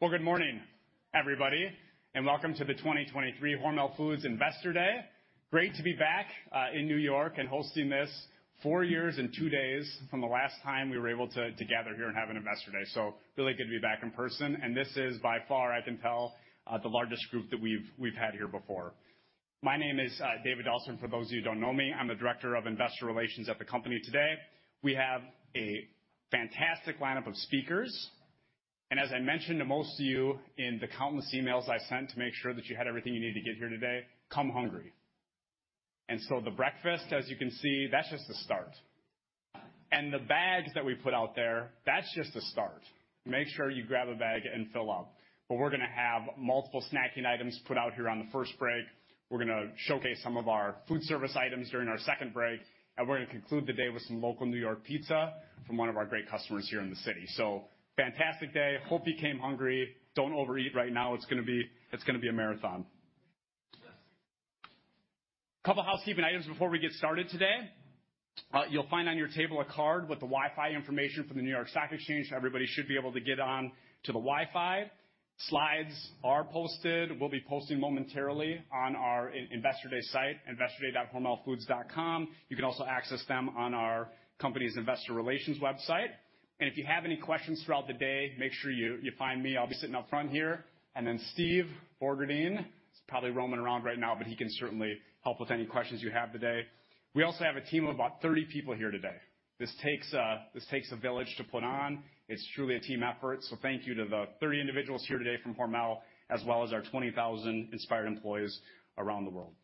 Well, good morning, everybody, and welcome to the 2023 Hormel Foods Investor Day. Great to be back, in New York and hosting this four years and two days from the last time we were able to, gather here and have an Investor Day. So really good to be back in person, and this is by far, I can tell, the largest group that we've had here before. My name is, David Dahlstrom. For those of you who don't know me, I'm the Director of Investor Relations at the company today. We have a fantastic lineup of speakers, and as I mentioned to most of you in the countless emails I sent to make sure that you had everything you need to get here today, come hungry. And so the breakfast, as you can see, that's just the start. The bags that we put out there, that's just the start. Make sure you grab a bag and fill up. But we're gonna have multiple snacking items put out here on the first break. We're gonna showcase some of our foodservice items during our second break, and we're gonna conclude the day with some local New York pizza from one of our great customers here in the city. Fantastic day. Hope you came hungry. Don't overeat right now. It's gonna be a marathon. Couple housekeeping items before we get started today. You'll find on your table a card with the Wi-Fi information for the New York Stock Exchange. Everybody should be able to get on to the Wi-Fi. Slides are posted. We'll be posting momentarily on our Investor Day site, investorday.hormelfoods.com. You can also access them on our company's investor relations website. If you have any questions throughout the day, make sure you find me. I'll be sitting up front here, and then Steve Borgerding, he's probably roaming around right now, but he can certainly help with any questions you have today. We also have a team of about 30 people here today. This takes a village to put on. It's truly a team effort. So thank you to the 30 individuals here today from Hormel, as well as our 20,000 inspired employees around the world.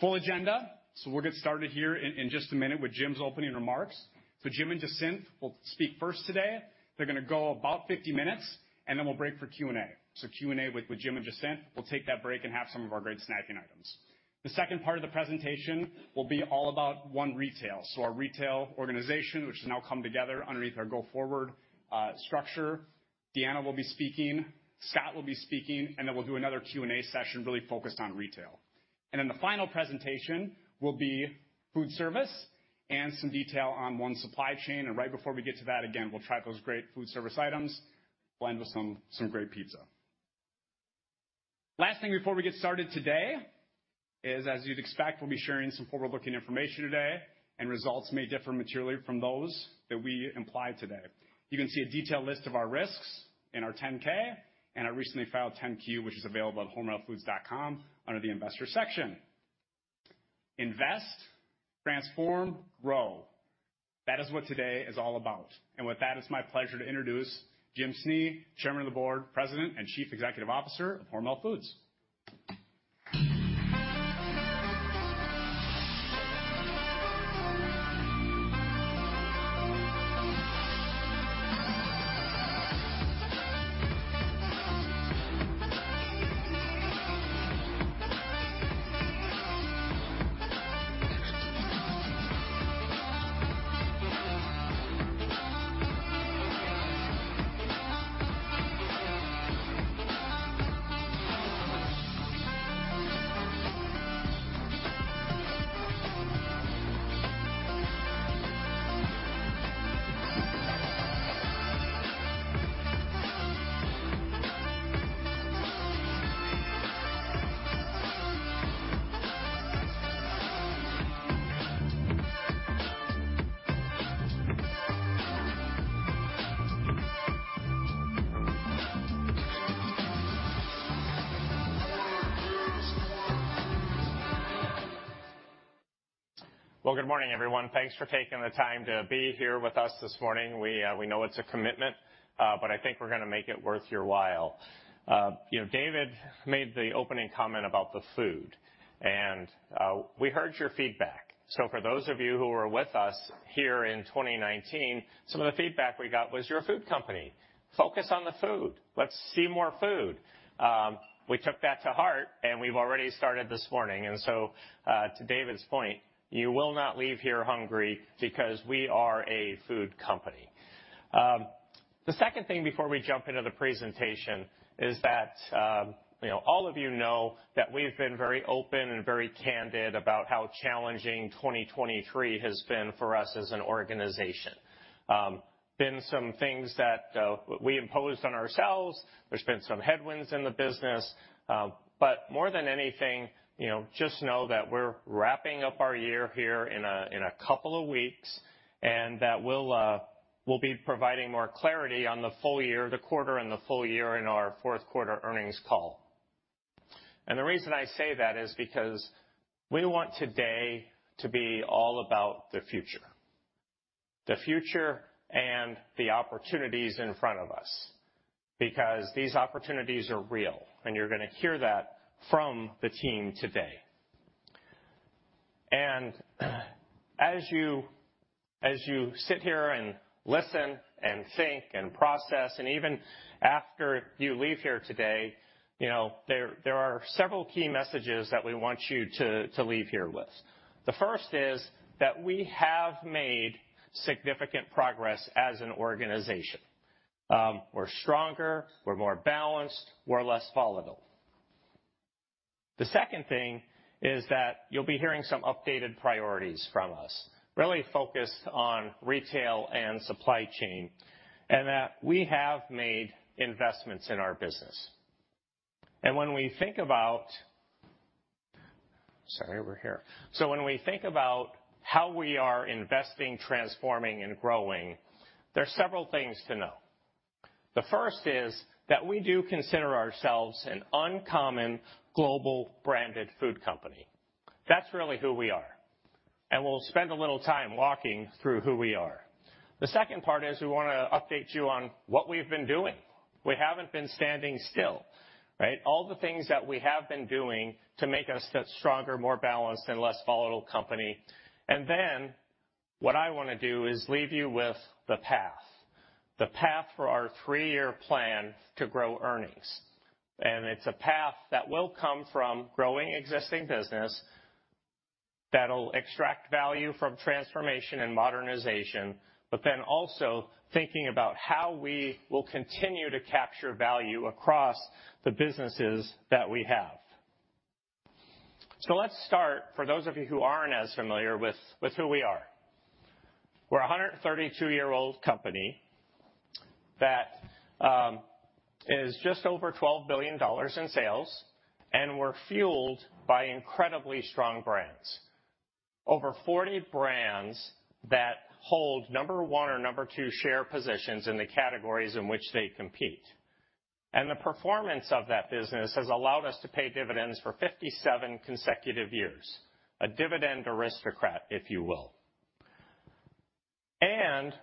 Full agenda, so we'll get started here in just a minute with Jim's opening remarks. So Jim and Jacinth will speak first today. They're gonna go about 50 minutes, and then we'll break for Q&A. So Q&A with Jim and Jacinth. We'll take that break and have some of our great snacking items. The second part of the presentation will be all about One Retail. So our retail organization, which has now come together underneath our Go Forward structure. Deanna will be speaking, Scott will be speaking, and then we'll do another Q&A session, really focused on retail. And then the final presentation will be foodservice and some detail on One Supply Chain. And right before we get to that, again, we'll try those great foodservice items, blend with some, some great pizza. Last thing before we get started today is, as you'd expect, we'll be sharing some forward-looking information today, and results may differ materially from those that we imply today. You can see a detailed list of our risks in our 10-K, and our recently filed 10-Q, which is available at hormelfoods.com under the Investors section. Invest, Transform, Grow. That is what today is all about. With that, it's my pleasure to introduce Jim Snee, Chairman of the Board, President, and Chief Executive Officer of Hormel Foods. Well, good morning, everyone. Thanks for taking the time to be here with us this morning. We know it's a commitment, but I think we're gonna make it worth your while. You know, David made the opening comment about the food, and we heard your feedback. So for those of you who were with us here in 2019, some of the feedback we got was, "You're a food company. Focus on the food. Let's see more food." We took that to heart, and we've already started this morning. And so, to David's point, you will not leave here hungry because we are a food company. The second thing before we jump into the presentation is that, you know, all of you know that we've been very open and very candid about how challenging 2023 has been for us as an organization. Been some things that we imposed on ourselves, there's been some headwinds in the business, but more than anything, you know, just know that we're wrapping up our year here in a couple of weeks, and that we'll be providing more clarity on the full year, the quarter and the full year in our fourth quarter earnings call. And the reason I say that is because we want today to be all about the future. The future and the opportunities in front of us, because these opportunities are real, and you're gonna hear that from the team today. As you sit here and listen, and think, and process, and even after you leave here today, you know, there are several key messages that we want you to leave here with. The first is that we have made significant progress as an organization. We're stronger, we're more balanced, we're less volatile. The second thing is that you'll be hearing some updated priorities from us, really focused on retail and supply chain, and that we have made investments in our business. When we think about—sorry, we're here. When we think about how we are investing, transforming, and growing, there are several things to know. The first is that we do consider ourselves an uncommon global branded food company. That's really who we are, and we'll spend a little time walking through who we are. The second part is we wanna update you on what we've been doing. We haven't been standing still, right? All the things that we have been doing to make us a stronger, more balanced, and less volatile company. And then what I wanna do is leave you with the path, the path for our three-year plan to grow earnings. And it's a path that will come from growing existing business, that'll extract value from transformation and modernization, but then also thinking about how we will continue to capture value across the businesses that we have. So let's start, for those of you who aren't as familiar with, with who we are. We're a 132-year-old company that is just over $12 billion in sales, and we're fueled by incredibly strong brands. Over 40 brands that hold number one or number two share positions in the categories in which they compete. The performance of that business has allowed us to pay dividends for 57 consecutive years. A Dividend Aristocrat, if you will.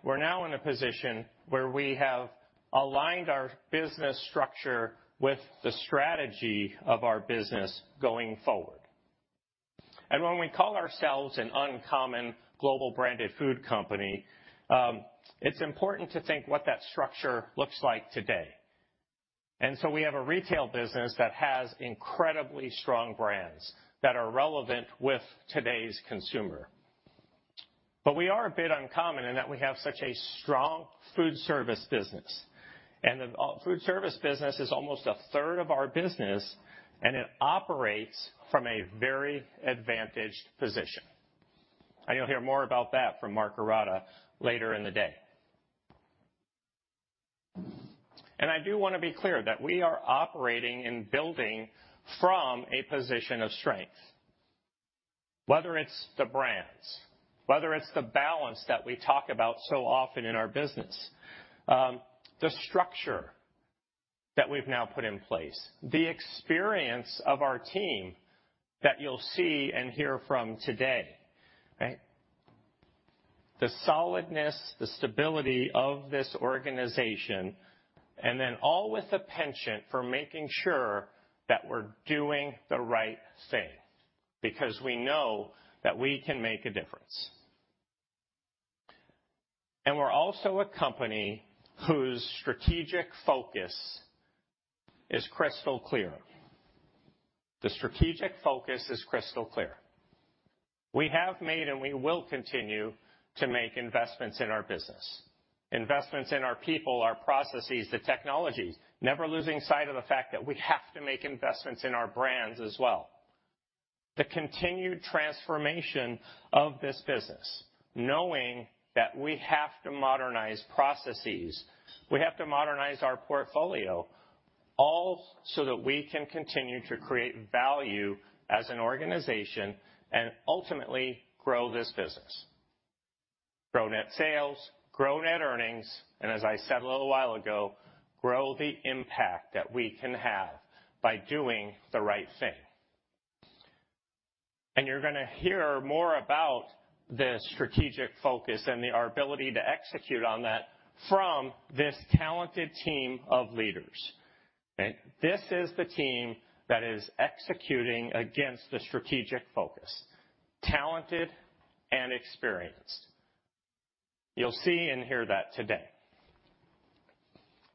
We're now in a position where we have aligned our business structure with the strategy of our business going forward. When we call ourselves an uncommon global branded food company, it's important to think what that structure looks like today. We have a retail business that has incredibly strong brands that are relevant with today's consumer. We are a bit uncommon in that we have such a strong foodservice business. The foodservice business is almost a third of our business, and it operates from a very advantaged position. You'll hear more about that from Mark Ourada later in the day. I do wanna be clear that we are operating and building from a position of strength. Whether it's the brands, whether it's the balance that we talk about so often in our business, the structure that we've now put in place, the experience of our team that you'll see and hear from today, right? The solidness, the stability of this organization, and then all with a penchant for making sure that we're doing the right thing, because we know that we can make a difference. We're also a company whose strategic focus is crystal clear. The strategic focus is crystal clear. We have made, and we will continue to make investments in our business, investments in our people, our processes, the technologies, never losing sight of the fact that we have to make investments in our brands as well. The continued transformation of this business, knowing that we have to modernize processes, we have to modernize our portfolio, all so that we can continue to create value as an organization and ultimately grow this business. Grow net sales, grow net earnings, and as I said a little while ago, grow the impact that we can have by doing the right thing. You're gonna hear more about the strategic focus and our ability to execute on that from this talented team of leaders. Okay? This is the team that is executing against the strategic focus, talented and experienced. You'll see and hear that today.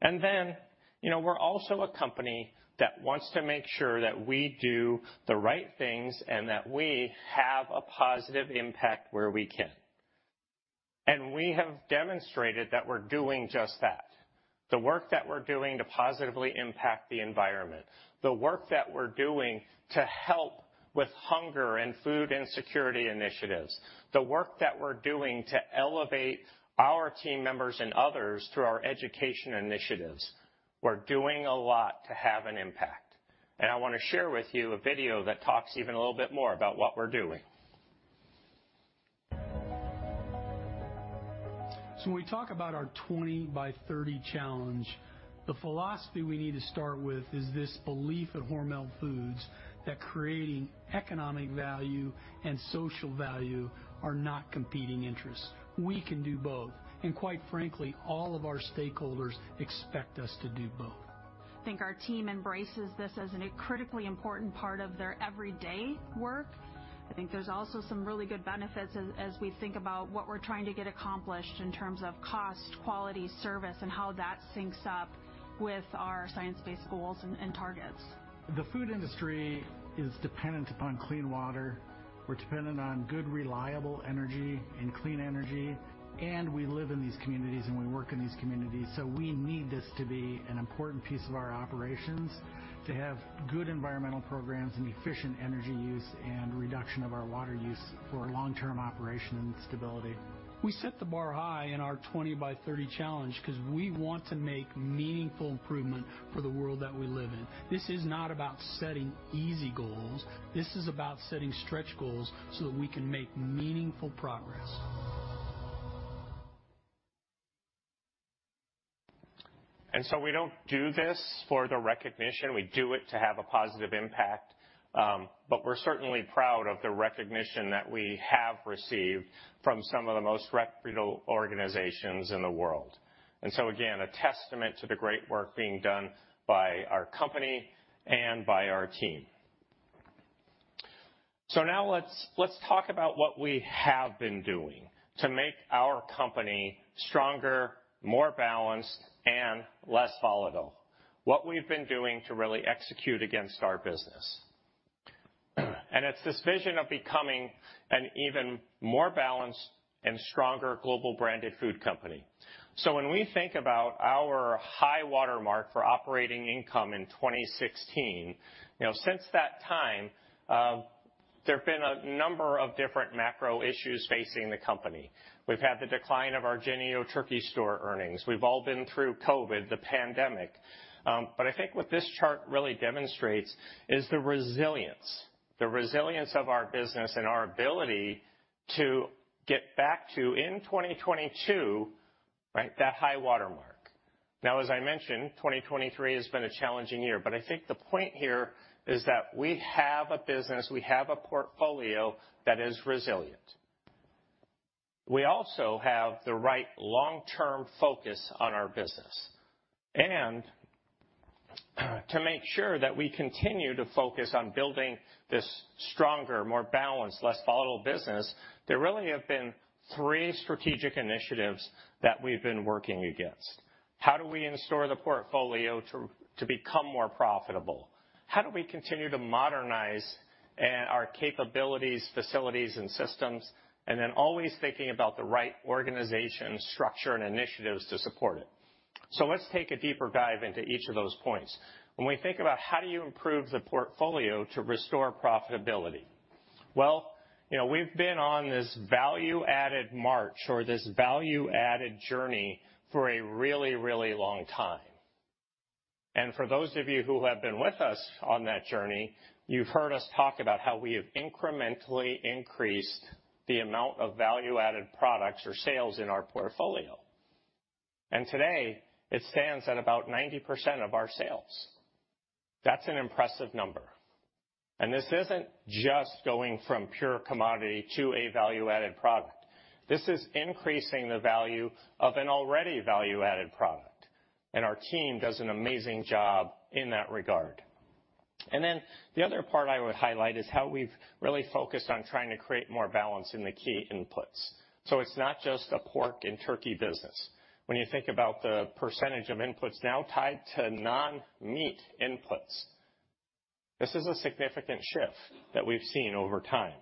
Then, you know, we're also a company that wants to make sure that we do the right things and that we have a positive impact where we can. We have demonstrated that we're doing just that. The work that we're doing to positively impact the environment, the work that we're doing to help with hunger and food insecurity initiatives, the work that we're doing to elevate our team members and others through our education initiatives. We're doing a lot to have an impact, and I want to share with you a video that talks even a little bit more about what we're doing. When we talk about our 20 By 30 Challenge, the philosophy we need to start with is this belief at Hormel Foods that creating economic value and social value are not competing interests. We can do both, and quite frankly, all of our stakeholders expect us to do both. I think our team embraces this as a critically important part of their everyday work. I think there's also some really good benefits as we think about what we're trying to get accomplished in terms of cost, quality, service, and how that syncs up with our science-based goals and targets. The food industry is dependent upon clean water. We're dependent on good, reliable energy and clean energy, and we live in these communities, and we work in these communities, so we need this to be an important piece of our operations, to have good environmental programs and efficient energy use and reduction of our water use for long-term operation and stability.... We set the bar high in our 20 By 30 Challenge, because we want to make meaningful improvement for the world that we live in. This is not about setting easy goals. This is about setting stretch goals so that we can make meaningful progress. We don't do this for the recognition. We do it to have a positive impact, but we're certainly proud of the recognition that we have received from some of the most reputable organizations in the world. Again, a testament to the great work being done by our company and by our team. Now let's talk about what we have been doing to make our company stronger, more balanced, and less volatile, what we've been doing to really execute against our business. It's this vision of becoming an even more balanced and stronger global branded food company. When we think about our high watermark for operating income in 2016, you know, since that time, there have been a number of different macro issues facing the company. We've had the decline of our Jennie-O Turkey Store earnings. We've all been through COVID, the pandemic. But I think what this chart really demonstrates is the resilience, the resilience of our business and our ability to get back to, in 2022, right, that high watermark. Now, as I mentioned, 2023 has been a challenging year, but I think the point here is that we have a business, we have a portfolio that is resilient. We also have the right long-term focus on our business, and, to make sure that we continue to focus on building this stronger, more balanced, less volatile business, there really have been three strategic initiatives that we've been working against. How do we restore the portfolio to, to become more profitable? How do we continue to modernize, our capabilities, facilities, and systems, and then always thinking about the right organization, structure, and initiatives to support it? So let's take a deeper dive into each of those points. When we think about how do you improve the portfolio to restore profitability? Well, you know, we've been on this value-added march or this value-added journey for a really, really long time. And for those of you who have been with us on that journey, you've heard us talk about how we have incrementally increased the amount of value-added products or sales in our portfolio. And today, it stands at about 90% of our sales. That's an impressive number. And this isn't just going from pure commodity to a value-added product. This is increasing the value of an already value-added product, and our team does an amazing job in that regard. And then the other part I would highlight is how we've really focused on trying to create more balance in the key inputs. It's not just a pork and turkey business. When you think about the percentage of inputs now tied to non-meat inputs, this is a significant shift that we've seen over time.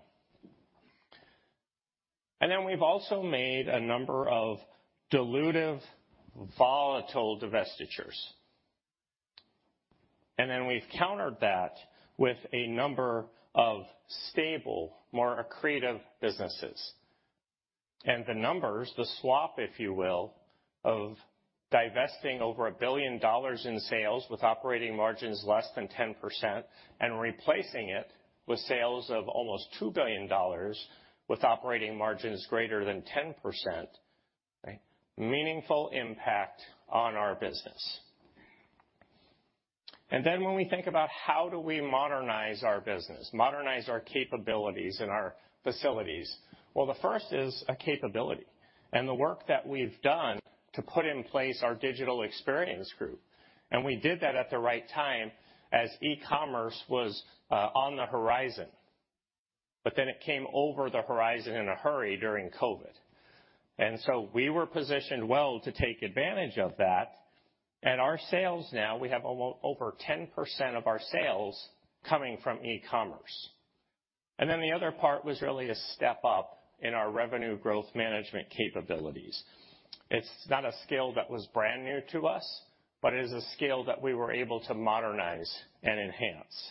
We've also made a number of dilutive, volatile divestitures. We've countered that with a number of stable, more accretive businesses. The numbers, the swap, if you will, of divesting over $1 billion in sales with operating margins less than 10% and replacing it with sales of almost $2 billion with operating margins greater than 10%, right, meaningful impact on our business. When we think about how do we modernize our business, modernize our capabilities and our facilities? Well, the first is a capability and the work that we've done to put in place our Digital Experience Group. We did that at the right time as e-commerce was on the horizon, but then it came over the horizon in a hurry during COVID. And so we were positioned well to take advantage of that, and our sales now, we have almost over 10% of our sales coming from e-commerce. And then the other part was really a step up in our Revenue Growth Management capabilities. It's not a scale that was brand new to us, but it is a scale that we were able to modernize and enhance.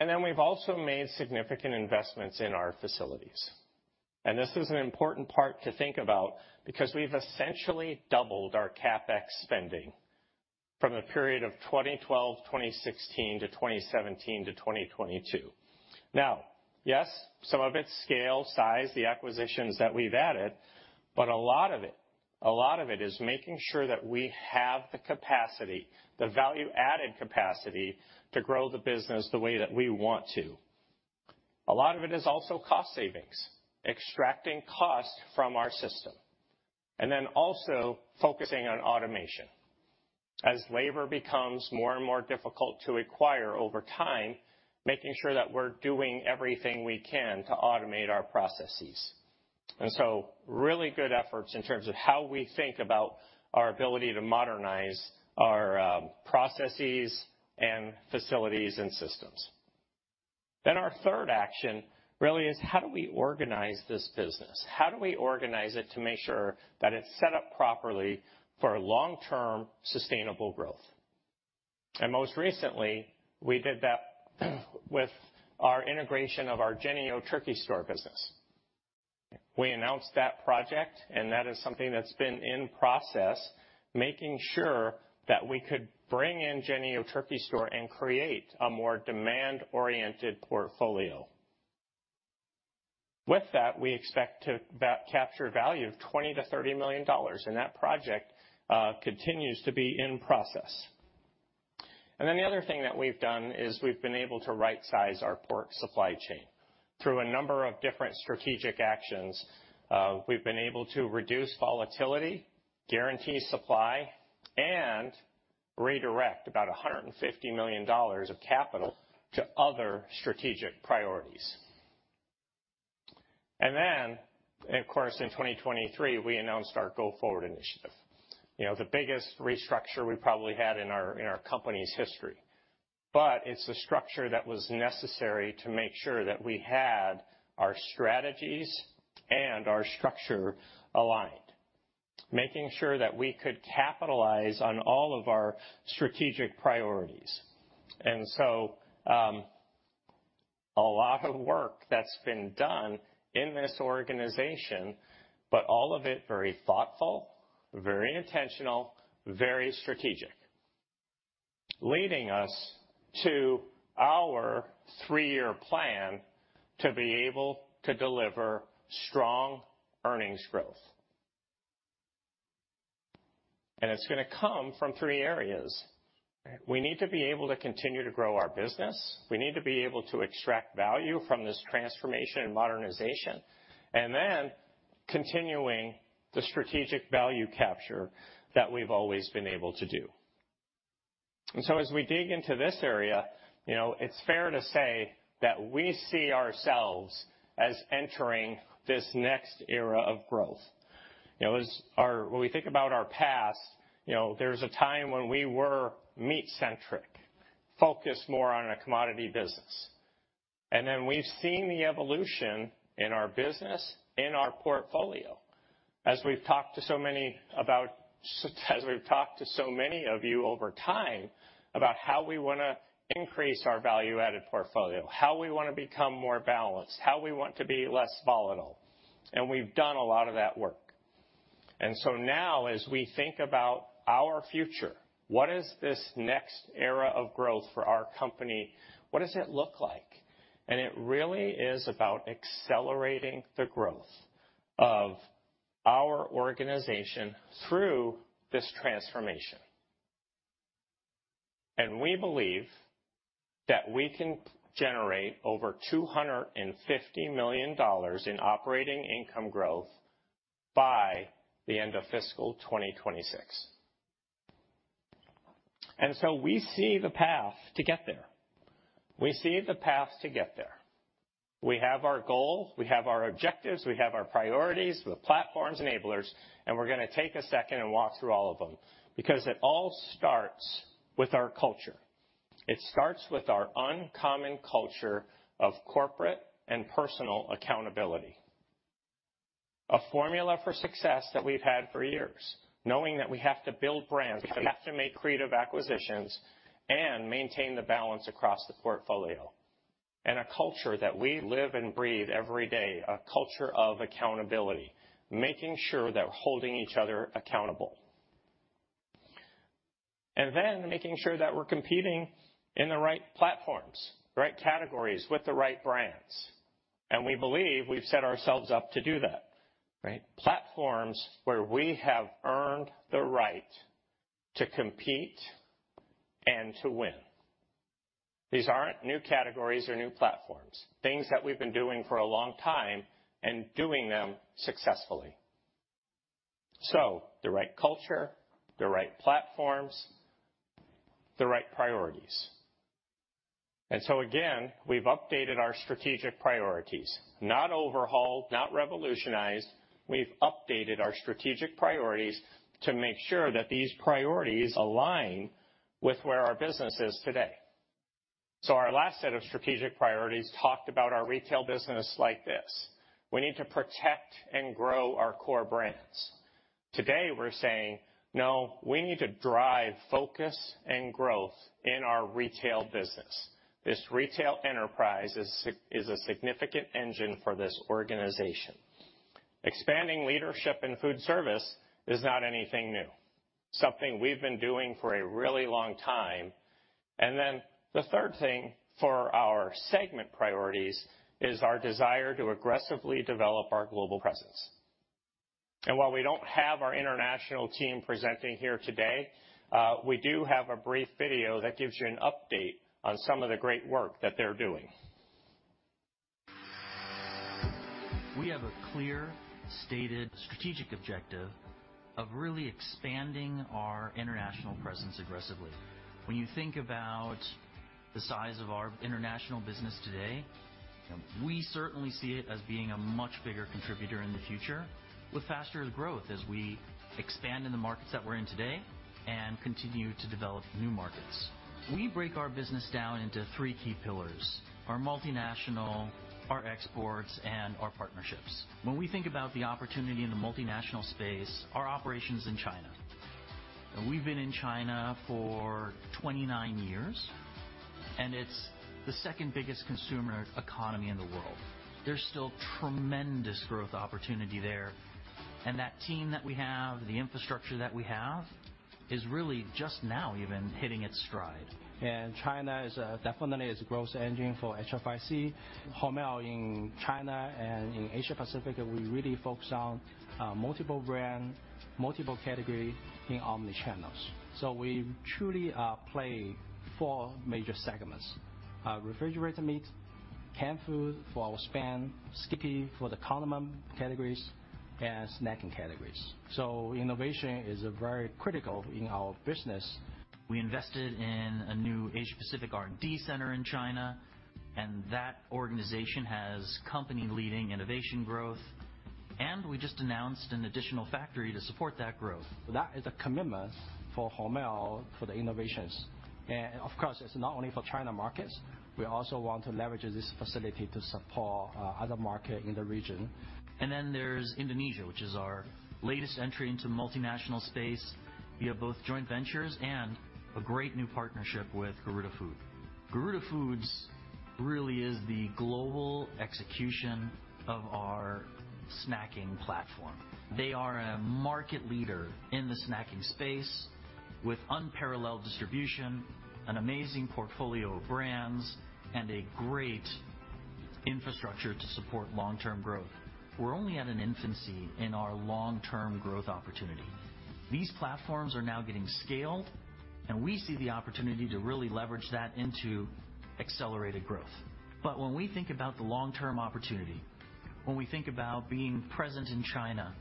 And then we've also made significant investments in our facilities, and this is an important part to think about because we've essentially doubled our CapEx spending from the period of 2012-2016 to 2017-2022. Now, yes, some of it's scale, size, the acquisitions that we've added, but a lot of it, a lot of it is making sure that we have the capacity, the value-added capacity, to grow the business the way that we want to. A lot of it is also cost savings, extracting cost from our system, and then also focusing on automation. As labor becomes more and more difficult to acquire over time, making sure that we're doing everything we can to automate our processes. And so really good efforts in terms of how we think about our ability to modernize our processes and facilities and systems. Then our third action really is, how do we organize this business? How do we organize it to make sure that it's set up properly for long-term, sustainable growth?... And most recently, we did that with our integration of our Jennie-O Turkey Store business. We announced that project, and that is something that's been in process, making sure that we could bring in Jennie-O Turkey Store and create a more demand-oriented portfolio. With that, we expect to that capture value of $20 million-$30 million, and that project continues to be in process. And then the other thing that we've done is we've been able to rightsize our pork supply chain. Through a number of different strategic actions, we've been able to reduce volatility, guarantee supply, and redirect about $150 million of capital to other strategic priorities. And then, of course, in 2023, we announced our Go Forward initiative, you know, the biggest restructure we probably had in our, in our company's history. But it's a structure that was necessary to make sure that we had our strategies and our structure aligned, making sure that we could capitalize on all of our strategic priorities. And so, a lot of work that's been done in this organization, but all of it, very thoughtful, very intentional, very strategic, leading us to our three-year plan to be able to deliver strong earnings growth. And it's going to come from three areas. We need to be able to continue to grow our business, we need to be able to extract value from this transformation and modernization, and then continuing the strategic value capture that we've always been able to do. And so as we dig into this area, you know, it's fair to say that we see ourselves as entering this next era of growth. You know, when we think about our past, you know, there's a time when we were meat-centric, focused more on a commodity business. And then we've seen the evolution in our business, in our portfolio. As we've talked to so many about, as we've talked to so many of you over time, about how we wanna increase our value-added portfolio, how we want to become more balanced, how we want to be less volatile, and we've done a lot of that work. And so now, as we think about our future, what is this next era of growth for our company? What does it look like? And it really is about accelerating the growth of our organization through this transformation. And we believe that we can generate over $250 million in operating income growth by the end of fiscal 2026. And so we see the path to get there. We see the path to get there. We have our goals, we have our objectives, we have our priorities, the platforms, enablers, and we're going to take a second and walk through all of them because it all starts with our culture. It starts with our uncommon culture of corporate and personal accountability. A formula for success that we've had for years, knowing that we have to build brands, we have to make creative acquisitions, and maintain the balance across the portfolio, and a culture that we live and breathe every day, a culture of accountability, making sure that we're holding each other accountable. And then making sure that we're competing in the right platforms, the right categories, with the right brands. And we believe we've set ourselves up to do that, right? Platforms where we have earned the right to compete and to win. These aren't new categories or new platforms, things that we've been doing for a long time and doing them successfully. So the right culture, the right platforms, the right priorities. And so again, we've updated our strategic priorities. Not overhauled, not revolutionized. We've updated our strategic priorities to make sure that these priorities align with where our business is today. So our last set of strategic priorities talked about our retail business like this: We need to protect and grow our core brands. Today, we're saying, "No, we need to drive focus and growth in our retail business." This retail enterprise is a significant engine for this organization. Expanding leadership and foodservice is not anything new, something we've been doing for a really long time. And then the third thing for our segment priorities is our desire to aggressively develop our global presence. And while we don't have our international team presenting here today, we do have a brief video that gives you an update on some of the great work that they're doing. We have a clear, stated strategic objective of really expanding our international presence aggressively. When you think about the size of our international business today, we certainly see it as being a much bigger contributor in the future with faster growth as we expand in the markets that we're in today and continue to develop new markets. We break our business down into three key pillars, our multinational, our exports, and our partnerships. When we think about the opportunity in the multinational space, our operations in China... We've been in China for 29 years, and it's the second biggest consumer economy in the world. There's still tremendous growth opportunity there, and that team that we have, the infrastructure that we have, is really just now even hitting its stride. China is definitely a growth engine for HFIC. Hormel in China and in Asia Pacific, we really focus on multiple brand, multiple category in omnichannels. So we truly play four major segments: refrigerated meat, canned food for our SPAM, Skippy for the condiment categories and snacking categories. So innovation is very critical in our business. We invested in a new Asia Pacific R&D center in China, and that organization has company-leading innovation growth, and we just announced an additional factory to support that growth. That is a commitment for Hormel, for the innovations. And, of course, it's not only for China markets, we also want to leverage this facility to support, other market in the region. Then there's Indonesia, which is our latest entry into multinational space via both joint ventures and a great new partnership with Garudafood. Garudafood really is the global execution of our snacking platform. They are a market leader in the snacking space with unparalleled distribution, an amazing portfolio of brands, and a great infrastructure to support long-term growth. We're only at an infancy in our long-term growth opportunity. These platforms are now getting scaled, and we see the opportunity to really leverage that into accelerated growth. When we think about the long-term opportunity, when we think about being present in China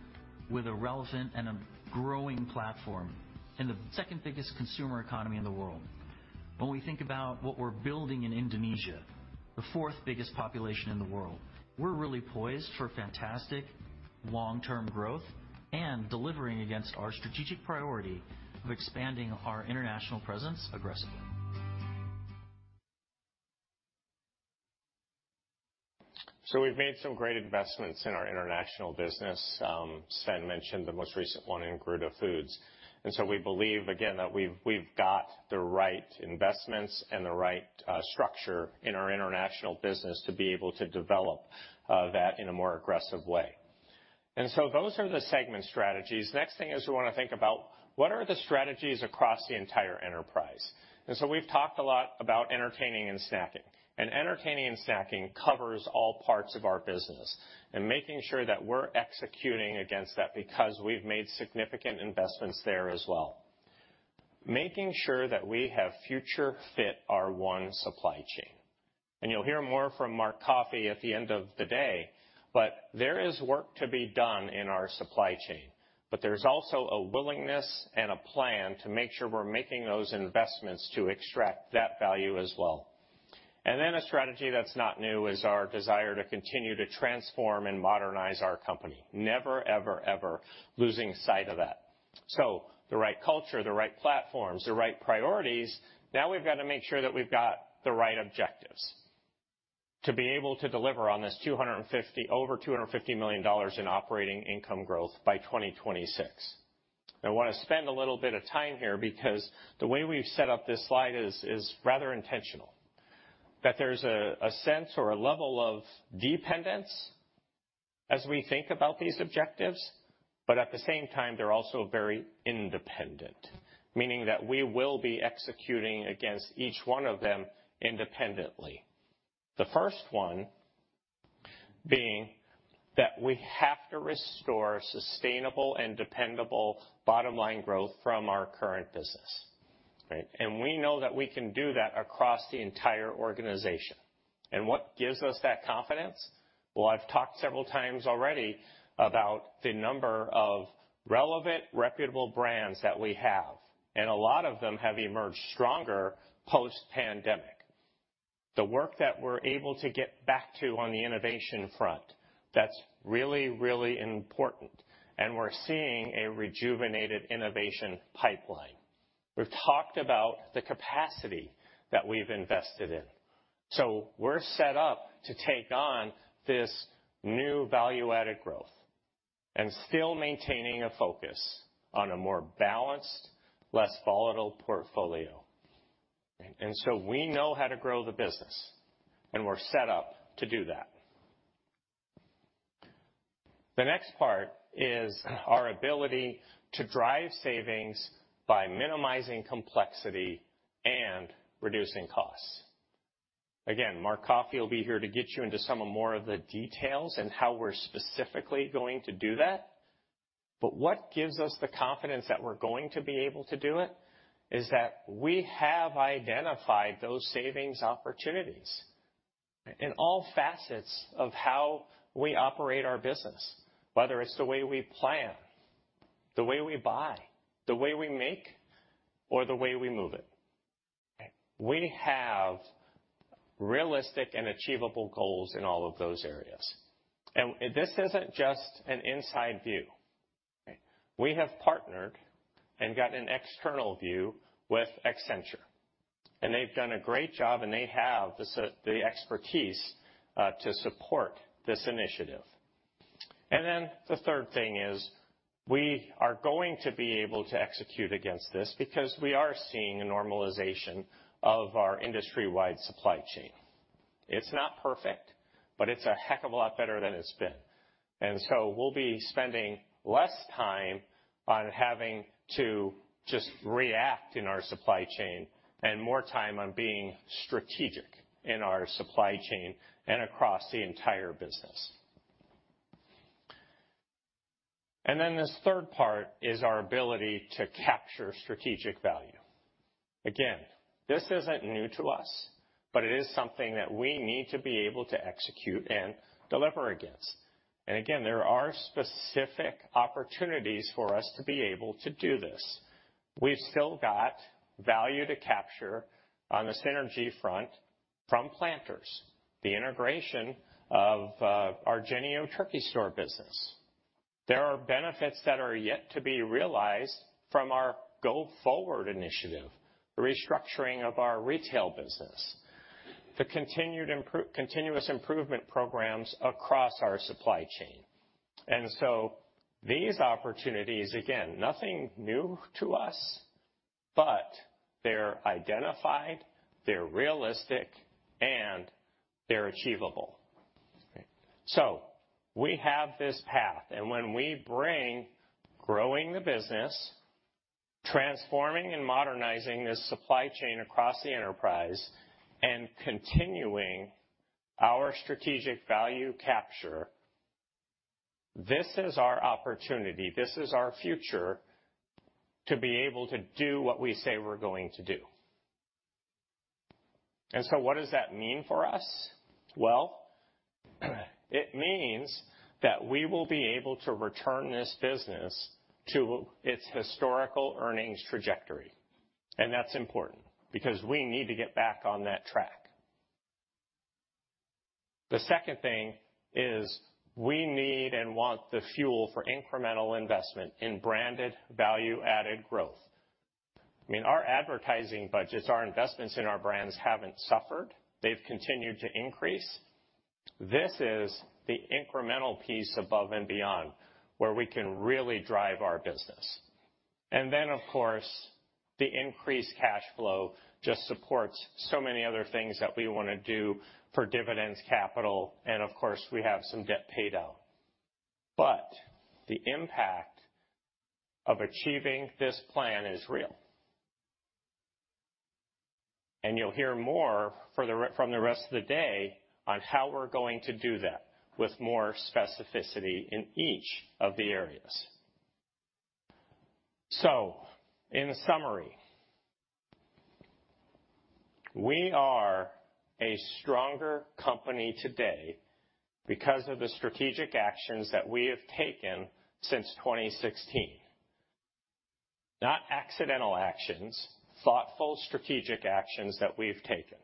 with a relevant and a growing platform in the second biggest consumer economy in the world, when we think about what we're building in Indonesia, the fourth biggest population in the world, we're really poised for fantastic long-term growth and delivering against our strategic priority of expanding our international presence aggressively. So we've made some great investments in our international business. Swen mentioned the most recent one in Garudafood, and so we believe, again, that we've, we've got the right investments and the right structure in our international business to be able to develop that in a more aggressive way. And so those are the segment strategies. Next thing is, we want to think about what are the strategies across the entire enterprise. And so we've talked a lot about entertaining and snacking, and entertaining and snacking covers all parts of our business and making sure that we're executing against that because we've made significant investments there as well. Making sure that we have future fit our One Supply Chain. You'll hear more from Mark Coffey at the end of the day, but there is work to be done in our supply chain, but there's also a willingness and a plan to make sure we're making those investments to extract that value as well. Then a strategy that's not new is our desire to continue to transform and modernize our company. Never, ever, ever losing sight of that. The right culture, the right platforms, the right priorities. Now, we've got to make sure that we've got the right objectives to be able to deliver on this over $250 million in operating income growth by 2026. I want to spend a little bit of time here because the way we've set up this slide is rather intentional, that there's a sense or a level of dependence as we think about these objectives, but at the same time, they're also very independent, meaning that we will be executing against each one of them independently. The first one being that we have to restore sustainable and dependable bottom line growth from our current business, right? And we know that we can do that across the entire organization. And what gives us that confidence? Well, I've talked several times already about the number of relevant, reputable brands that we have, and a lot of them have emerged stronger post-pandemic. The work that we're able to get back to on the innovation front, that's really, really important, and we're seeing a rejuvenated innovation pipeline. We've talked about the capacity that we've invested in. We're set up to take on this new value-added growth and still maintaining a focus on a more balanced, less volatile portfolio. We know how to grow the business, and we're set up to do that. The next part is our ability to drive savings by minimizing complexity and reducing costs. Again, Mark Coffey will be here to get you into some more of the details and how we're specifically going to do that. What gives us the confidence that we're going to be able to do it is that we have identified those savings opportunities in all facets of how we operate our business, whether it's the way we plan, the way we buy, the way we make, or the way we move it. We have realistic and achievable goals in all of those areas. This isn't just an inside view. We have partnered and gotten an external view with Accenture, and they've done a great job, and they have the expertise to support this initiative. And then the third thing is, we are going to be able to execute against this because we are seeing a normalization of our industry-wide supply chain. It's not perfect, but it's a heck of a lot better than it's been. And so we'll be spending less time on having to just react in our supply chain and more time on being strategic in our supply chain and across the entire business. And then this third part is our ability to capture strategic value. Again, this isn't new to us, but it is something that we need to be able to execute and deliver against. Again, there are specific opportunities for us to be able to do this. We've still got value to capture on the synergy front from Planters, the integration of our Jennie-O Turkey Store business. There are benefits that are yet to be realized from our Go Forward initiative, the restructuring of our retail business, the continuous improvement programs across our supply chain. So these opportunities, again, nothing new to us, but they're identified, they're realistic, and they're achievable. We have this path, and when we bring growing the business, transforming and modernizing this supply chain across the enterprise, and continuing our strategic value capture, this is our opportunity, this is our future, to be able to do what we say we're going to do. So what does that mean for us? Well, it means that we will be able to return this business to its historical earnings trajectory, and that's important because we need to get back on that track. The second thing is, we need and want the fuel for incremental investment in branded, value-added growth. I mean, our advertising budgets, our investments in our brands haven't suffered. They've continued to increase. This is the incremental piece above and beyond, where we can really drive our business. And then, of course, the increased cash flow just supports so many other things that we want to do for dividends, capital, and of course, we have some debt paid out. But the impact of achieving this plan is real. And you'll hear more from the rest of the day on how we're going to do that with more specificity in each of the areas. So in summary, we are a stronger company today because of the strategic actions that we have taken since 2016. Not accidental actions, thoughtful, strategic actions that we've taken.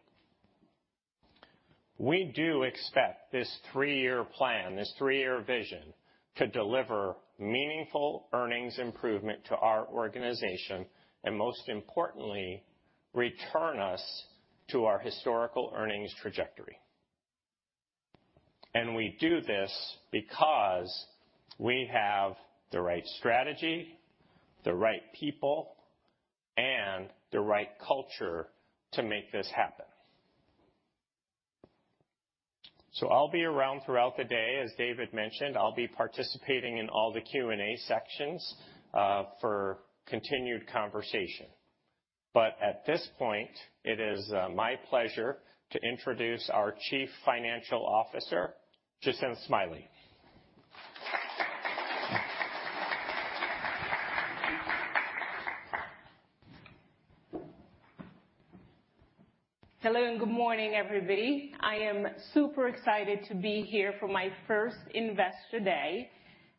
We do expect this three-year plan, this three-year vision, to deliver meaningful earnings improvement to our organization, and most importantly, return us to our historical earnings trajectory. And we do this because we have the right strategy, the right people, and the right culture to make this happen. So I'll be around throughout the day. As David mentioned, I'll be participating in all the Q&A sections for continued conversation. But at this point, it is my pleasure to introduce our Chief Financial Officer, Jacinth Smiley. Hello, and good morning, everybody. I am super excited to be here for my first Investor Day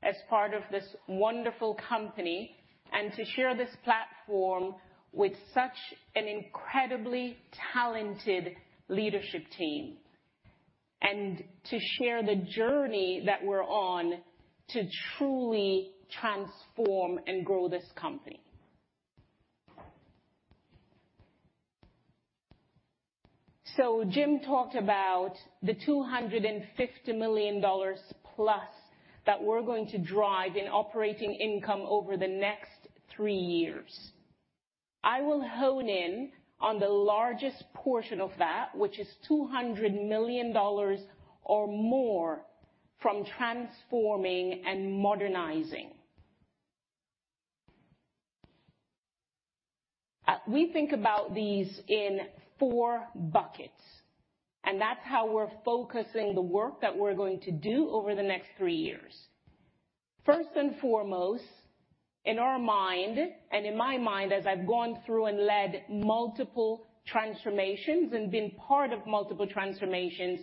as part of this wonderful company, and to share this platform with such an incredibly talented leadership team, and to share the journey that we're on to truly transform and grow this company. Jim talked about the $250 million+ that we're going to drive in operating income over the next three years. I will hone in on the largest portion of that, which is $200 million or more from transforming and modernizing. We think about these in four buckets, and that's how we're focusing the work that we're going to do over the next three years. First and foremost, in our mind, and in my mind, as I've gone through and led multiple transformations and been part of multiple transformations,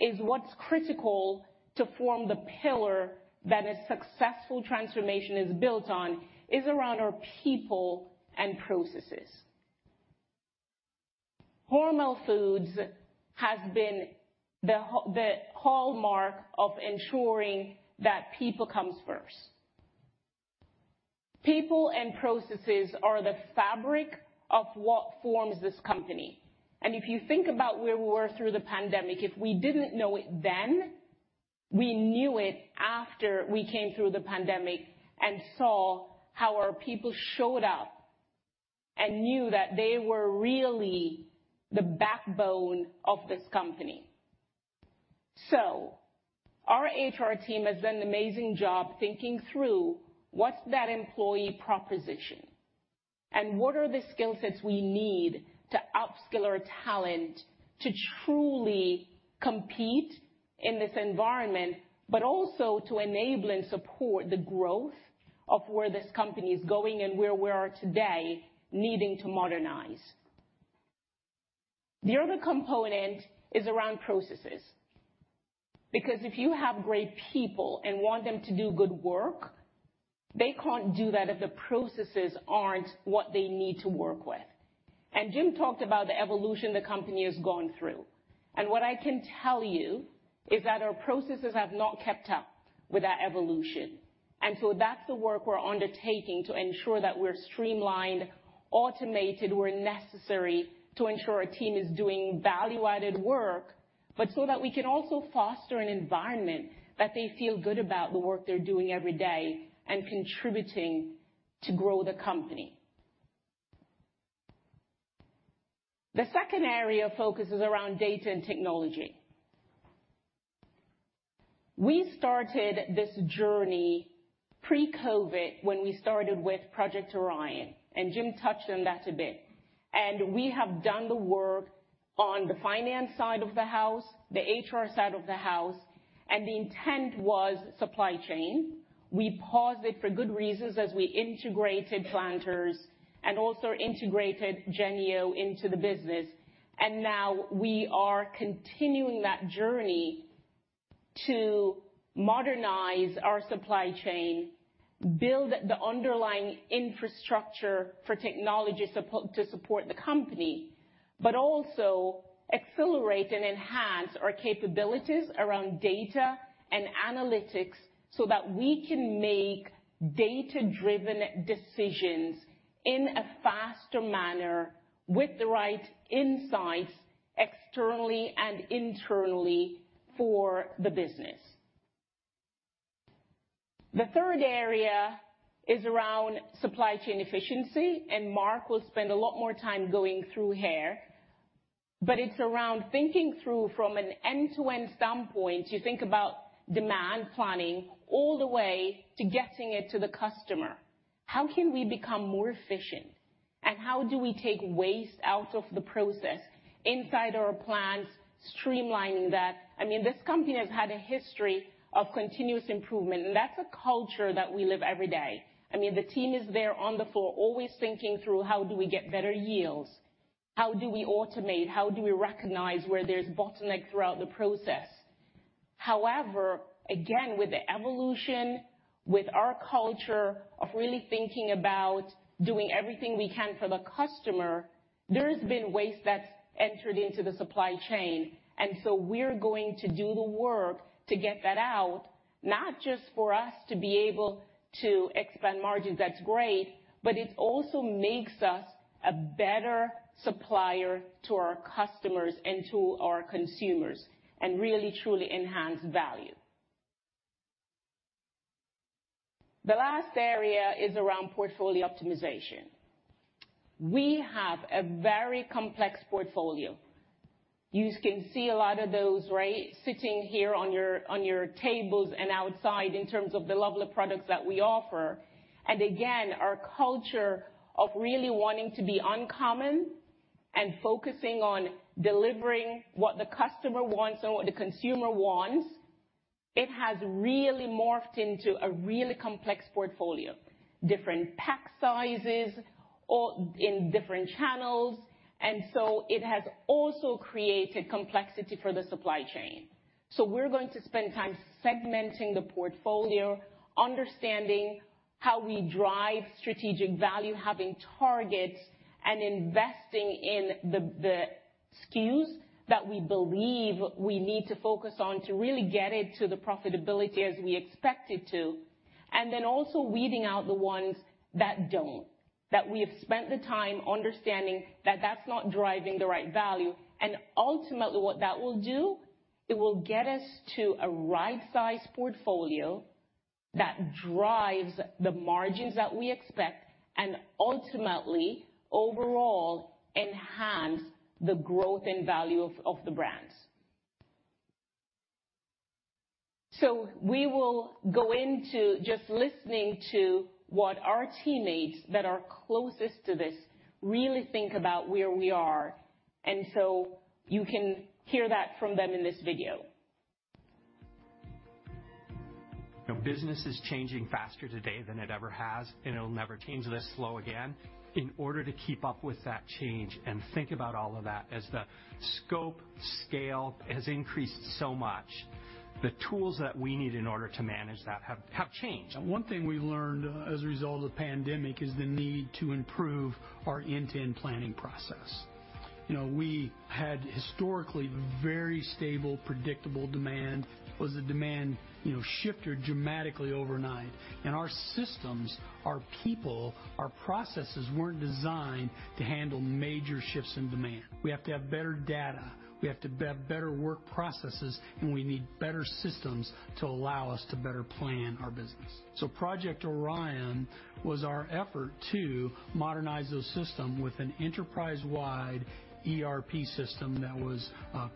is what's critical to form the pillar that a successful transformation is built on is around our people and processes. Hormel Foods has been the hallmark of ensuring that people comes first. People and processes are the fabric of what forms this company. If you think about where we were through the pandemic, if we didn't know it then, we knew it after we came through the pandemic and saw how our people showed up and knew that they were really the backbone of this company. So our HR team has done an amazing job thinking through what's that employee proposition, and what are the skill sets we need to upskill our talent to truly compete in this environment, but also to enable and support the growth of where this company is going and where we are today, needing to modernize? The other component is around processes, because if you have great people and want them to do good work, they can't do that if the processes aren't what they need to work with. Jim talked about the evolution the company has gone through, and what I can tell you is that our processes have not kept up with that evolution, and so that's the work we're undertaking to ensure that we're streamlined, automated, where necessary, to ensure our team is doing value-added work, but so that we can also foster an environment that they feel good about the work they're doing every day and contributing to grow the company. The second area of focus is around data and technology. We started this journey pre-COVID when we started with Project Orion, and Jim touched on that a bit. We have done the work on the finance side of the house, the HR side of the house, and the intent was supply chain. We paused it for good reasons as we integrated Planters and also integrated Jennie-O into the business, and now we are continuing that journey to modernize our supply chain, build the underlying infrastructure for technology to support the company, but also accelerate and enhance our capabilities around data and analytics so that we can make data-driven decisions in a faster manner with the right insights, externally and internally for the business. The third area is around supply chain efficiency, and Mark will spend a lot more time going through here, but it's around thinking through from an end-to-end standpoint. You think about demand planning all the way to getting it to the customer. How can we become more efficient, and how do we take waste out of the process inside our plants, streamlining that? I mean, this company has had a history of continuous improvement, and that's a culture that we live every day. I mean, the team is there on the floor, always thinking through: How do we get better yields? How do we automate? How do we recognize where there's bottleneck throughout the process? However, again, with the evolution, with our culture of really thinking about doing everything we can for the customer, there's been waste that's entered into the supply chain, and so we're going to do the work to get that out, not just for us to be able to expand margins, that's great, but it also makes us a better supplier to our customers and to our consumers and really, truly enhance value. The last area is around portfolio optimization. We have a very complex portfolio. You can see a lot of those, right, sitting here on your, on your tables and outside in terms of the lovely products that we offer. And again, our culture of really wanting to be uncommon and focusing on delivering what the customer wants and what the consumer wants, it has really morphed into a really complex portfolio, different pack sizes or in different channels, and so it has also created complexity for the supply chain. So we're going to spend time segmenting the portfolio, understanding how we drive strategic value, having targets, and investing in the SKUs that we believe we need to focus on to really get it to the profitability as we expect it to, and then also weeding out the ones that don't, that we have spent the time understanding that that's not driving the right value. Ultimately, what that will do, it will get us to a right-sized portfolio that drives the margins that we expect and ultimately, overall, enhance the growth and value of, of the brands. We will go into just listening to what our teammates that are closest to this really think about where we are, and so you can hear that from them in this video.... You know, business is changing faster today than it ever has, and it'll never change this slow again. In order to keep up with that change and think about all of that as the scope, scale has increased so much, the tools that we need in order to manage that have changed. One thing we learned as a result of the pandemic is the need to improve our end-to-end planning process. You know, we had historically very stable, predictable demand. Was the demand, you know, shifted dramatically overnight, and our systems, our people, our processes weren't designed to handle major shifts in demand. We have to have better data, we have to have better work processes, and we need better systems to allow us to better plan our business. So Project Orion was our effort to modernize those systems with an enterprise-wide ERP system that was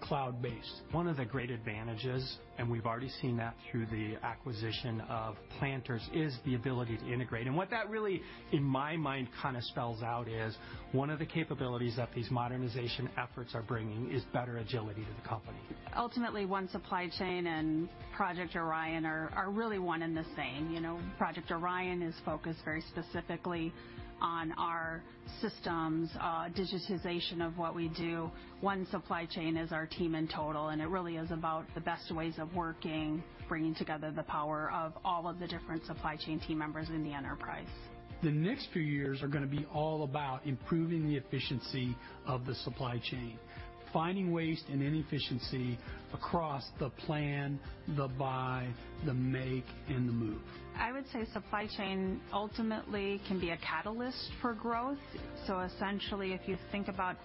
cloud-based. One of the great advantages, and we've already seen that through the acquisition of Planters, is the ability to integrate. And what that really, in my mind, kind of spells out is, one of the capabilities that these modernization efforts are bringing is better agility to the company. Ultimately, One Supply Chain and Project Orion are really one and the same. You know, Project Orion is focused very specifically on our systems, digitization of what we do. One Supply Chain is our team in total, and it really is about the best ways of working, bringing together the power of all of the different supply chain team members in the enterprise. The next few years are gonna be all about improving the efficiency of the supply chain, finding waste and inefficiency across the Plan, the Buy, the Make, and the Move. I would say supply chain ultimately can be a catalyst for growth. So essentially, if you think about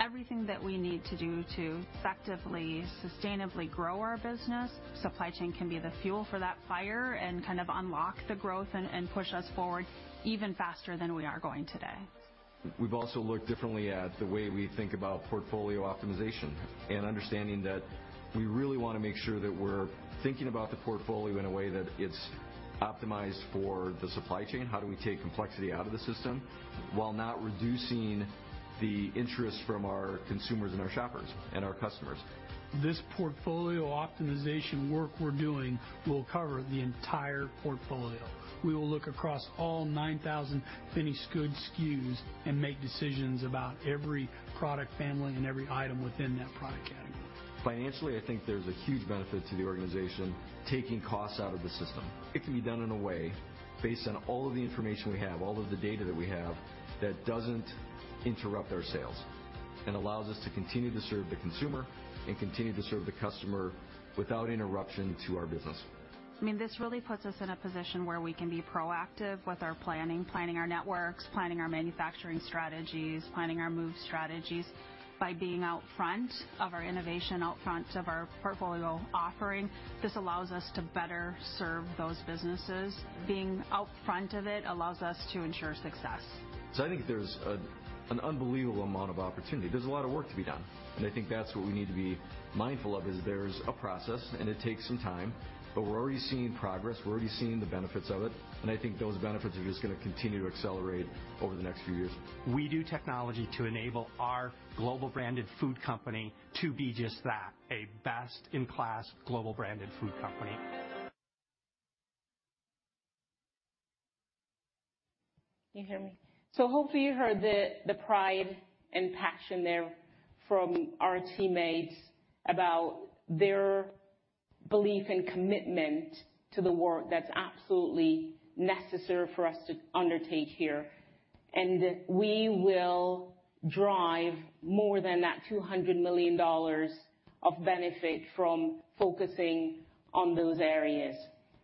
everything that we need to do to effectively, sustainably grow our business, supply chain can be the fuel for that fire and kind of unlock the growth and, and push us forward even faster than we are going today. We've also looked differently at the way we think about portfolio optimization and understanding that we really want to make sure that we're thinking about the portfolio in a way that it's optimized for the supply chain. How do we take complexity out of the system while not reducing the interest from our consumers and our shoppers and our customers? This portfolio optimization work we're doing will cover the entire portfolio. We will look across all 9,000 finished good SKUs and make decisions about every product family and every item within that product category. Financially, I think there's a huge benefit to the organization taking costs out of the system. It can be done in a way, based on all of the information we have, all of the data that we have, that doesn't interrupt our sales and allows us to continue to serve the consumer and continue to serve the customer without interruption to our business. I mean, this really puts us in a position where we can be proactive with our planning, planning our networks, planning our manufacturing strategies, planning our move strategies. By being out front of our innovation, out front of our portfolio offering, this allows us to better serve those businesses. Being out front of it allows us to ensure success. I think there's an unbelievable amount of opportunity. There's a lot of work to be done, and I think that's what we need to be mindful of, is there's a process, and it takes some time, but we're already seeing progress, we're already seeing the benefits of it, and I think those benefits are just going to continue to accelerate over the next few years. We do technology to enable our global branded food company to be just that, a best-in-class global branded food company. Can you hear me? Hopefully you heard the pride and passion there from our teammates about their belief and commitment to the work that's absolutely necessary for us to undertake here. We will drive more than that $200 million of benefit from focusing on those areas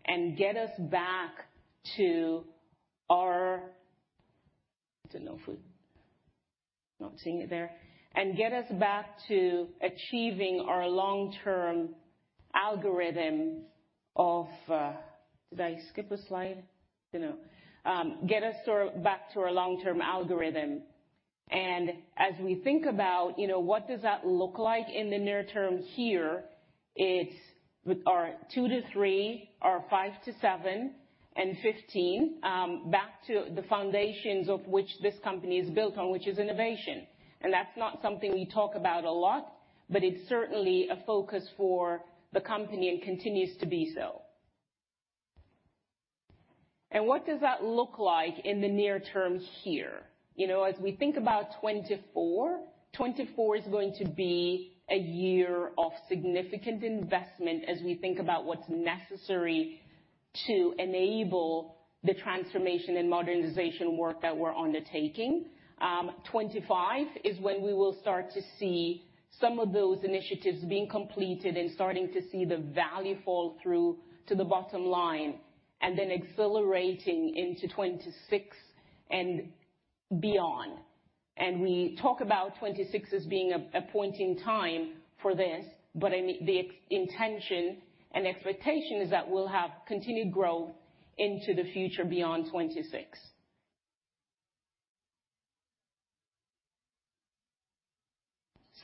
and get us back to our... There's no food. Not seeing it there. Get us back to achieving our long-term algorithm of... Did I skip a slide? No. Get us back to our long-term algorithm. As we think about, you know, what does that look like in the near term here, it's our 2-3, our 5-7, and 15, back to the foundations of which this company is built on, which is innovation. That's not something we talk about a lot, but it's certainly a focus for the company and continues to be so. What does that look like in the near term here? You know, as we think about 2024, 2024 is going to be a year of significant investment as we think about what's necessary to enable the transformation and modernization work that we're undertaking. 2025 is when we will start to see some of those initiatives being completed and starting to see the value fall through to the bottom line, and then accelerating into 2026 and beyond. We talk about 2026 as being a point in time for this, but, I mean, the intention and expectation is that we'll have continued growth into the future beyond 2026.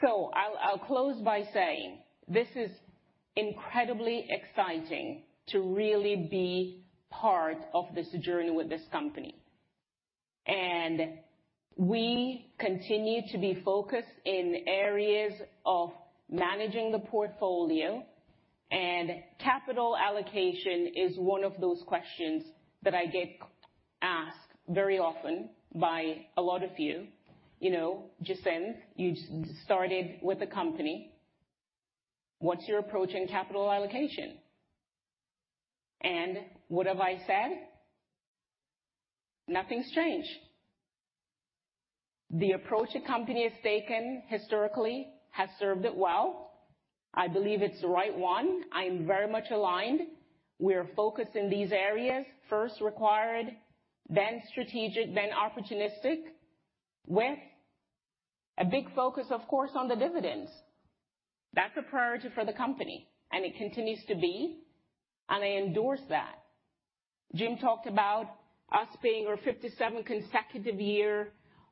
So I'll, I'll close by saying this is incredibly exciting to really be part of this journey with this company... And we continue to be focused in areas of managing the portfolio, and capital allocation is one of those questions that I get asked very often by a lot of you. You know, Jacinth, you just started with the company: What's your approach in capital allocation? And what have I said? Nothing's changed. The approach the company has taken historically has served it well. I believe it's the right one. I'm very much aligned. We're focused in these areas, first, required, then strategic, then opportunistic, with a big focus, of course, on the dividends. That's a priority for the company, and it continues to be, and I endorse that. Jim talked about us paying our 57th consecutive year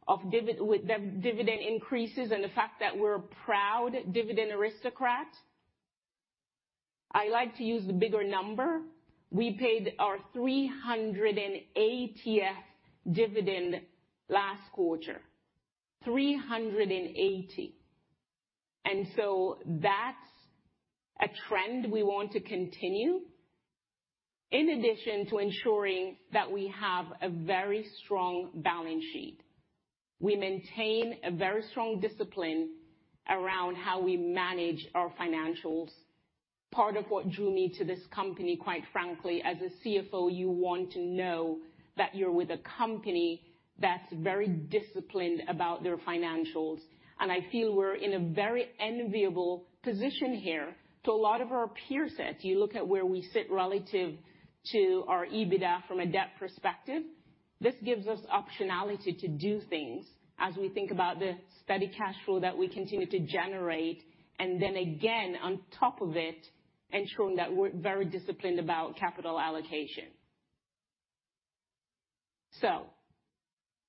of dividend increases and the fact that we're a proud Dividend Aristocrat. I like to use the bigger number. We paid our 380th dividend last quarter. 380. And so that's a trend we want to continue, in addition to ensuring that we have a very strong balance sheet. We maintain a very strong discipline around how we manage our financials. Part of what drew me to this company, quite frankly, as a CFO, you want to know that you're with a company that's very disciplined about their financials, and I feel we're in a very enviable position here. To a lot of our peer sets, you look at where we sit relative to our EBITDA from a debt perspective. This gives us optionality to do things as we think about the steady cash flow that we continue to generate, and then again, on top of it, ensuring that we're very disciplined about capital allocation. So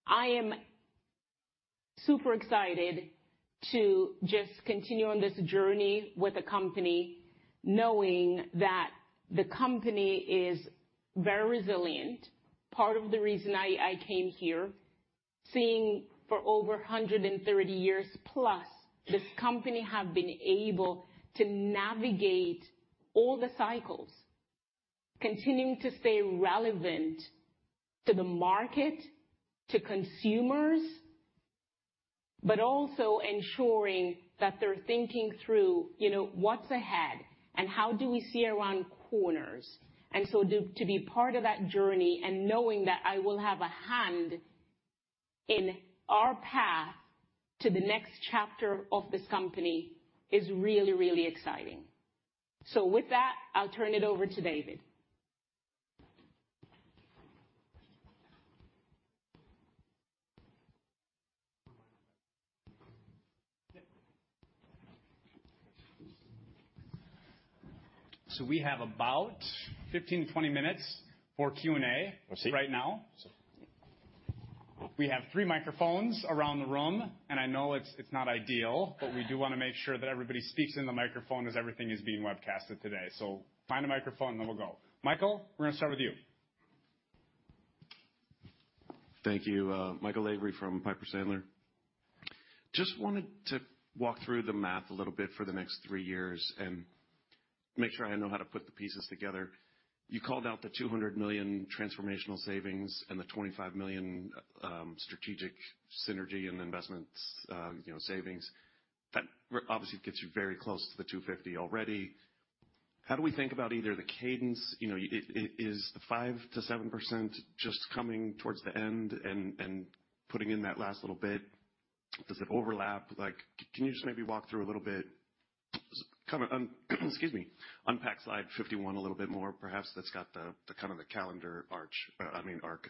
I am super excited to just continue on this journey with the company, knowing that the company is very resilient. Part of the reason I came here, seeing for over 130 years+, this company have been able to navigate all the cycles, continuing to stay relevant to the market, to consumers, but also ensuring that they're thinking through, you know, what's ahead and how do we see around corners. And so to be part of that journey and knowing that I will have a hand in our path to the next chapter of this company is really, really exciting. So with that, I'll turn it over to David. So we have about 15, 20 minutes for Q&A right now. We have three microphones around the room, and I know it's, it's not ideal, but we do want to make sure that everybody speaks in the microphone as everything is being webcast today. So find a microphone, and then we'll go. Michael, we're going to start with you. Thank you. Michael Lavery from Piper Sandler. Just wanted to walk through the math a little bit for the next three years and make sure I know how to put the pieces together. You called out the $200 million transformational savings and the $25 million, strategic synergy and investments, you know, savings. That obviously gets you very close to the $250 million already. How do we think about either the cadence, you know, is the 5%-7% just coming towards the end and putting in that last little bit? Does it overlap? Like, can you just maybe walk through a little bit, kind of, excuse me, unpack slide 51 a little bit more, perhaps that's got the kind of the calendar arch, I mean, arc?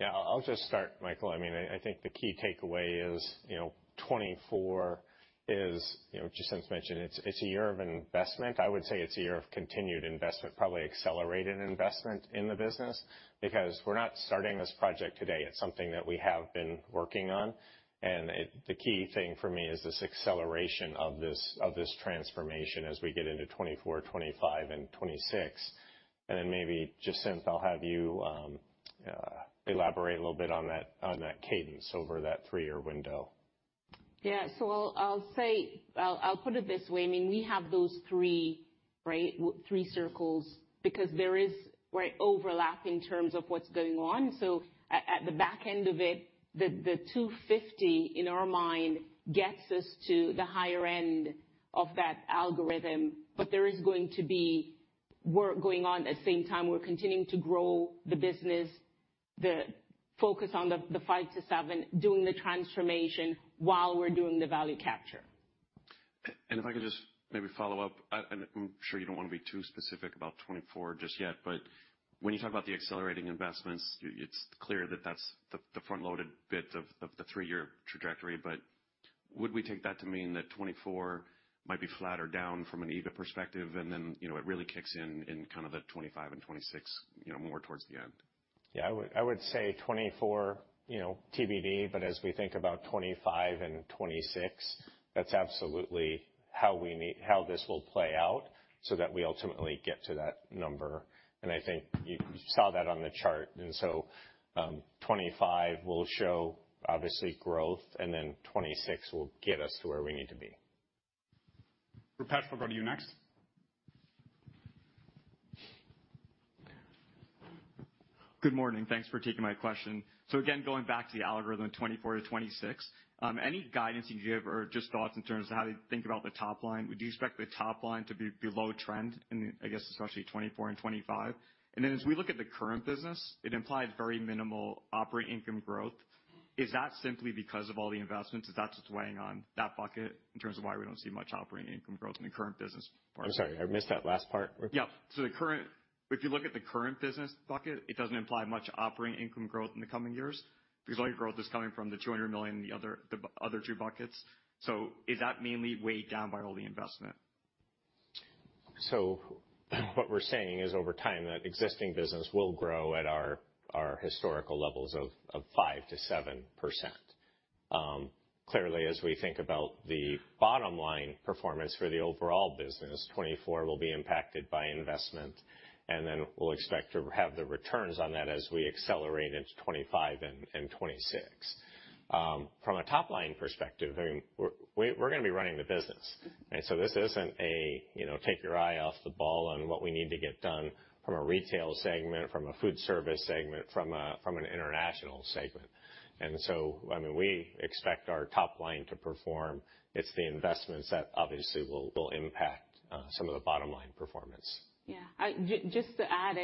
Yeah, I'll just start, Michael. I mean, I think the key takeaway is, you know, 2024 is, you know, Jacinth mentioned, it's, it's a year of investment. I would say it's a year of continued investment, probably accelerated investment in the business, because we're not starting this project today. It's something that we have been working on, and it. The key thing for me is this acceleration of this, of this transformation as we get into 2024, 2025, and 2026. And then maybe, Jacinth, I'll have you elaborate a little bit on that, on that cadence over that three-year window. Yeah. I'll say, I'll put it this way. I mean, we have those three, right, three circles because there is overlap in terms of what's going on. At the back end of it, the $250 million, in our mind, gets us to the higher end of that algorithm, but there is going to be work going on. At the same time, we're continuing to grow the business, the focus on the 5-7, doing the transformation while we're doing the value capture. If I could just maybe follow up, I, I'm sure you don't want to be too specific about 2024 just yet, but when you talk about the accelerating investments, it's clear that that's the front-loaded bit of the three-year trajectory. But would we take that to mean that 2024 might be flatter down from an EBITDA perspective, and then, you know, it really kicks in in kind of the 2025 and 2026, you know, more towards the end?... Yeah, I would say 2024, you know, TBD, but as we think about 2025 and 2026, that's absolutely how we need, how this will play out so that we ultimately get to that number. And I think you saw that on the chart. And so, 2025 will show, obviously, growth, and then 2026 will get us to where we need to be. Rupesh, we'll go to you next. Good morning. Thanks for taking my question. So again, going back to the algorithm, 2024 to 2026, any guidance you can give or just thoughts in terms of how to think about the top line? Would you expect the top line to be below trend in, I guess, especially 2024 and 2025? And then as we look at the current business, it implies very minimal operating income growth. Is that simply because of all the investments, is that just weighing on that bucket in terms of why we don't see much operating income growth in the current business part? I'm sorry, I missed that last part. Yeah. So, if you look at the current business bucket, it doesn't imply much operating income growth in the coming years because all your growth is coming from the $200 million and the other, the other two buckets. So is that mainly weighed down by all the investment? What we're saying is, over time, that existing business will grow at our historical levels of 5%-7%. Clearly, as we think about the bottom line performance for the overall business, 2024 will be impacted by investment, and then we'll expect to have the returns on that as we accelerate into 2025 and 2026. From a top-line perspective, I mean, we're gonna be running the business. This isn't a, you know, take your eye off the ball on what we need to get done from a retail segment, from a foodservice segment, from an international segment. I mean, we expect our top line to perform. It's the investments that obviously will impact some of the bottom line performance. Yeah. I just, just to add,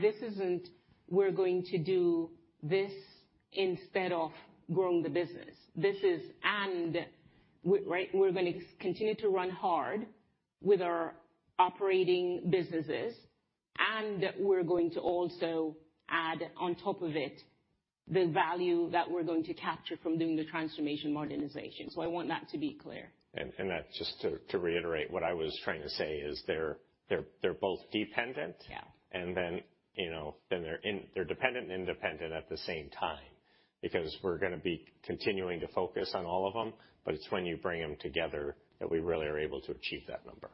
this isn't we're going to do this instead of growing the business. This is and we right, we're going to continue to run hard with our operating businesses, and we're going to also add on top of it, the value that we're going to capture from doing the transformation modernization. So I want that to be clear. And that's just to reiterate what I was trying to say is they're both dependent- Yeah. And then, you know, then they're dependent and independent at the same time, because we're gonna be continuing to focus on all of them, but it's when you bring them together that we really are able to achieve that number.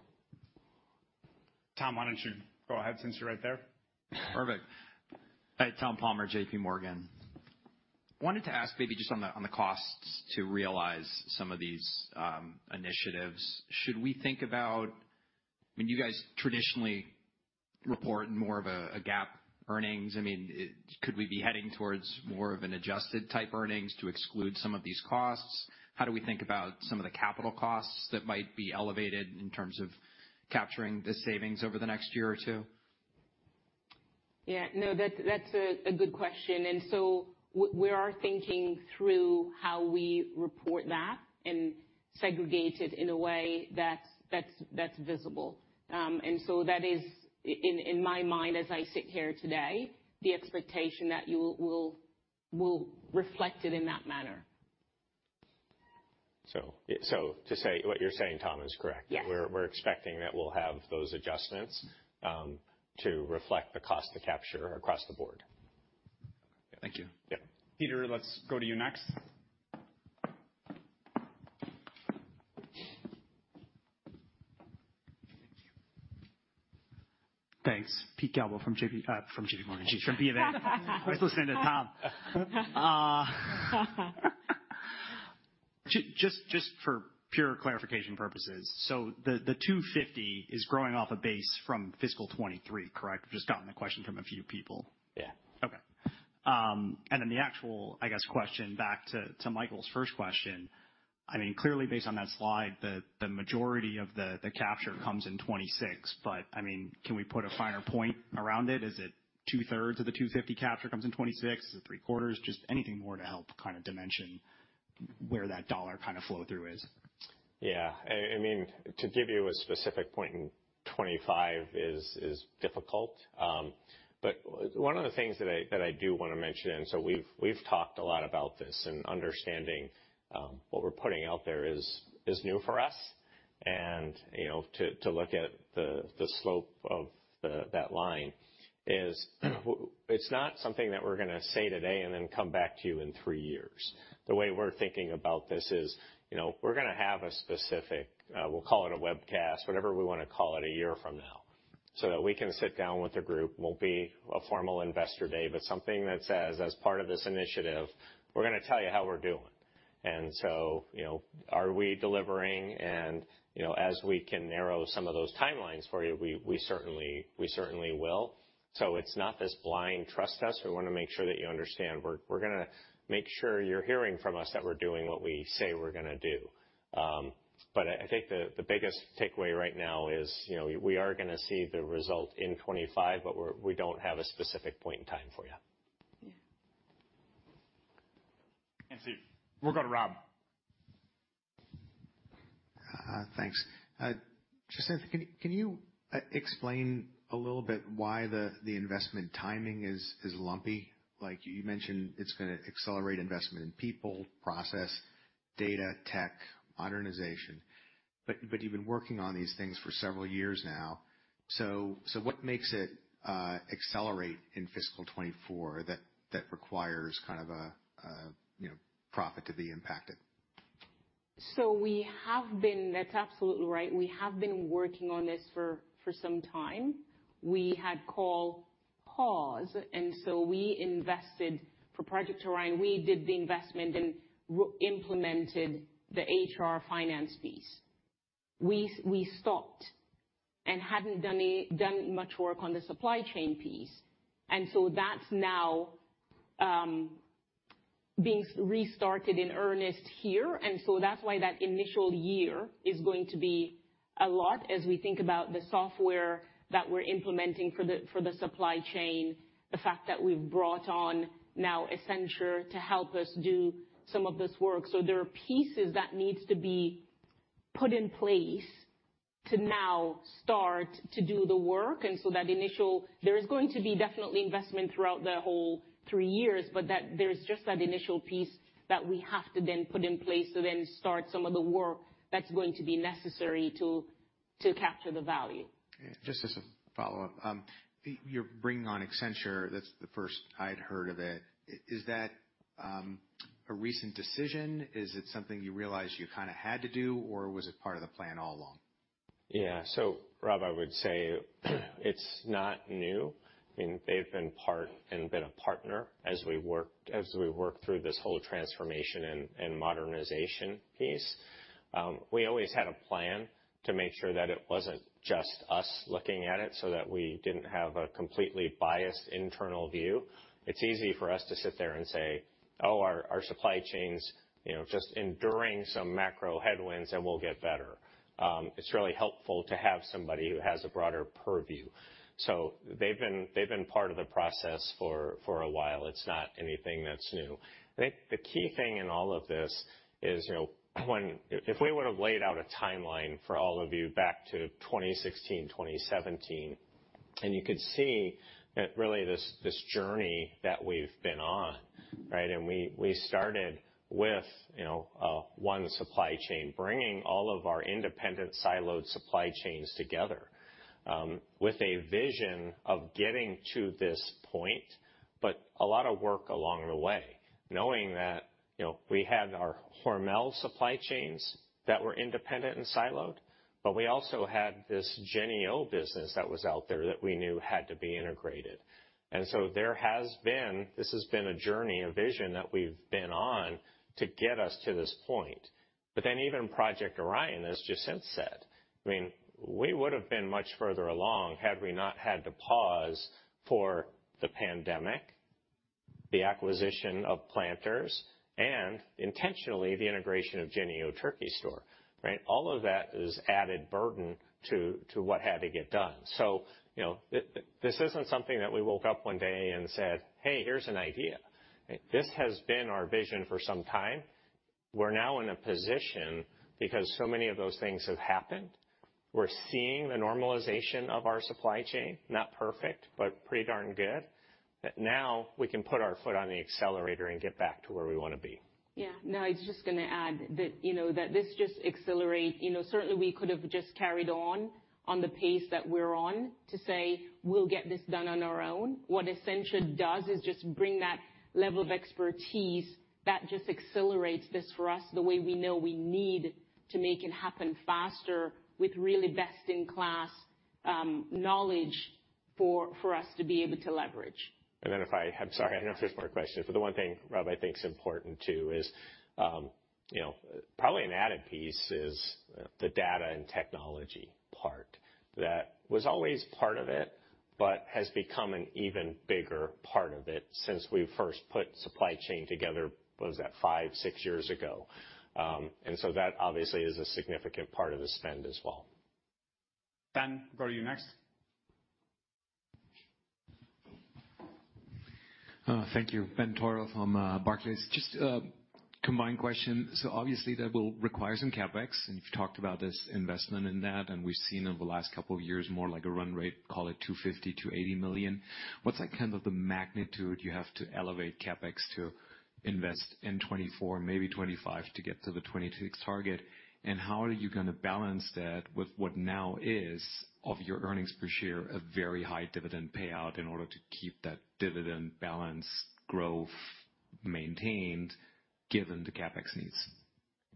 Tom, why don't you go ahead since you're right there? Perfect. Hi, Tom Palmer, JPMorgan. Wanted to ask maybe just on the, on the costs to realize some of these initiatives. Should we think about... I mean, you guys traditionally report more of a, a GAAP earnings. I mean, could we be heading towards more of an adjusted type earnings to exclude some of these costs? How do we think about some of the capital costs that might be elevated in terms of capturing the savings over the next year or two? Yeah, no, that's a good question. And so we are thinking through how we report that and segregate it in a way that's visible. And so that is, in my mind, as I sit here today, the expectation that you will, we'll reflect it in that manner. To say, what you're saying, Tom, is correct. Yes. We're expecting that we'll have those adjustments to reflect the cost to capture across the board. Thank you. Yeah. Peter, let's go to you next. Thanks. Pete Galbo from JP, from JPMorgan, from BofA. I was listening to Tom. Just for pure clarification purposes, so the $250 million is growing off a base from fiscal 2023, correct? I've just gotten a question from a few people. Yeah. Okay. And then the actual, I guess, question back to Michael's first question, I mean, clearly, based on that slide, the majority of the capture comes in 2026, but I mean, can we put a finer point around it? Is it 2/3 of the $250 million capture comes in 2026? Is it 3/4? Just anything more to help kind of dimension where that dollar kind of flow through is. Yeah. I mean, to give you a specific point in 2025 is difficult, but one of the things that I do want to mention, so we've talked a lot about this and understanding what we're putting out there is new for us. And, you know, to look at the slope of that line is, it's not something that we're gonna say today and then come back to you in three years. The way we're thinking about this is, you know, we're gonna have a specific, we'll call it a webcast, whatever we want to call it, a year from now, so that we can sit down with the group. Won't be a formal Investor Day, but something that says, as part of this initiative, we're gonna tell you how we're doing. And so, you know, are we delivering? You know, as we can narrow some of those timelines for you, we, we certainly, we certainly will. So it's not this blind trust us. We want to make sure that you understand we're, we're gonna make sure you're hearing from us that we're doing what we say we're gonna do. But I, I think the, the biggest takeaway right now is, you know, we are gonna see the result in 2025, but we're, we don't have a specific point in time for you. Yeah. Steve, we'll go to Rob. Thanks. Just then, can you explain a little bit why the investment timing is lumpy? Like, you mentioned, it's gonna accelerate investment in people, process, data, tech, modernization. But you've been working on these things for several years now. So what makes it accelerate in fiscal 2024 that requires kind of a, you know, profit to be impacted?... So we have been, that's absolutely right. We have been working on this for some time. We invested for Project Orion. We did the investment and implemented the HR finance piece. We stopped and hadn't done much work on the supply chain piece, and so that's now being restarted in earnest here, and so that's why that initial year is going to be a lot as we think about the software that we're implementing for the supply chain, the fact that we've brought on now Accenture to help us do some of this work. So there are pieces that needs to be put in place to now start to do the work, and so that initial, there is going to be definitely investment throughout the whole three years, but that, there is just that initial piece that we have to then put in place to then start some of the work that's going to be necessary to, to capture the value. Just as a follow-up, you're bringing on Accenture. That's the first I'd heard of it. Is that a recent decision? Is it something you realized you kind of had to do, or was it part of the plan all along? Yeah. So, Rob, I would say, it's not new. I mean, they've been part and been a partner as we worked, as we worked through this whole transformation and modernization piece. We always had a plan to make sure that it wasn't just us looking at it so that we didn't have a completely biased internal view. It's easy for us to sit there and say, "Oh, our supply chain's, you know, just enduring some macro headwinds, and we'll get better." It's really helpful to have somebody who has a broader purview. So they've been, they've been part of the process for a while. It's not anything that's new. I think the key thing in all of this is, you know, when—if we would have laid out a timeline for all of you back to 2016, 2017, and you could see that really this, this journey that we've been on, right? And we, we started with, you know, One Supply Chain, bringing all of our independent siloed supply chains together, with a vision of getting to this point, but a lot of work along the way, knowing that, you know, we had our Hormel supply chains that were independent and siloed, but we also had this Jennie-O business that was out there that we knew had to be integrated. And so there has been, this has been a journey, a vision that we've been on to get us to this point. But then even Project Orion, as Jacinth said, I mean, we would have been much further along had we not had to pause for the pandemic, the acquisition of Planters, and intentionally, the integration of Jennie-O Turkey Store, right? All of that is added burden to what had to get done. So, you know, this isn't something that we woke up one day and said, "Hey, here's an idea." This has been our vision for some time. We're now in a position because so many of those things have happened. We're seeing the normalization of our supply chain, not perfect, but pretty darn good, that now we can put our foot on the accelerator and get back to where we want to be. Yeah. No, I was just going to add that, you know, that this just accelerates. You know, certainly, we could have just carried on, on the pace that we're on to say, "We'll get this done on our own." What Accenture does is just bring that level of expertise that just accelerates this for us the way we know we need to make it happen faster with really best-in-class knowledge for us to be able to leverage. If I have-- sorry, I know if there's more questions, but the one thing, Rob, I think is important, too, is, you know, probably an added piece is the data and technology part. That was always part of it, but has become an even bigger part of it since we first put supply chain together, what was that? 5 years, 6 years ago. And so that obviously is a significant part of the spend as well. Ben, go to you next. Thank you. Ben Theurer from Barclays. Just a combined question. So obviously, that will require some CapEx, and you've talked about this investment in that, and we've seen over the last couple of years, more like a run rate, call it $250 million-$80 million. What's that kind of the magnitude you have to elevate CapEx to invest in 2024, maybe 2025, to get to the 2026 target? And how are you going to balance that with what now is of your earnings per share, a very high dividend payout in order to keep that dividend balance growth maintained given the CapEx needs?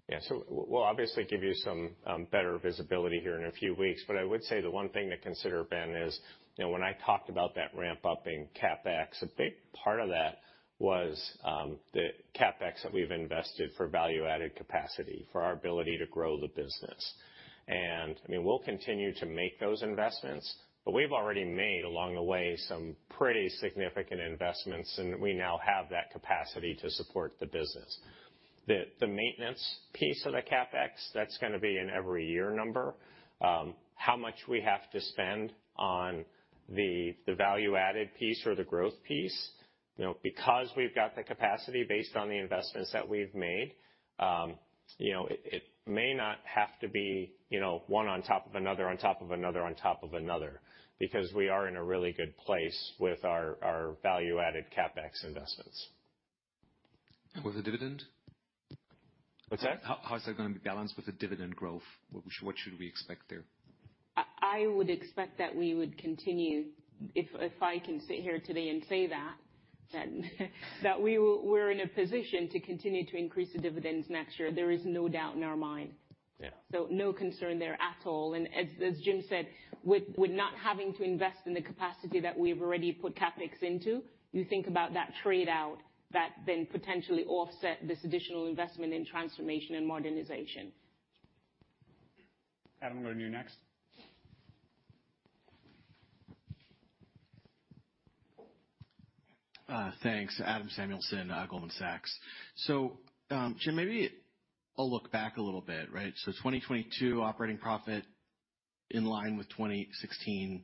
Yeah. So we'll obviously give you some better visibility here in a few weeks, but I would say the one thing to consider, Ben, is, you know, when I talked about that ramp-up in CapEx, a big part of that was the CapEx that we've invested for value-added capacity, for our ability to grow the business. And, I mean, we'll continue to make those investments, but we've already made, along the way, some pretty significant investments, and we now have that capacity to support the business. The maintenance piece of the CapEx, that's going to be an every year number. How much we have to spend on the value-added piece or the growth piece? You know, because we've got the capacity based on the investments that we've made, you know, it may not have to be, you know, one on top of another, on top of another, on top of another, because we are in a really good place with our value-added CapEx investments. With the dividend? What's that? How is that going to be balanced with the dividend growth? What should we expect there?... I would expect that we would continue, if I can sit here today and say that we're in a position to continue to increase the dividends next year. There is no doubt in our mind. Yeah. So no concern there at all. And as Jim said, with not having to invest in the capacity that we've already put CapEx into, you think about that trade-out, that then potentially offset this additional investment in transformation and modernization. Adam, we'll go to you next. Thanks. Adam Samuelson, Goldman Sachs. So, Jim, maybe I'll look back a little bit, right? So 2022 operating profit in line with 2016.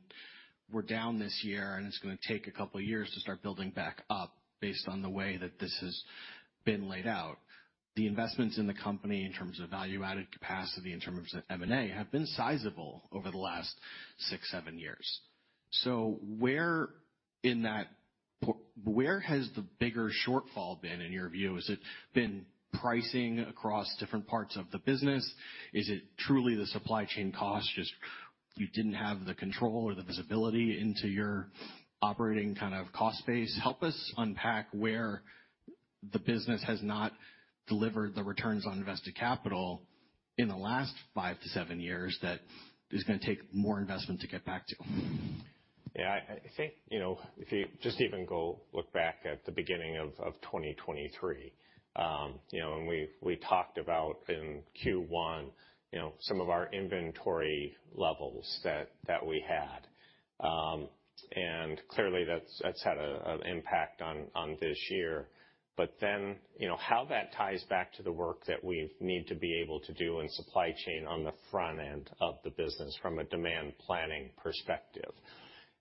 We're down this year, and it's gonna take a couple of years to start building back up based on the way that this has been laid out. The investments in the company in terms of value-added capacity, in terms of M&A, have been sizable over the last 6 years, 7 years. So where in that, where has the bigger shortfall been, in your view? Has it been pricing across different parts of the business? Is it truly the supply chain cost, just you didn't have the control or the visibility into your operating kind of cost base? Help us unpack where the business has not delivered the returns on invested capital in the last 5 years-7 years that is gonna take more investment to get back to. Yeah, I think, you know, if you just even go look back at the beginning of 2023, you know, and we talked about in Q1, you know, some of our inventory levels that we had. And clearly, that's had an impact on this year. But then, you know, how that ties back to the work that we need to be able to do in supply chain on the front end of the business from a demand planning perspective.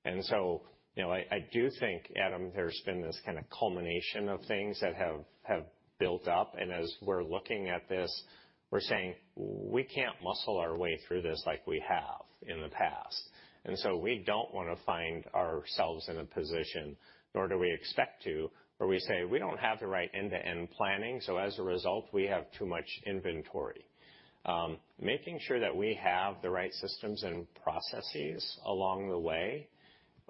And so, you know, I do think, Adam, there's been this kind of culmination of things that have built up, and as we're looking at this, we're saying: We can't muscle our way through this like we have in the past. So we don't want to find ourselves in a position, nor do we expect to, where we say we don't have the right end-to-end planning, so as a result, we have too much inventory. Making sure that we have the right systems and processes along the way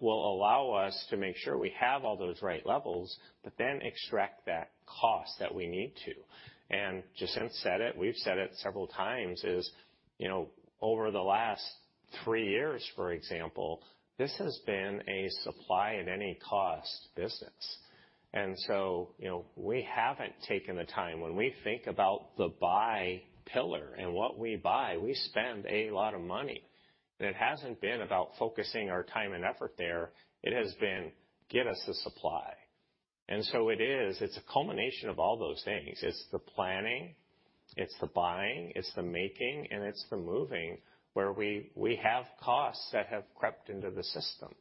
will allow us to make sure we have all those right levels, but then extract that cost that we need to. And Jacinth said it. We've said it several times: you know, over the last three years, for example, this has been a supply at any cost business. And so, you know, we haven't taken the time. When we think about the buy pillar and what we buy, we spend a lot of money, and it hasn't been about focusing our time and effort there. It has been, "Give us the supply." And so it is, it's a culmination of all those things. It's the planning, it's the buying, it's the making, and it's the moving, where we, we have costs that have crept into the system.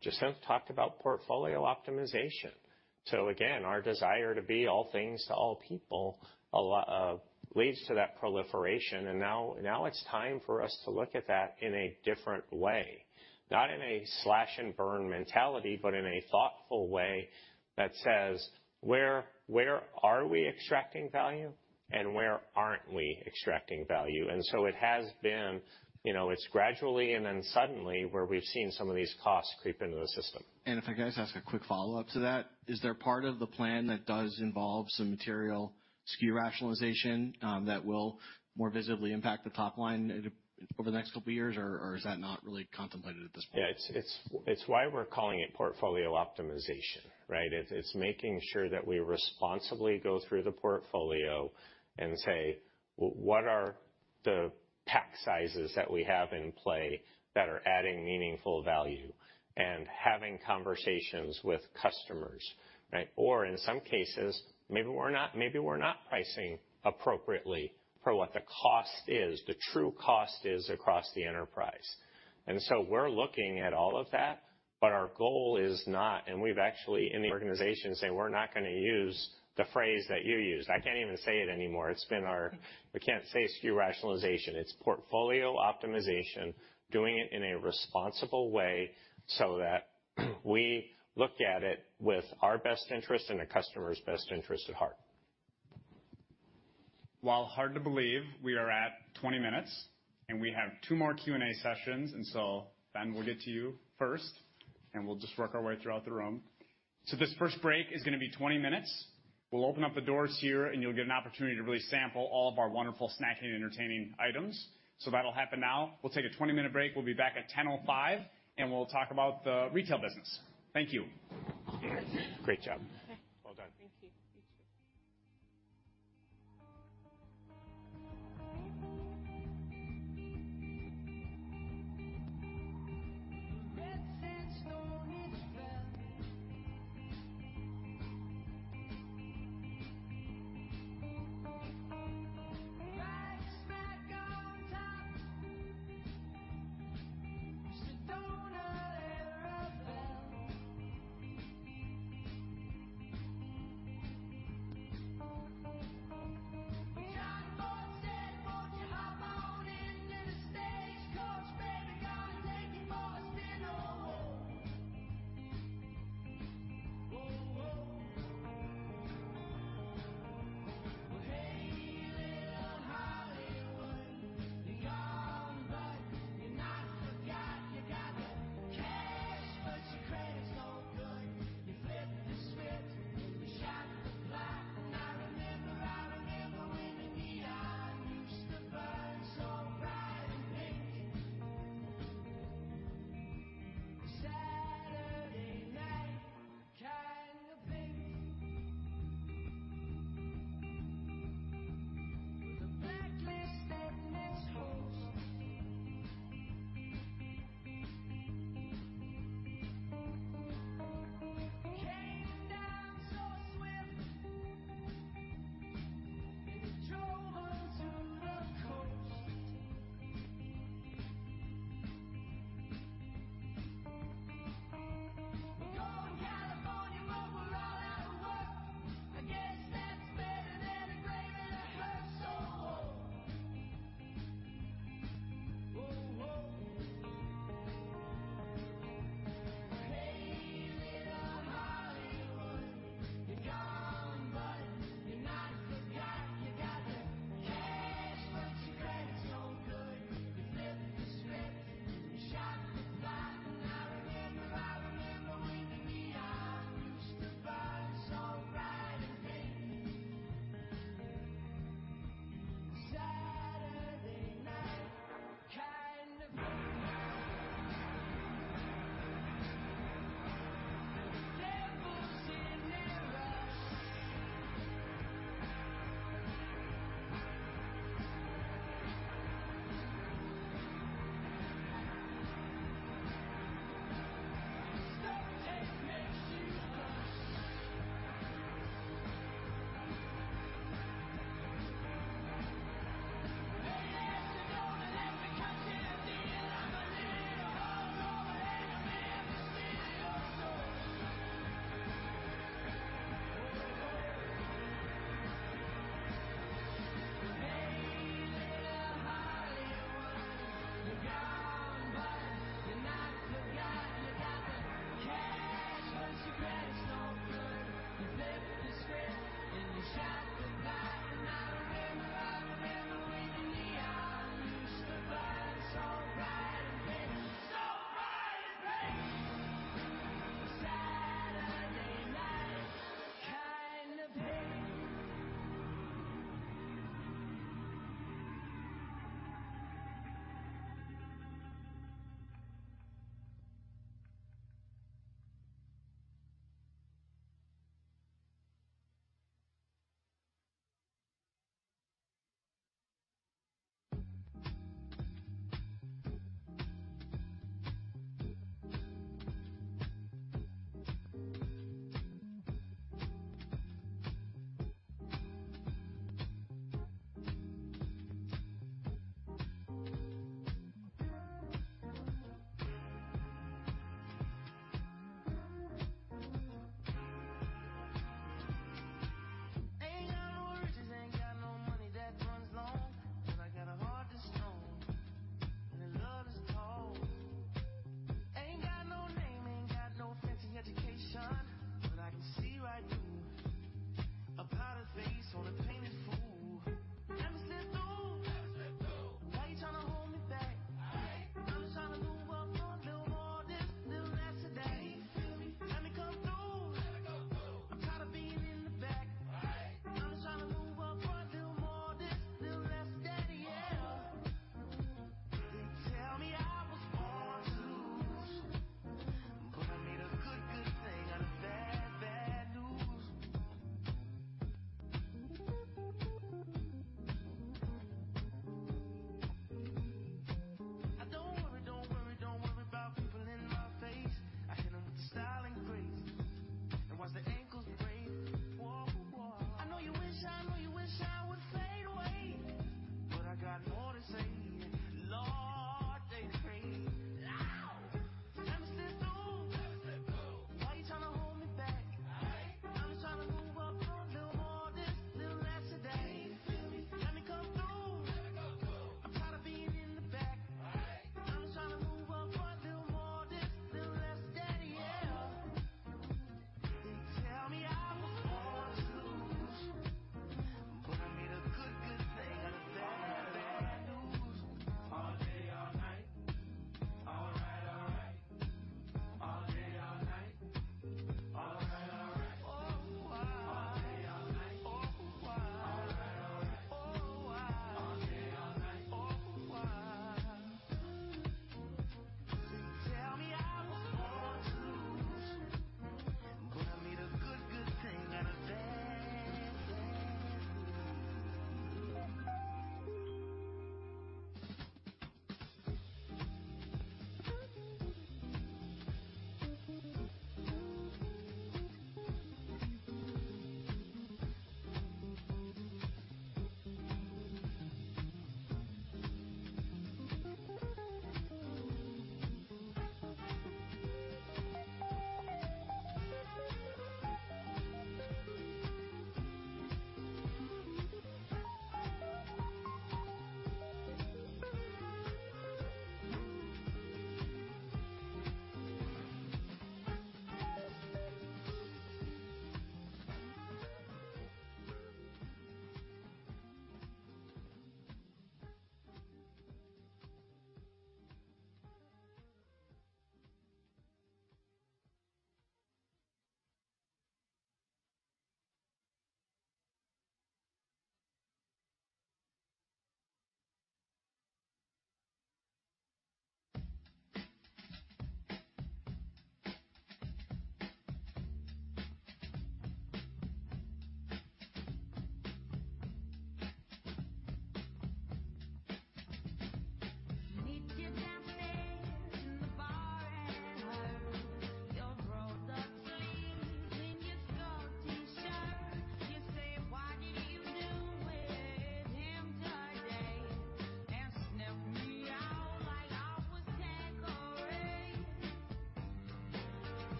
Jacinth talked about portfolio optimization. So again, our desire to be all things to all people leads to that proliferation, and now, now it's time for us to look at that in a different way, not in a slash-and-burn mentality, but in a thoughtful way that says: Where, where are we extracting value, and where aren't we extracting value? And so it has been, you know, it's gradually and then suddenly where we've seen some of these costs creep into the system. If I could just ask a quick follow-up to that, is there part of the plan that does involve some material SKU rationalization that will more visibly impact the top line over the next couple of years, or is that not really contemplated at this point? Yeah, it's why we're calling it portfolio optimization, right? It's making sure that we responsibly go through the portfolio and say: Well, what are the pack sizes that we have in play that are adding meaningful value? And having conversations with customers, right? Or in some cases, maybe we're not pricing appropriately for what the cost is, the true cost is across the enterprise. And so we're looking at all of that, but our goal is not... And we've actually, in the organization, say, we're not gonna use the phrase that you used. I can't even say it anymore. It's been our. We can't say SKU rationalization. It's portfolio optimization, doing it in a responsible way so that we look at it with our best interest and the customer's best interest at heart. While hard to believe, we are at 20 minutes, and we have 2 more Q&A sessions, and so, Ben, we'll get to you first, and we'll just work our way throughout the room. So this first break is gonna be 20 minutes. We'll open up the doors here, and you'll get an opportunity to really sample all of our wonderful snacking, entertaining items. So that'll happen now. We'll take a 20-minute break. We'll be back at 10:05 A.M., and we'll talk about the retail business. Thank you. Great job. Well done. Thank you.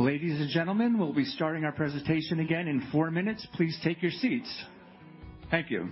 Thank you. Ladies and gentlemen, we'll be starting our presentation again in 4 minutes. Please take your seats. Thank you.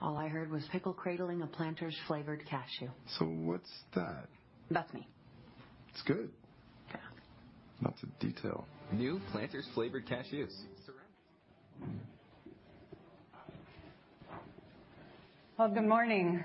Well, good morning.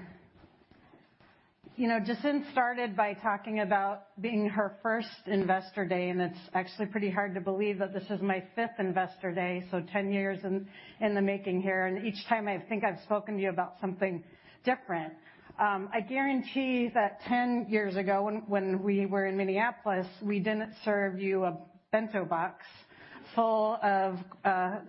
You know, Jacinth started by talking about being her first Investor Day, and it's actually pretty hard to believe that this is my fifth Investor Day, so 10 years in the making here, and each time I think I've spoken to you about something different. I guarantee that 10 years ago, when we were in Minneapolis, we didn't serve you a bento box full of crafted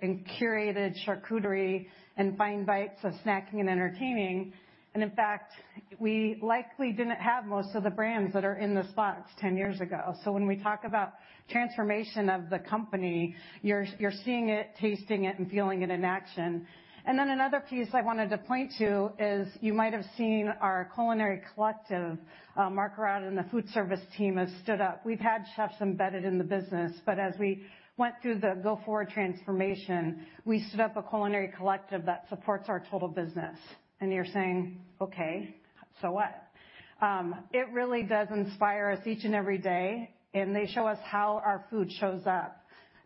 and curated charcuterie and fine bites of snacking and entertaining. And in fact, we likely didn't have most of the brands that are in this box 10 years ago. So when we talk about transformation of the company, you're seeing it, tasting it, and feeling it in action. And then another piece I wanted to point to is you might have seen our Culinary ollective, Mark Ourada and the Foodservice team has stood up. We've had chefs embedded in the business, but as we went through the Go Forward transformation, we set up a Culinary Collective that supports our total business. You're saying, "Okay, so what?" It really does inspire us each and every day, and they show us how our food shows up.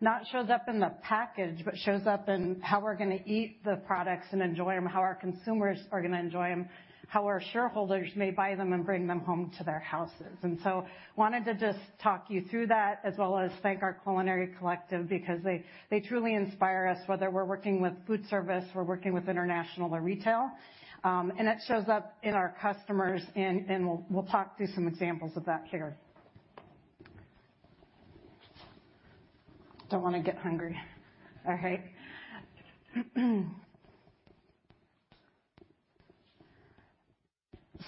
Not shows up in the package, but shows up in how we're going to eat the products and enjoy them, how our consumers are going to enjoy them, how our shareholders may buy them and bring them home to their houses. I wanted to just talk you through that, as well as thank our Culinary Collective, because they truly inspire us, whether we're working with foodservice, we're working with international or retail. It shows up in our customers, and we'll talk through some examples of that here. Don't want to get hungry. All right.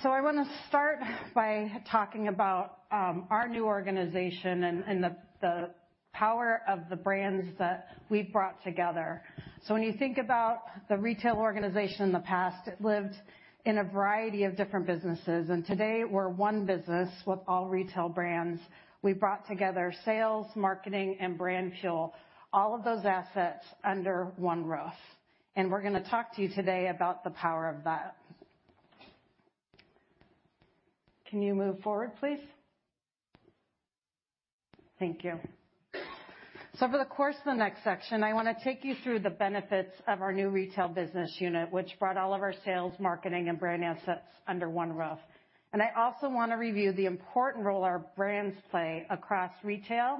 So I want to start by talking about our new organization and the power of the brands that we've brought together. So when you think about the retail organization in the past, it lived in a variety of different businesses, and today we're one business with all retail brands. We brought together sales, marketing, and Brand Fuel, all of those assets under one roof, and we're going to talk to you today about the power of that. Can you move forward, please? Thank you. So for the course of the next section, I want to take you through the benefits of our new retail business unit, which brought all of our sales, marketing, and Brand Fuel assets under one roof. I also want to review the important role our brands play across retail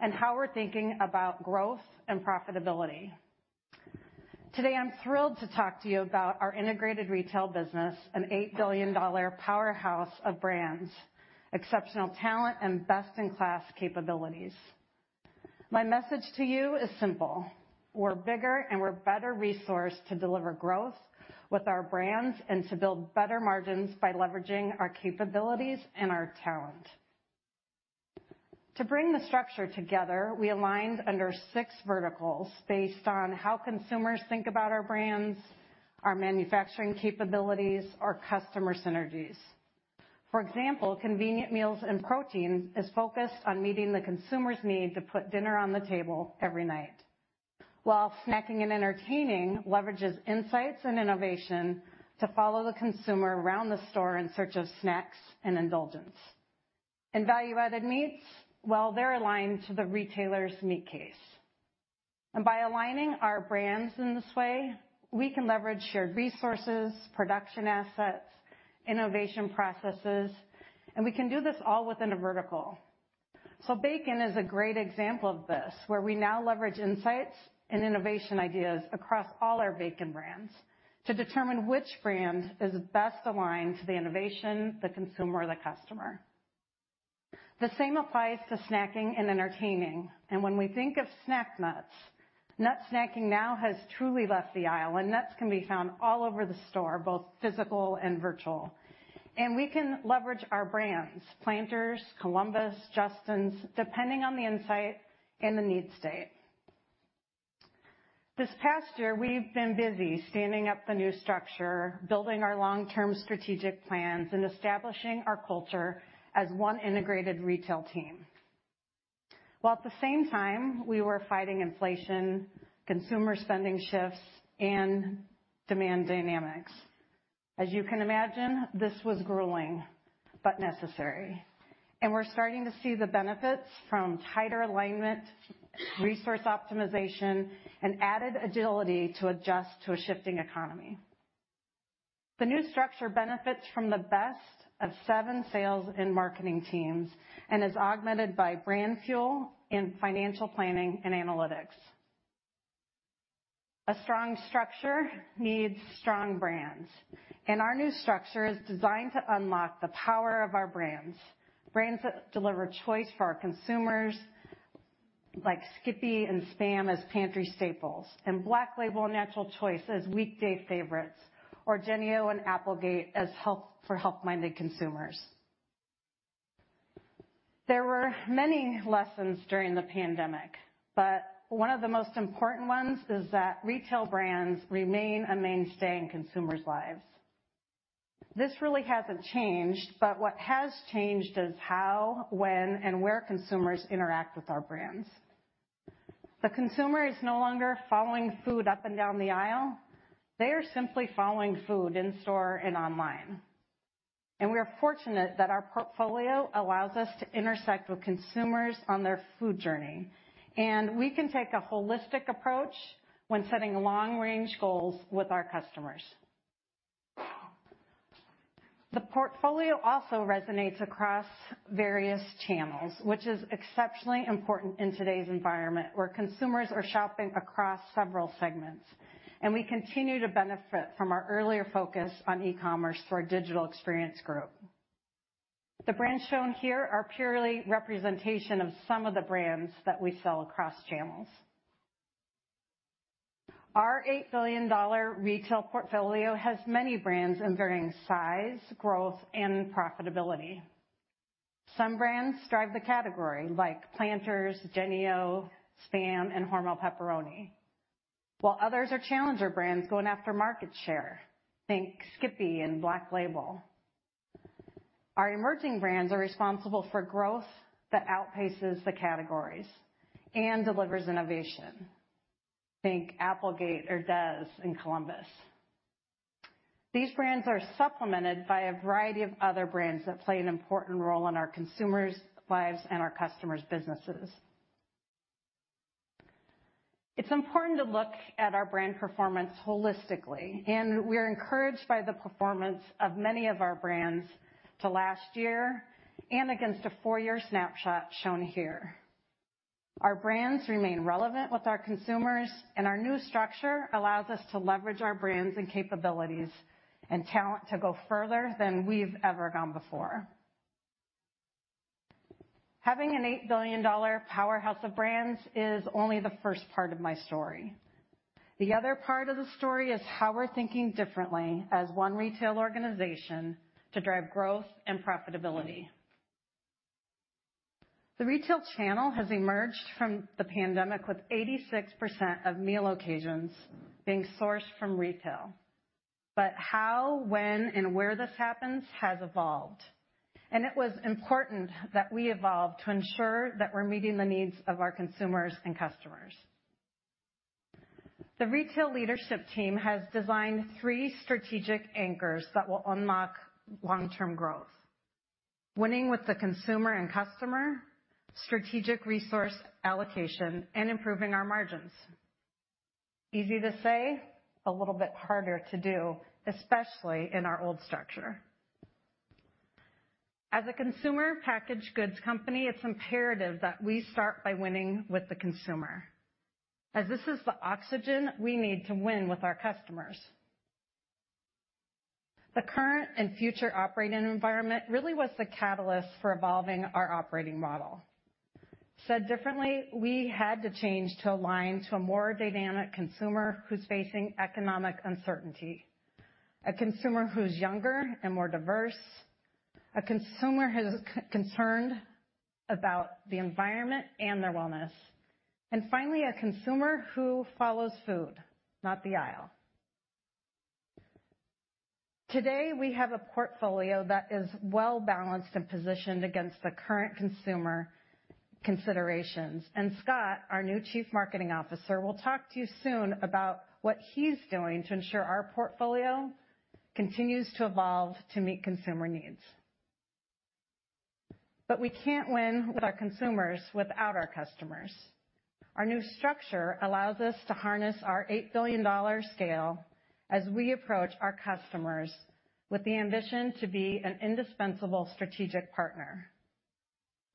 and how we're thinking about growth and profitability. Today, I'm thrilled to talk to you about our integrated retail business, an $8 billion powerhouse of brands, exceptional talent, and best-in-class capabilities. My message to you is simple: we're bigger and we're better resourced to deliver growth with our brands and to build better margins by leveraging our capabilities and our talent. To bring the structure together, we aligned under six verticals based on how consumers think about our brands, our manufacturing capabilities, our customer synergies.... For example, convenient meals and protein is focused on meeting the consumer's need to put dinner on the table every night, while snacking and entertaining leverages insights and innovation to follow the consumer around the store in search of snacks and indulgence. And value-added meats, well, they're aligned to the retailer's meat case. By aligning our brands in this way, we can leverage shared resources, production assets, innovation processes, and we can do this all within a vertical. So bacon is a great example of this, where we now leverage insights and innovation ideas across all our bacon brands to determine which brand is best aligned to the innovation, the consumer, or the customer. The same applies to snacking and entertaining, and when we think of snack nuts, nut snacking now has truly left the aisle, and nuts can be found all over the store, both physical and virtual. We can leverage our brands, Planters, Columbus, Justin's, depending on the insight and the need state. This past year, we've been busy standing up the new structure, building our long-term strategic plans, and establishing our culture as one integrated retail team. While at the same time, we were fighting inflation, consumer spending shifts, and demand dynamics. As you can imagine, this was grueling but necessary, and we're starting to see the benefits from tighter alignment, resource optimization, and added agility to adjust to a shifting economy. The new structure benefits from the best of seven sales and marketing teams and is augmented by Brand Fuel in financial planning and analytics. A strong structure needs strong brands, and our new structure is designed to unlock the power of our brands. Brands that deliver choice for our consumers, like Skippy and SPAM as pantry staples, and Black Label, Natural Choice as weekday favorites, or Jennie-O and Applegate for health-minded consumers. There were many lessons during the pandemic, but one of the most important ones is that retail brands remain a mainstay in consumers' lives. This really hasn't changed, but what has changed is how, when, and where consumers interact with our brands. The consumer is no longer following food up and down the aisle. They are simply following food in store and online. We are fortunate that our portfolio allows us to intersect with consumers on their food journey, and we can take a holistic approach when setting long-range goals with our customers. The portfolio also resonates across various channels, which is exceptionally important in today's environment, where consumers are shopping across several segments, and we continue to benefit from our earlier focus on e-commerce through our Digital Experience Group. The brands shown here are purely representation of some of the brands that we sell across channels. Our $8 billion retail portfolio has many brands in varying size, growth, and profitability. Some brands drive the category, like Planters, Jennie-O, SPAM, and Hormel Pepperoni, while others are challenger brands going after market share. Think Skippy and Black Label. Our emerging brands are responsible for growth that outpaces the categories and delivers innovation. Think Applegate, Herdez and Columbus. These brands are supplemented by a variety of other brands that play an important role in our consumers' lives and our customers' businesses. It's important to look at our brand performance holistically, and we are encouraged by the performance of many of our brands to last year and against a 4-year snapshot shown here. Our brands remain relevant with our consumers, and our new structure allows us to leverage our brands and capabilities and talent to go further than we've ever gone before. Having an $8 billion powerhouse of brands is only the first part of my story. The other part of the story is how we're thinking differently as one retail organization to drive growth and profitability. The retail channel has emerged from the pandemic, with 86% of meal occasions being sourced from retail. But how, when, and where this happens has evolved, and it was important that we evolve to ensure that we're meeting the needs of our consumers and customers. The retail leadership team has designed three strategic anchors that will unlock long-term growth, winning with the consumer and customer, strategic resource allocation, and improving our margins. Easy to say, a little bit harder to do, especially in our old structure. As a consumer packaged goods company, it's imperative that we start by winning with the consumer, as this is the oxygen we need to win with our customers. The current and future operating environment really was the catalyst for evolving our operating model. Said differently, we had to change to align to a more dynamic consumer who's facing economic uncertainty, a consumer who's younger and more diverse, a consumer who's concerned about the environment and their wellness. And finally, a consumer who follows food, not the aisle. Today, we have a portfolio that is well-balanced and positioned against the current consumer considerations, and Scott, our new Chief Marketing Officer, will talk to you soon about what he's doing to ensure our portfolio continues to evolve to meet consumer needs. But we can't win with our consumers without our customers. Our new structure allows us to harness our $8 billion scale as we approach our customers with the ambition to be an indispensable strategic partner.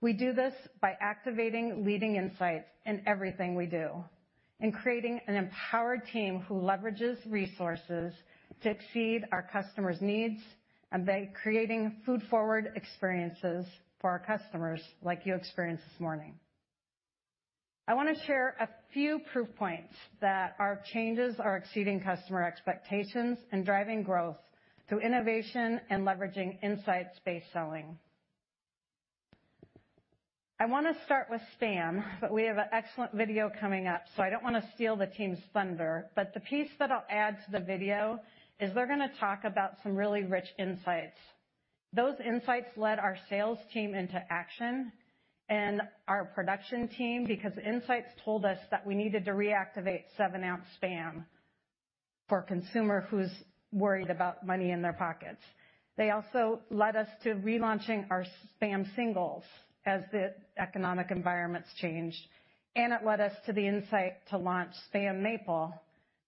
We do this by activating leading insights in everything we do, and creating an empowered team who leverages resources to exceed our customers' needs, and by creating food-forward experiences for our customers like you experienced this morning. I want to share a few proof points that our changes are exceeding customer expectations and driving growth through innovation and leveraging insights-based selling. I want to start with SPAM, but we have an excellent video coming up, so I don't want to steal the team's thunder. But the piece that I'll add to the video is they're going to talk about some really rich insights. Those insights led our sales team into action and our production team, because insights told us that we needed to reactivate 7-ounce SPAM for a consumer who's worried about money in their pockets. They also led us to relaunching our SPAM Singles as the economic environment's changed, and it led us to the insight to launch SPAM Maple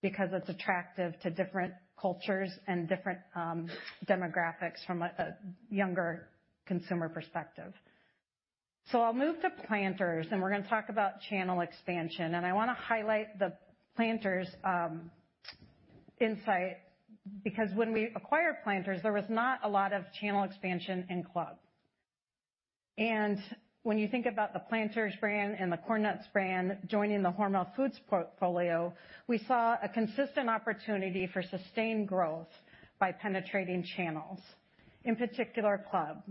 because it's attractive to different cultures and different demographics from a younger consumer perspective. I'll move to Planters, and we're going to talk about channel expansion. I want to highlight the Planters insight, because when we acquired Planters, there was not a lot of channel expansion in club. And when you think about the Planters brand and the Corn Nuts brand joining the Hormel Foods portfolio, we saw a consistent opportunity for sustained growth by penetrating channels, in particular, club.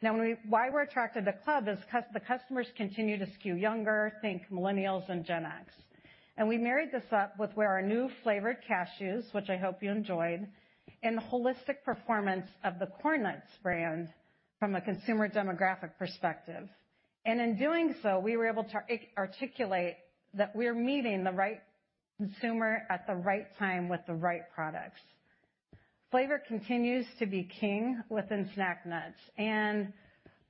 Now, why we're attracted to club is the customers continue to skew younger, think Millennials and Gen X. We married this up with where our new flavored cashews, which I hope you enjoyed, and the holistic performance of the Corn Nuts brand from a consumer demographic perspective. In doing so, we were able to articulate that we're meeting the right consumer at the right time with the right products. Flavor continues to be king within snack nuts, and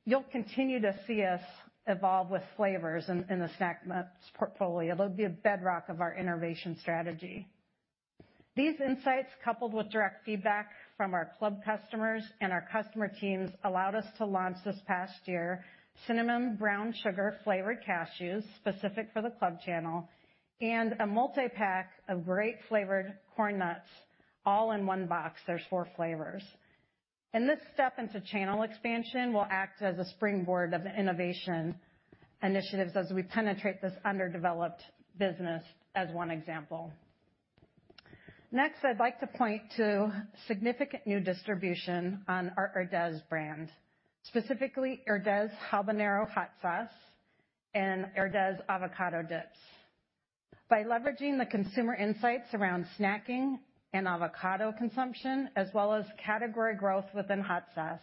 you'll continue to see us evolve with flavors in the snack nuts portfolio. It'll be a bedrock of our innovation strategy. These insights, coupled with direct feedback from our club customers and our customer teams, allowed us to launch this past year, cinnamon brown sugar flavored cashews, specific for the club channel, and a multipack of grape-flavored Corn Nuts, all in one box. There's four flavors. This step into channel expansion will act as a springboard of innovation initiatives as we penetrate this underdeveloped business, as one example. Next, I'd like to point to significant new distribution on our Herdez brand, specifically Herdez Habanero Hot Sauce and Herdez Avocado Dips. By leveraging the consumer insights around snacking and avocado consumption, as well as category growth within hot sauce,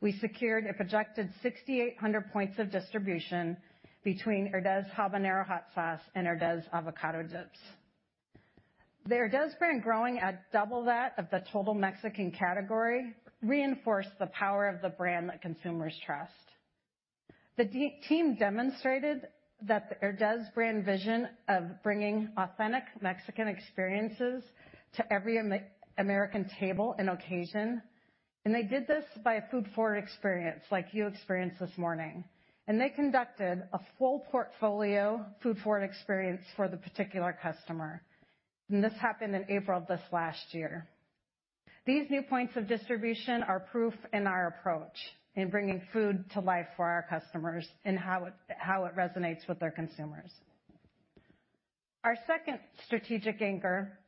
we secured a projected 6,800 points of distribution between Herdez Habanero Hot Sauce and Herdez Avocado Dips. The Herdez brand growing at double that of the total Mexican category, reinforced the power of the brand that consumers trust. The team demonstrated that the Herdez brand vision of bringing authentic Mexican experiences to every American table and occasion, and they did this by a food-forward experience like you experienced this morning. They conducted a full portfolio food-forward experience for the particular customer, and this happened in April of this last year. These new points of distribution are proof in our approach in bringing food to life for our customers and how it, how it resonates with their consumers. Our second strategic anchor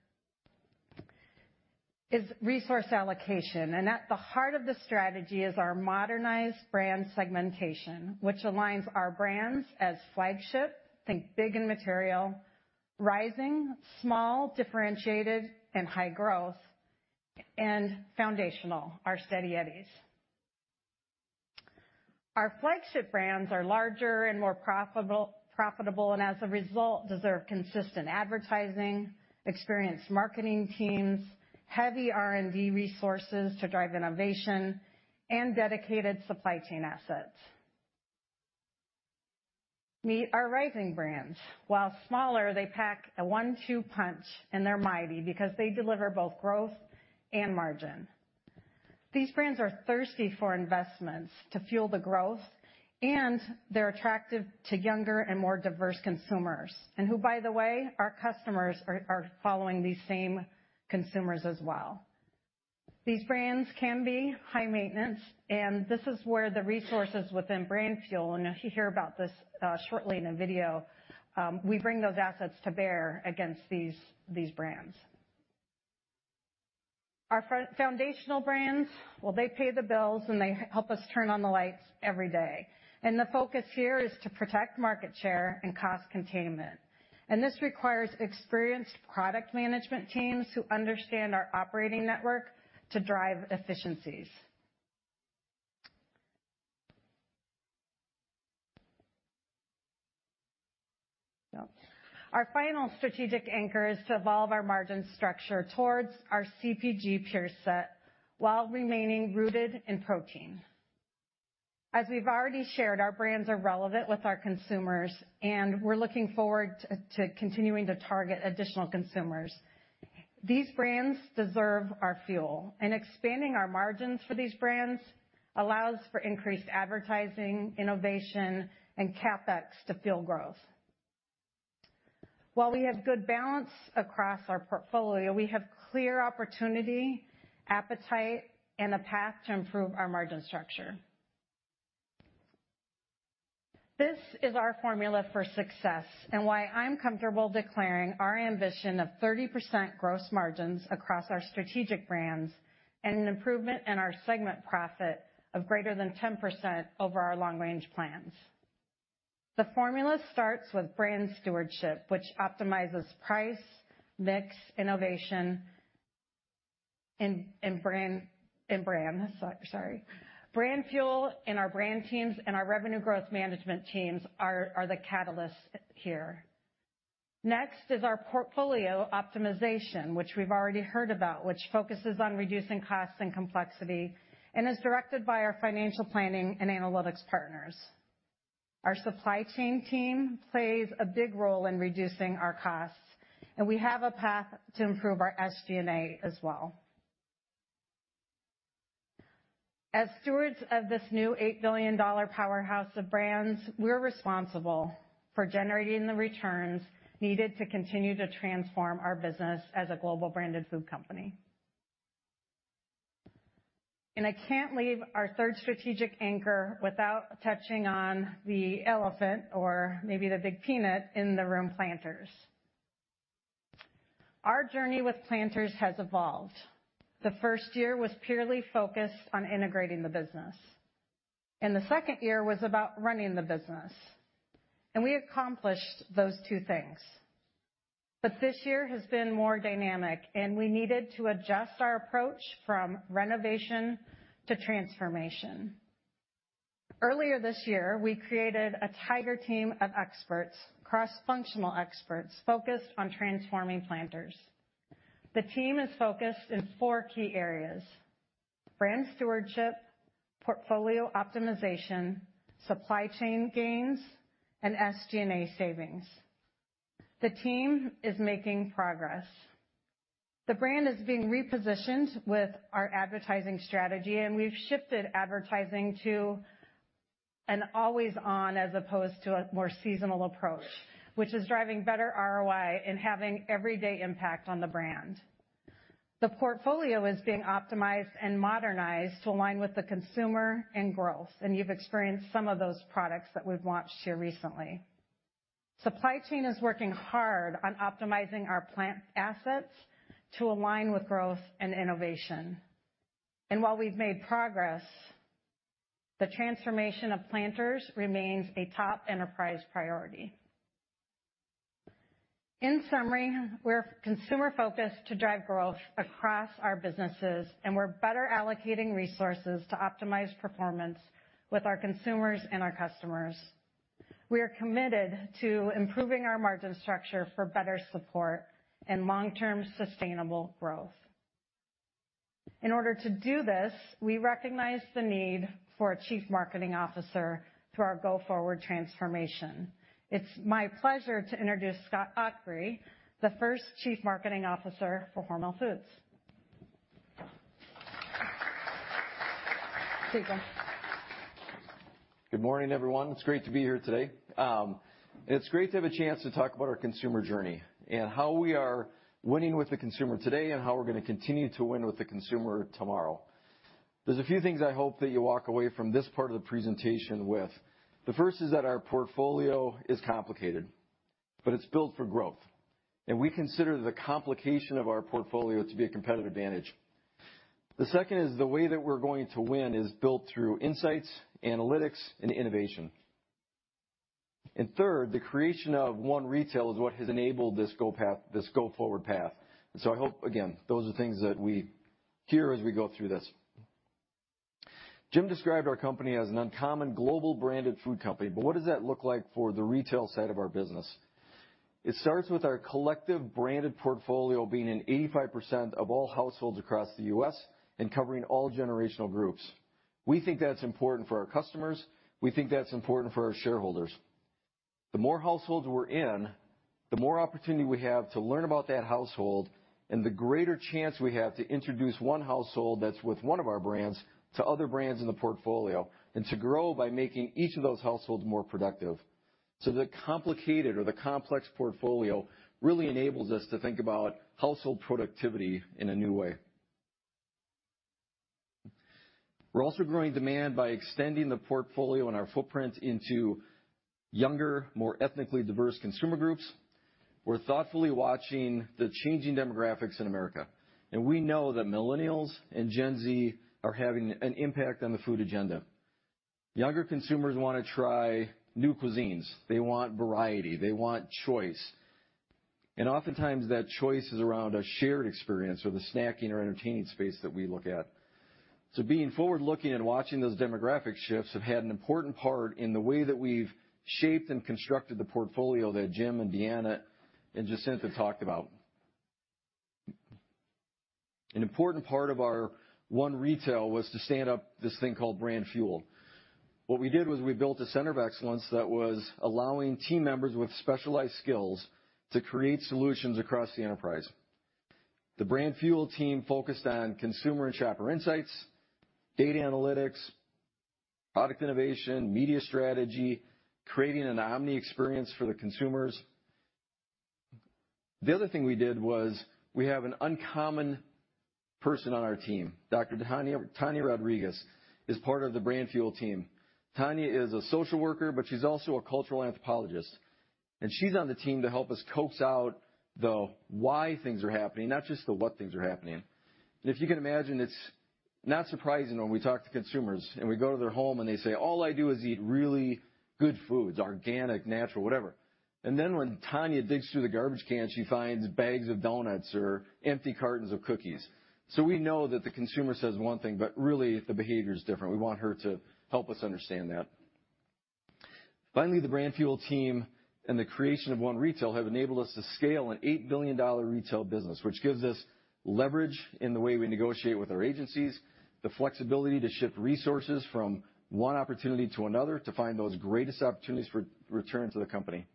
is resource allocation, and at the heart of the strategy is our modernized brand segmentation, which aligns our brands as flagship, think big and material. Rising, small, differentiated, and high growth. And foundational, our steady Eddies. Our flagship brands are larger and more profitable, profitable, and as a result, deserve consistent advertising, experienced marketing teams, heavy R&D resources to drive innovation, and dedicated supply chain assets. Meet our rising brands. While smaller, they pack a one-two punch, and they're mighty because they deliver both growth and margin. These brands are thirsty for investments to fuel the growth, and they're attractive to younger and more diverse consumers, and who, by the way, our customers are, are following these same consumers as well. These brands can be high maintenance, and this is where the resources within Brand Fuel, and you'll hear about this, shortly in a video, we bring those assets to bear against these, these brands. Our foundational brands, well, they pay the bills, and they help us turn on the lights every day. The focus here is to protect market share and cost containment, and this requires experienced product management teams who understand our operating network to drive efficiencies. Now, our final strategic anchor is to evolve our margin structure towards our CPG peer set while remaining rooted in protein. As we've already shared, our brands are relevant with our consumers, and we're looking forward to continuing to target additional consumers. These brands deserve our fuel, and expanding our margins for these brands allows for increased advertising, innovation, and CapEx to fuel growth. While we have good balance across our portfolio, we have clear opportunity, appetite, and a path to improve our margin structure. This is our formula for success and why I'm comfortable declaring our ambition of 30% gross margins across our strategic brands and an improvement in our segment profit of greater than 10% over our long-range plans. The formula starts with brand stewardship, which optimizes price, mix, innovation, and Brand Fuel and our brand teams and our Revenue Growth Management teams are the catalysts here. Next is our portfolio optimization, which we've already heard about, which focuses on reducing costs and complexity and is directed by our financial planning and analytics partners. Our supply chain team plays a big role in reducing our costs, and we have a path to improve our SG&A as well. As stewards of this new $8 billion powerhouse of brands, we're responsible for generating the returns needed to continue to transform our business as a global branded food company. And I can't leave our third strategic anchor without touching on the elephant, or maybe the big peanut in the room, Planters. Our journey with Planters has evolved. The first year was purely focused on integrating the business, and the second year was about running the business, and we accomplished those two things. This year has been more dynamic, and we needed to adjust our approach from renovation to transformation. Earlier this year, we created a tiger team of experts, cross-functional experts, focused on transforming Planters. The team is focused in four key areas: brand stewardship, portfolio optimization, supply chain gains, and SG&A savings. The team is making progress. The brand is being repositioned with our advertising strategy, and we've shifted advertising to an always on as opposed to a more seasonal approach, which is driving better ROI and having everyday impact on the brand. The portfolio is being optimized and modernized to align with the consumer and growth, and you've experienced some of those products that we've launched here recently. Supply chain is working hard on optimizing our plant assets to align with growth and innovation. While we've made progress, the transformation of Planters remains a top enterprise priority. In summary, we're consumer focused to drive growth across our businesses, and we're better allocating resources to optimize performance with our consumers and our customers. We are committed to improving our margin structure for better support and long-term sustainable growth. In order to do this, we recognize the need for a Chief Marketing Officer through our Go Forward transformation. It's my pleasure to introduce Scott Aakre, the first Chief Marketing Officer for Hormel Foods. Take it away. Good morning, everyone. It's great to be here today. It's great to have a chance to talk about our consumer journey and how we are winning with the consumer today and how we're going to continue to win with the consumer tomorrow. There's a few things I hope that you walk away from this part of the presentation with. The first is that our portfolio is complicated, but it's built for growth, and we consider the complication of our portfolio to be a competitive advantage. The second is, the way that we're going to win is built through insights, analytics, and innovation. And third, the creation of One Retail is what has enabled this go path, this Go Forward path. I hope, again, those are things that we hear as we go through this. Jim described our company as an uncommon global branded food company, but what does that look like for the retail side of our business? It starts with our collective branded portfolio being in 85% of all households across the US and covering all generational groups. We think that's important for our customers. We think that's important for our shareholders. The more households we're in, the more opportunity we have to learn about that household, and the greater chance we have to introduce one household that's with one of our brands to other brands in the portfolio, and to grow by making each of those households more productive. So the complicated or the complex portfolio really enables us to think about household productivity in a new way.... We're also growing demand by extending the portfolio and our footprint into younger, more ethnically diverse consumer groups. We're thoughtfully watching the changing demographics in America, and we know that Millennials and Gen Z are having an impact on the food agenda. Younger consumers wanna try new cuisines. They want variety, they want choice, and oftentimes, that choice is around a shared experience or the snacking or entertaining space that we look at. So being forward-looking and watching those demographic shifts have had an important part in the way that we've shaped and constructed the portfolio that Jim and Deanna and Jacinth talked about. An important part of our One Retail was to stand up this thing called Brand Fuel. What we did was we built a center of excellence that was allowing team members with specialized skills to create solutions across the enterprise. The Brand Fuel team focused on consumer and shopper insights, data analytics, product innovation, media strategy, creating an omni experience for the consumers. The other thing we did was, we have an uncommon person on our team, Dr. Tanya, Tanya Rodriguez is part of the Brand Fuel team. Tania is a social worker, but she's also a cultural anthropologist, and she's on the team to help us coax out the why things are happening, not just the what things are happening. And if you can imagine, it's not surprising when we talk to consumers, and we go to their home, and they say, "All I do is eat really good foods, organic, natural, whatever." And then when Tania digs through the garbage can, she finds bags of donuts or empty cartons of cookies. So we know that the consumer says one thing, but really, the behavior is different. We want her to help us understand that. Finally, the Brand Fuel team and the creation of One Retail have enabled us to scale an $8 billion retail business, which gives us leverage in the way we negotiate with our agencies, the flexibility to ship resources from one opportunity to another to find those greatest opportunities for return to the company.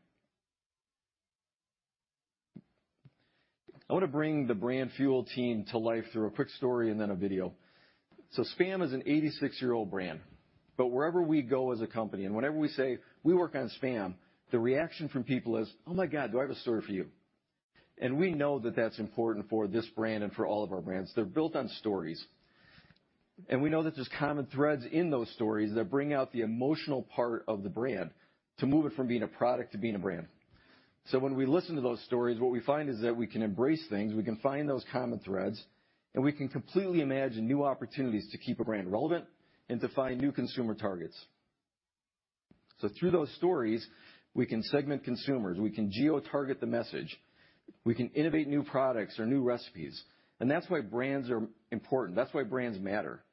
I want to bring the Brand Fuel team to life through a quick story and then a video. So SPAM is an 86-year-old brand, but wherever we go as a company, and whenever we say, "We work on SPAM," the reaction from people is, "Oh, my God, do I have a story for you!" And we know that that's important for this brand and for all of our brands. They're built on stories, and we know that there's common threads in those stories that bring out the emotional part of the brand, to move it from being a product to being a brand. So when we listen to those stories, what we find is that we can embrace things, we can find those common threads, and we can completely imagine new opportunities to keep a brand relevant and to find new consumer targets. So through those stories, we can segment consumers, we can geo-target the message, we can innovate new products or new recipes, and that's why brands are important. That's why brands matter.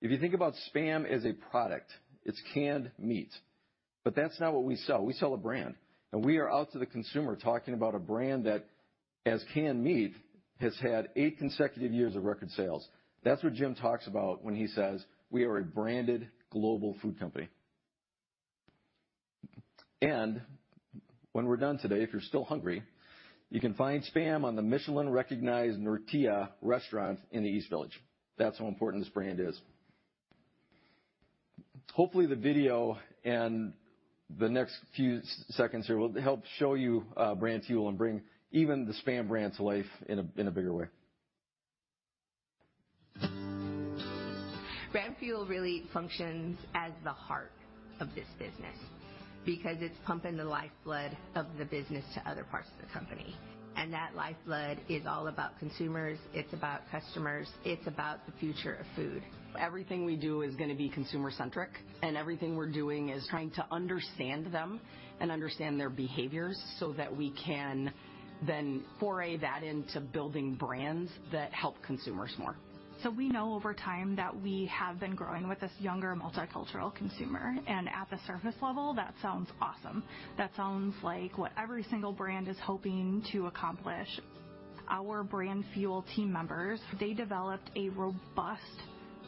If you think about SPAM as a product, it's canned meat, but that's not what we sell. We sell a brand, and we are out to the consumer, talking about a brand that, as canned meat, has had eight consecutive years of record sales. That's what Jim talks about when he says, "We are a branded global food company." And when we're done today, if you're still hungry, you can find SPAM on the Michelin-recognized Noreetuh restaurant in the East Village. That's how important this brand is. Hopefully, the video and the next few seconds here will help show you, Brand Fuel and bring even the SPAM brand to life in a bigger way. Brand Fuel really functions as the heart of this business because it's pumping the lifeblood of the business to other parts of the company, and that lifeblood is all about consumers, it's about customers, it's about the future of food. Everything we do is gonna be consumer-centric, and everything we're doing is trying to understand them and understand their behaviors so that we can then pour that into building brands that help consumers more. So we know over time that we have been growing with this younger, multicultural consumer, and at the surface level, that sounds awesome. That sounds like what every single brand is hoping to accomplish. Our Brand Fuel team members, they developed a robust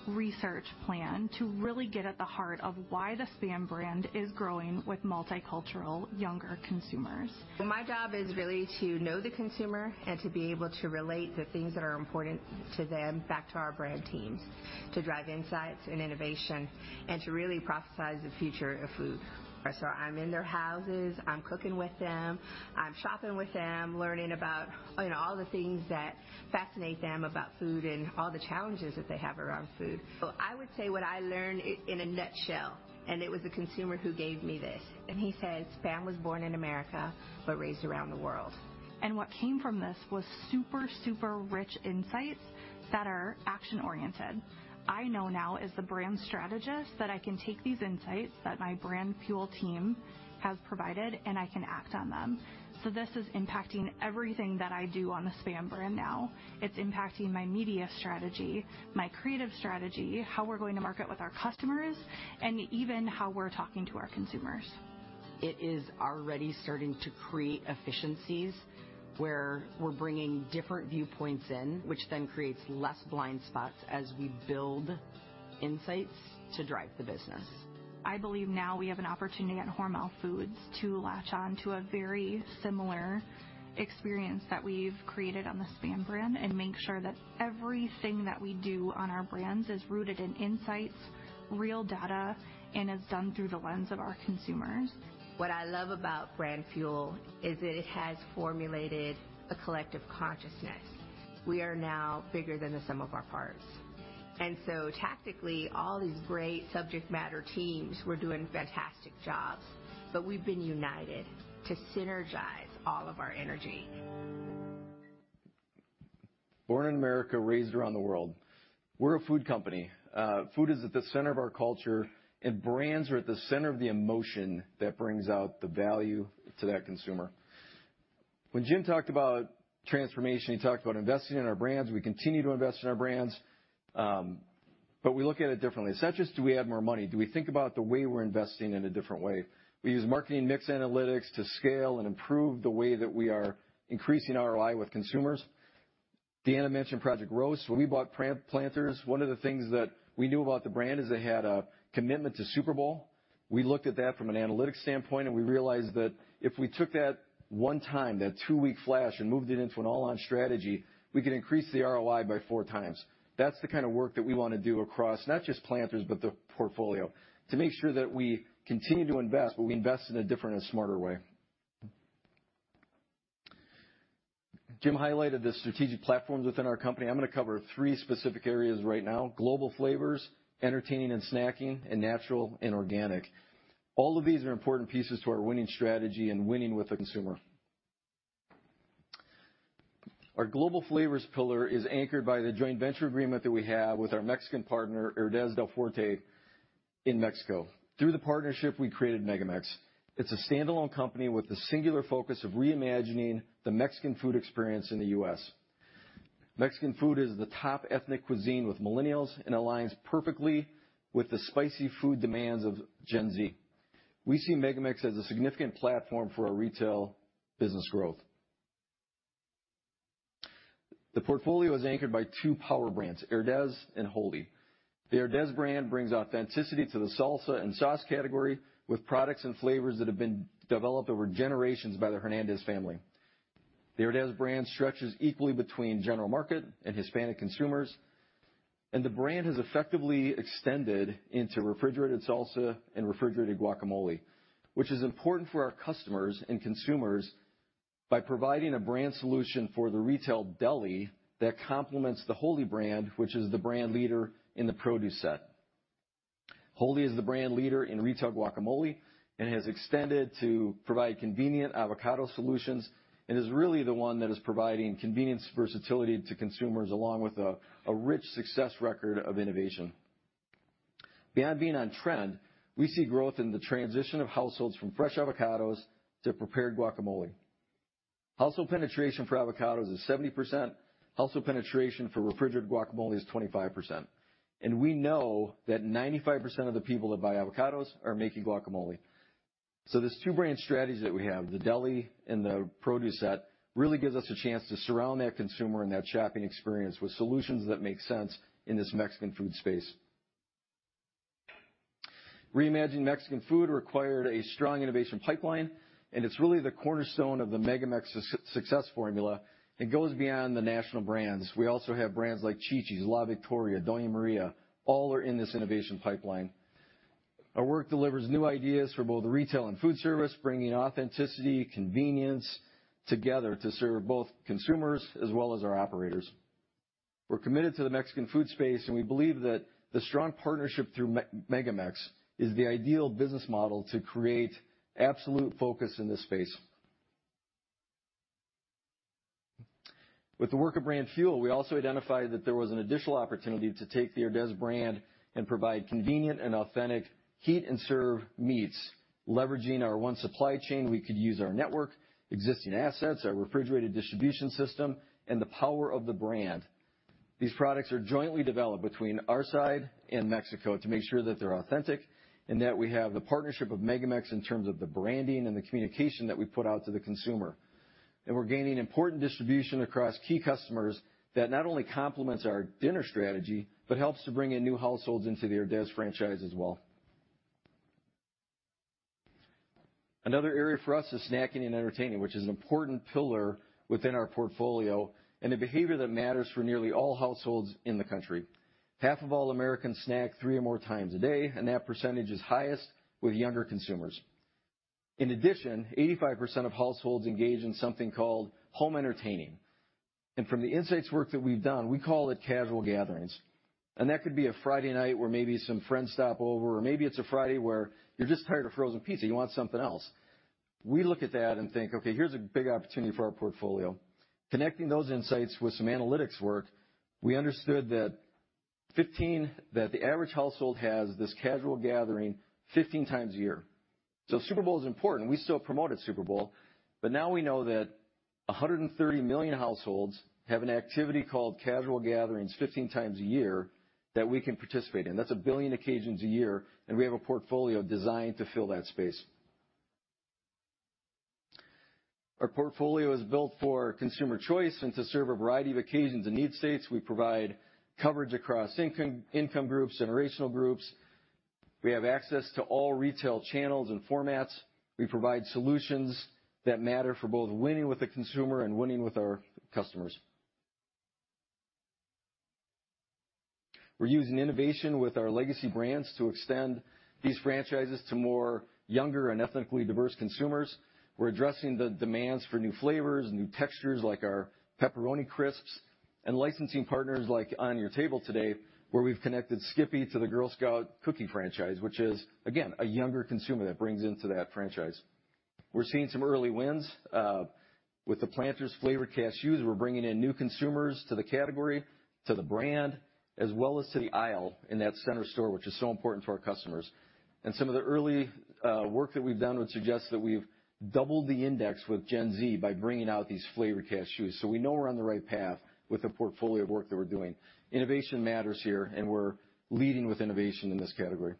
research plan to really get at the heart of why the SPAM brand is growing with multicultural, younger consumers. My job is really to know the consumer and to be able to relate the things that are important to them back to our brand teams, to drive insights and innovation and to really prophesize the future of food. So I'm in their houses, I'm cooking with them, I'm shopping with them, learning about, you know, all the things that fascinate them about food and all the challenges that they have around food. So I would say what I learned in, in a nutshell, and it was a consumer who gave me this, and he says, "SPAM was born in America but raised around the world. What came from this was super, super rich insights that are action-oriented. I know now as the brand strategist, that I can take these insights that my Brand Fuel team has provided, and I can act on them. So this is impacting everything that I do on the SPAM brand now. It's impacting my media strategy, my creative strategy, how we're going to market with our customers, and even how we're talking to our consumers. It is already starting to create efficiencies, where we're bringing different viewpoints in, which then creates less blind spots as we build insights to drive the business. I believe now we have an opportunity at Hormel Foods to latch on to a very similar experience that we've created on the SPAM brand and make sure that everything that we do on our brands is rooted in insights, real data, and it's done through the lens of our consumers. What I love about Brand Fuel is that it has formulated a collective consciousness. We are now bigger than the sum of our parts. And so tactically, all these great subject matter teams were doing fantastic jobs, but we've been united to synergize all of our energy. Born in America, raised around the world. We're a food company. Food is at the center of our culture, and brands are at the center of the emotion that brings out the value to that consumer. When Jim talked about transformation, he talked about investing in our brands. We continue to invest in our brands, but we look at it differently. It's not just do we add more money? Do we think about the way we're investing in a different way? We use marketing mix analytics to scale and improve the way that we are increasing ROI with consumers. Deanna mentioned Project Roast. When we bought Planters, one of the things that we knew about the brand is it had a commitment to Super Bowl. We looked at that from an analytics standpoint, and we realized that if we took that one time, that two-week flash, and moved it into an all-on strategy, we could increase the ROI by 4x. That's the kind of work that we wanna do across, not just Planters, but the portfolio, to make sure that we continue to invest, but we invest in a different and smarter way. Jim highlighted the strategic platforms within our company. I'm gonna cover three specific areas right now: global flavors, entertaining and snacking, and natural and organic. All of these are important pieces to our winning strategy and winning with the consumer. Our global flavors pillar is anchored by the joint venture agreement that we have with our Mexican partner, Herdez Del Fuerte, in Mexico. Through the partnership, we created MegaMex. It's a standalone company with the singular focus of reimagining the Mexican food experience in the U.S. Mexican food is the top ethnic cuisine with millennials and aligns perfectly with the spicy food demands of Gen Z. We see MegaMex as a significant platform for our retail business growth. The portfolio is anchored by two power brands, Herdez and Wholly. The Herdez brand brings authenticity to the salsa and sauce category, with products and flavors that have been developed over generations by the Hernandez family. The Herdez brand stretches equally between general market and Hispanic consumers, and the brand has effectively extended into refrigerated salsa and refrigerated guacamole, which is important for our customers and consumers by providing a brand solution for the retail deli that complements the Wholly brand, which is the brand leader in the produce set. Wholly is the brand leader in retail guacamole and has extended to provide convenient avocado solutions and is really the one that is providing convenience, versatility to consumers, along with a rich success record of innovation. Beyond being on trend, we see growth in the transition of households from fresh avocados to prepared guacamole. Household penetration for avocados is 70%. Household penetration for refrigerated guacamole is 25%, and we know that 95% of the people that buy avocados are making guacamole. So this two-brand strategy that we have, the deli and the produce set, really gives us a chance to surround that consumer and that shopping experience with solutions that make sense in this Mexican food space. Reimagining Mexican food required a strong innovation pipeline, and it's really the cornerstone of the MegaMex success formula and goes beyond the national brands. We also have brands like Chi-Chi's, La Victoria, Doña María, all are in this innovation pipeline. Our work delivers new ideas for both the retail and foodservice, bringing authenticity, convenience together to serve both consumers as well as our operators. We're committed to the Mexican food space, and we believe that the strong partnership through MegaMex is the ideal business model to create absolute focus in this space. With the work of Brand Fuel, we also identified that there was an additional opportunity to take the Herdez brand and provide convenient and authentic heat and serve meats. Leveraging our One Supply Chain, we could use our network, existing assets, our refrigerated distribution system, and the power of the brand. These products are jointly developed between our side and Mexico to make sure that they're authentic and that we have the partnership of MegaMex in terms of the branding and the communication that we put out to the consumer. We're gaining important distribution across key customers that not only complements our dinner strategy, but helps to bring in new households into the Herdez franchise as well. Another area for us is snacking and entertaining, which is an important pillar within our portfolio and a behavior that matters for nearly all households in the country. Half of all Americans snack three or more times a day, and that percentage is highest with younger consumers. In addition, 85% of households engage in something called home entertaining, and from the insights work that we've done, we call it casual gatherings. That could be a Friday night where maybe some friends stop over, or maybe it's a Friday where you're just tired of frozen pizza, you want something else. We look at that and think, "Okay, here's a big opportunity for our portfolio." Connecting those insights with some analytics work, we understood that 15 – that the average household has this casual gathering 15x a year. So Super Bowl is important. We still promoted Super Bowl, but now we know that 130 million households have an activity called casual gatherings 15x a year that we can participate in. That's 1 billion occasions a year, and we have a portfolio designed to fill that space. Our portfolio is built for consumer choice and to serve a variety of occasions and need states. We provide coverage across income, income groups, generational groups. We have access to all retail channels and formats. We provide solutions that matter for both winning with the consumer and winning with our customers. We're using innovation with our legacy brands to extend these franchises to more younger and ethnically diverse consumers. We're addressing the demands for new flavors, new textures, like our pepperoni crisps, and licensing partners like on your table today, where we've connected Skippy to the Girl Scout cookie franchise, which is, again, a younger consumer that brings into that franchise. We're seeing some early wins with the Planters flavored cashews. We're bringing in new consumers to the category, to the brand, as well as to the aisle in that center store, which is so important to our customers. And some of the early work that we've done would suggest that we've doubled the index with Gen Z by bringing out these flavored cashews. So we know we're on the right path with the portfolio of work that we're doing. Innovation matters here, and we're leading with innovation in this category.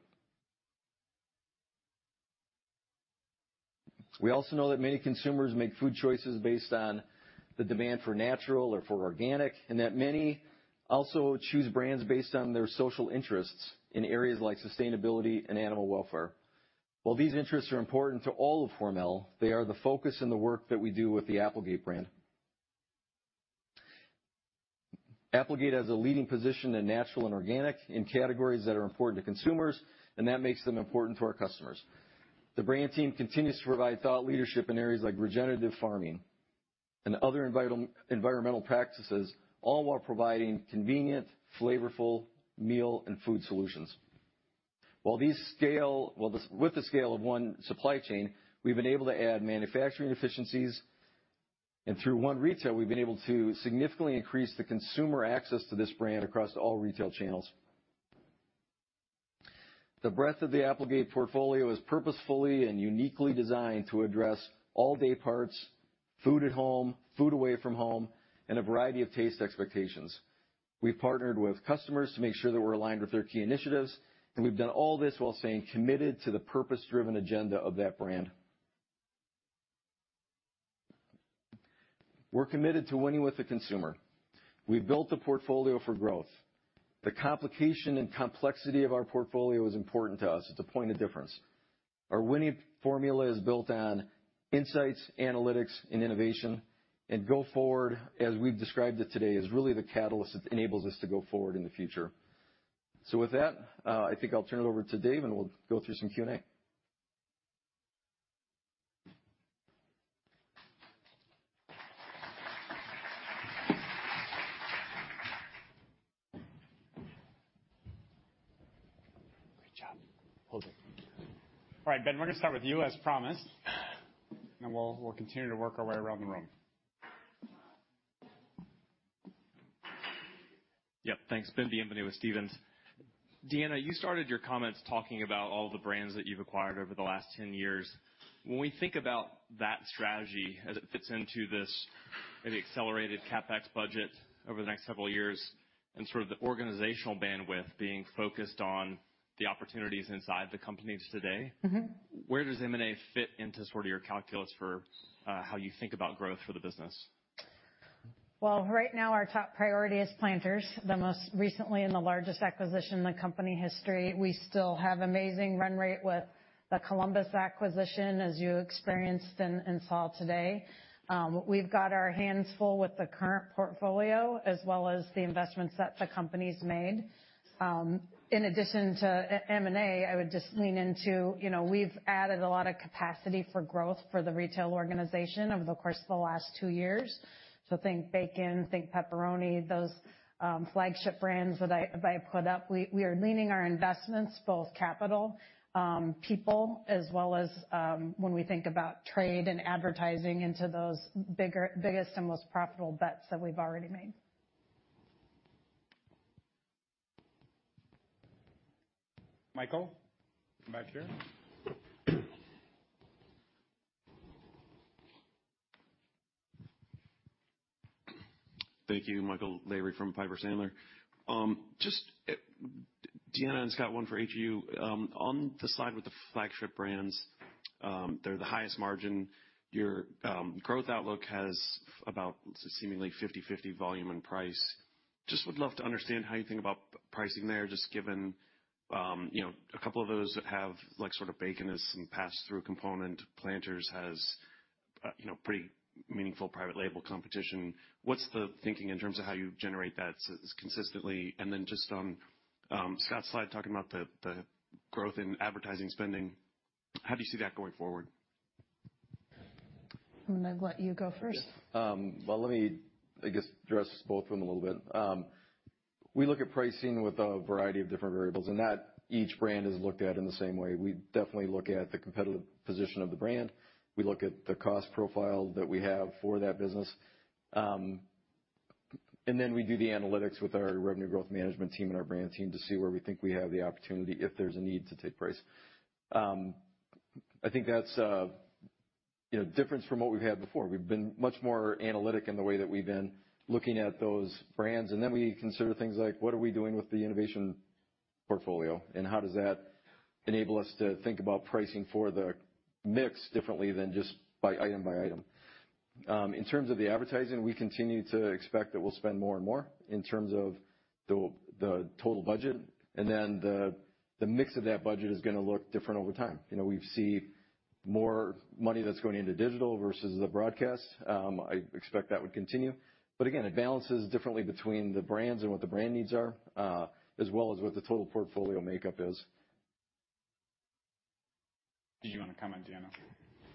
We also know that many consumers make food choices based on the demand for natural or for organic, and that many also choose brands based on their social interests in areas like sustainability and animal welfare. While these interests are important to all of Hormel, they are the focus in the work that we do with the Applegate brand. Applegate has a leading position in natural and organic, in categories that are important to consumers, and that makes them important to our customers. The brand team continues to provide thought leadership in areas like regenerative farming and other environmental practices, all while providing convenient, flavorful meal and food solutions. Well, with the scale of One Supply Chain, we've been able to add manufacturing efficiencies, and through One Retail, we've been able to significantly increase the consumer access to this brand across all retail channels. The breadth of the Applegate portfolio is purposefully and uniquely designed to address all day parts, food at home, food away from home, and a variety of taste expectations. We've partnered with customers to make sure that we're aligned with their key initiatives, and we've done all this while staying committed to the purpose-driven agenda of that brand. We're committed to winning with the consumer. We've built a portfolio for growth. The complication and complexity of our portfolio is important to us. It's a point of difference. Our winning formula is built on insights, analytics, and innovation, and Go Forward, as we've described it today, is really the catalyst that enables us to Go Forward in the future. So with that, I think I'll turn it over to Dave, and we'll go through some Q&A. Great job. Hold it. All right, Ben, we're going to start with you, as promised, and we'll, we'll continue to work our way around the room. Yep. Thanks, Ben Bienvenu with Stephens. Deanna, you started your comments talking about all the brands that you've acquired over the last 10 years. When we think about that strategy as it fits into this maybe accelerated CapEx budget over the next several years and sort of the organizational bandwidth being focused on the opportunities inside the companies today- Mm-hmm. Where does M&A fit into sort of your calculus for how you think about growth for the business? Well, right now, our top priority is Planters, the most recently and the largest acquisition in the company history. We still have amazing run rate with the Columbus acquisition, as you experienced and saw today. We've got our hands full with the current portfolio, as well as the investments that the company's made. In addition to M&A, I would just lean into, you know, we've added a lot of capacity for growth for the retail organization over the course of the last two years. So think bacon, think pepperoni, those flagship brands that I put up. We are leaning our investments, both capital, people, as well as, when we think about trade and advertising into those bigger, biggest and most profitable bets that we've already made. Michael, back here. Thank you. Michael Lavery from Piper Sandler. Just, Deanna and Scott, one for each of you. On the side with the flagship brands, they're the highest margin. Your growth outlook has about seemingly 50/50 volume and price. Just would love to understand how you think about pricing there, just given, you know, a couple of those that have, like, sort of bacon as some pass-through component. Planters has, you know, pretty meaningful private label competition. What's the thinking in terms of how you generate that consistently? And then just on, Scott's slide, talking about the, the growth in advertising spending, how do you see that going forward? I'm going to let you go first. Well, let me, I guess, address both of them a little bit. We look at pricing with a variety of different variables, and not each brand is looked at in the same way. We definitely look at the competitive position of the brand. We look at the cost profile that we have for that business. And then we do the analytics with our Revenue Growth Management team and our brand team to see where we think we have the opportunity, if there's a need to take price. I think that's, you know, different from what we've had before. We've been much more analytic in the way that we've been looking at those brands, and then we consider things like, what are we doing with the innovation portfolio, and how does that enable us to think about pricing for the mix differently than just by item by item? In terms of the advertising, we continue to expect that we'll spend more and more in terms of the total budget, and then the mix of that budget is going to look different over time. You know, we've seen more money that's going into digital versus the broadcast. I expect that would continue. But again, it balances differently between the brands and what the brand needs are, as well as what the total portfolio makeup is. Did you want to comment, Deanna?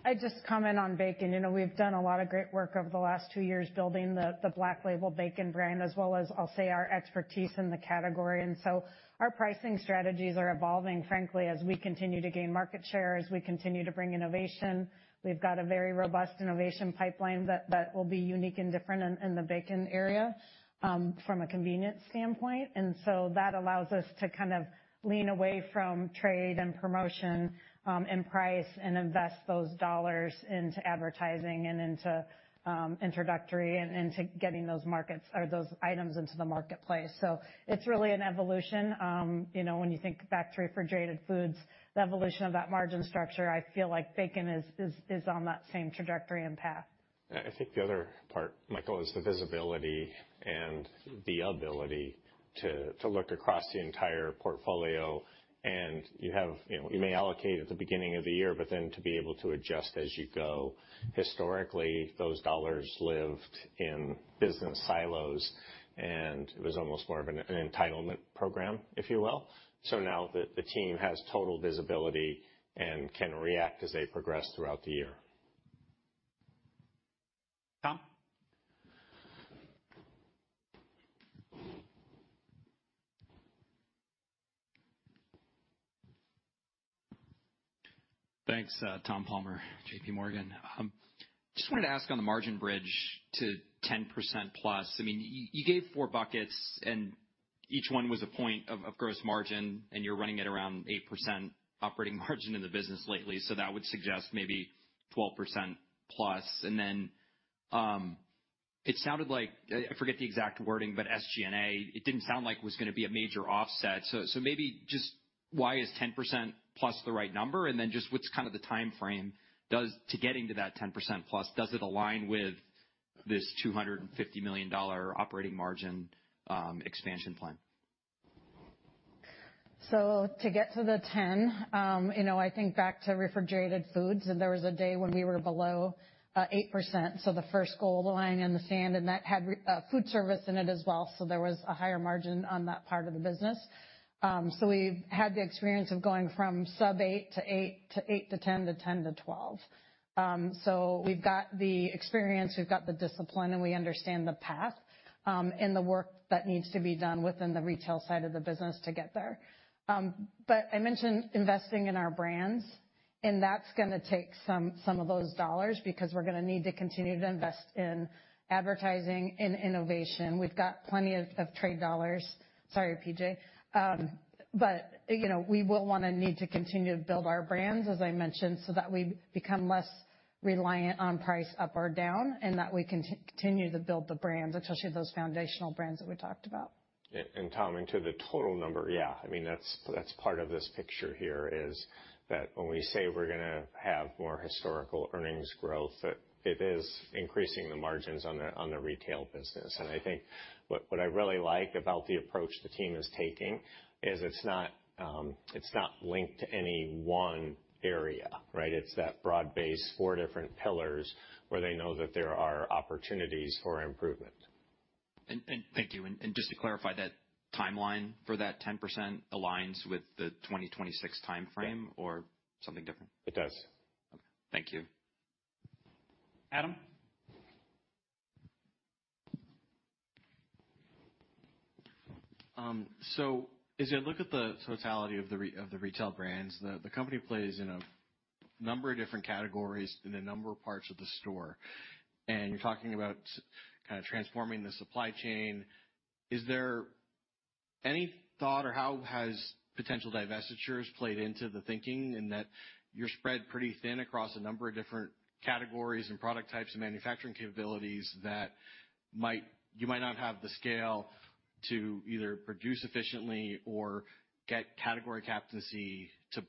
I'd just comment on bacon. You know, we've done a lot of great work over the last two years building the Black Label bacon brand, as well as, I'll say, our expertise in the category. And so our pricing strategies are evolving, frankly, as we continue to gain market share, as we continue to bring innovation. We've got a very robust innovation pipeline that will be unique and different in the bacon area from a convenience standpoint. And so that allows us to kind of lean away from trade and promotion and price, and invest those dollars into advertising and into introductory and into getting those markets or those items into the marketplace. So it's really an evolution. You know, when you think back to refrigerated foods, the evolution of that margin structure, I feel like bacon is on that same trajectory and path. I think the other part, Michael, is the visibility and the ability to look across the entire portfolio. And you have, you know, you may allocate at the beginning of the year, but then to be able to adjust as you go. Historically, those dollars lived in business silos, and it was almost more of an entitlement program, if you will. So now that the team has total visibility and can react as they progress throughout the year. Tom? Thanks, Tom Palmer, JPMorgan. Just wanted to ask on the margin bridge to 10%+. I mean, you gave four buckets, and each one was a point of gross margin, and you're running at around 8% operating margin in the business lately, so that would suggest maybe 12%+. And then, it sounded like, I forget the exact wording, but SG&A, it didn't sound like it was gonna be a major offset. So, maybe just why is 10%+ the right number? And then just what's kind of the time frame to getting to that 10%+, does it align with this $250 million operating margin expansion plan? So to get to the 10,% you know, I think back to refrigerated foods, and there was a day when we were below 8%, so the first goal line in the sand, and that had foodservice in it as well, so there was a higher margin on that part of the business. So we've had the experience of going from sub 8% to 8%, to 8% to 10%, to 10% to 12%. So we've got the experience, we've got the discipline, and we understand the path, and the work that needs to be done within the retail side of the business to get there. But I mentioned investing in our brands, and that's gonna take some of those dollars, because we're gonna need to continue to invest in advertising and innovation. We've got plenty of trade dollars. Sorry, PJ. You know, we will want to need to continue to build our brands, as I mentioned, so that we become less reliant on price up or down, and that we continue to build the brands, especially those foundational brands that we talked about. And Tom, into the total number, yeah, I mean, that's part of this picture here, is that when we say we're gonna have more historical earnings growth, that it is increasing the margins on the retail business. And I think what I really like about the approach the team is taking is it's not linked to any one area, right? It's that broad base, four different pillars, where they know that there are opportunities for improvement. And thank you. And just to clarify, that timeline for that 10% aligns with the 2026 time frame or something different? It does. Okay. Thank you. Adam? So as you look at the totality of the retail brands, the company plays in a number of different categories in a number of parts of the store, and you're talking about kind of transforming the supply chain. Is there any thought, or how has potential divestitures played into the thinking in that you're spread pretty thin across a number of different categories and product types and manufacturing capabilities that you might not have the scale to either produce efficiently or get category captaincy to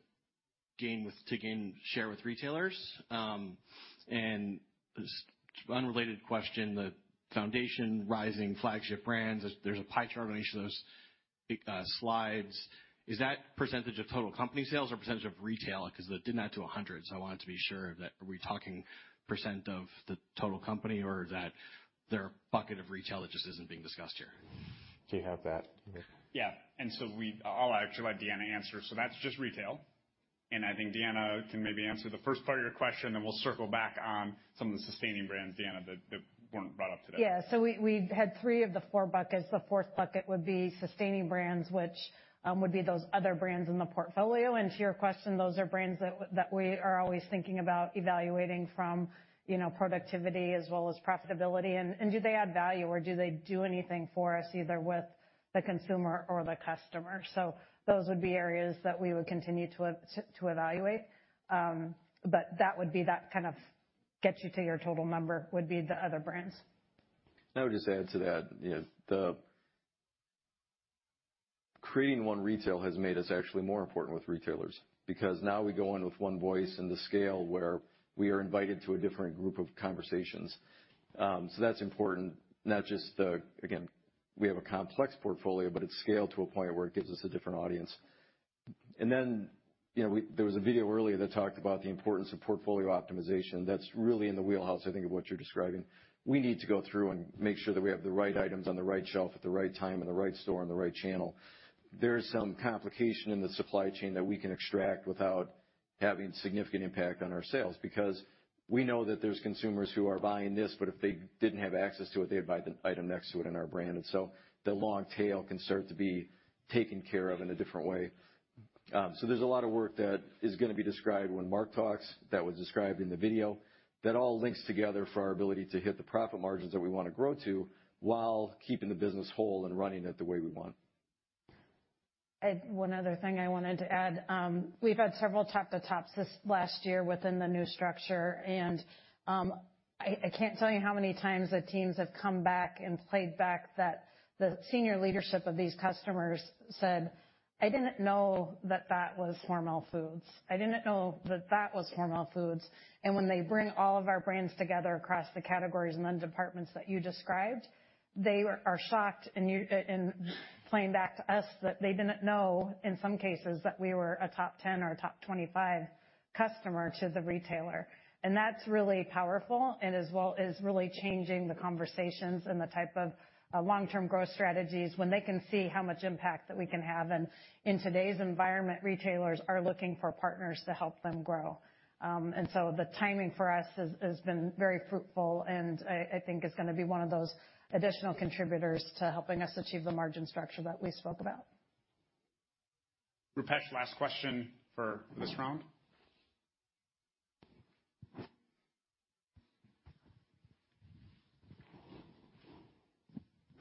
gain share with retailers? And just unrelated question, the foundation, rising flagship brands, there's a pie chart on each of those slides. Is that percentage of total company sales or percentage of retail? Because it didn't add to 100, so I wanted to be sure that are we talking % of the total company, or is that there a bucket of retail that just isn't being discussed here? Do you have that? Yeah. And so we... I'll actually let Deanna answer. So that's just retail. And I think Deanna can maybe answer the first part of your question, and we'll circle back on some of the sustaining brands, Deanna, that weren't brought up today. Yeah. So we had three of the four buckets. The fourth bucket would be sustaining brands, which would be those other brands in the portfolio. And to your question, those are brands that we are always thinking about evaluating from, you know, productivity as well as profitability, and do they add value or do they do anything for us, either with the consumer or the customer? So those would be areas that we would continue to evaluate. But that would be that kind of get you to your total number, would be the other brands. I would just add to that, you know, Creating One Retail has made us actually more important with retailers, because now we go in with one voice and the scale where we are invited to a different group of conversations. So that's important, not just the, again,... we have a complex portfolio, but it's scaled to a point where it gives us a different audience. And then, you know, we, there was a video earlier that talked about the importance of portfolio optimization. That's really in the wheelhouse, I think, of what you're describing. We need to go through and make sure that we have the right items on the right shelf at the right time, in the right store, in the right channel. There is some complication in the supply chain that we can extract without having significant impact on our sales, because we know that there's consumers who are buying this, but if they didn't have access to it, they'd buy the item next to it in our brand, and so the long tail can start to be taken care of in a different way. So, there's a lot of work that is gonna be described when Mark talks, that was described in the video, that all links together for our ability to hit the profit margins that we want to grow to, while keeping the business whole and running it the way we want. One other thing I wanted to add. We've had several [top to tops since] last year within the new structure, and I can't tell you how many times the teams have come back and played back that the senior leadership of these customers said, "I didn't know that that was Hormel Foods. I didn't know that that was Hormel Foods." And when they bring all of our brands together across the categories and then departments that you described, they are shocked and playing back to us that they didn't know, in some cases, that we were a top 10 or a top 25 customer to the retailer. And that's really powerful, and as well, is really changing the conversations and the type of long-term growth strategies when they can see how much impact that we can have. In today's environment, retailers are looking for partners to help them grow. And so the timing for us has been very fruitful, and I think it's gonna be one of those additional contributors to helping us achieve the margin structure that we spoke about. Rupesh, last question for this round.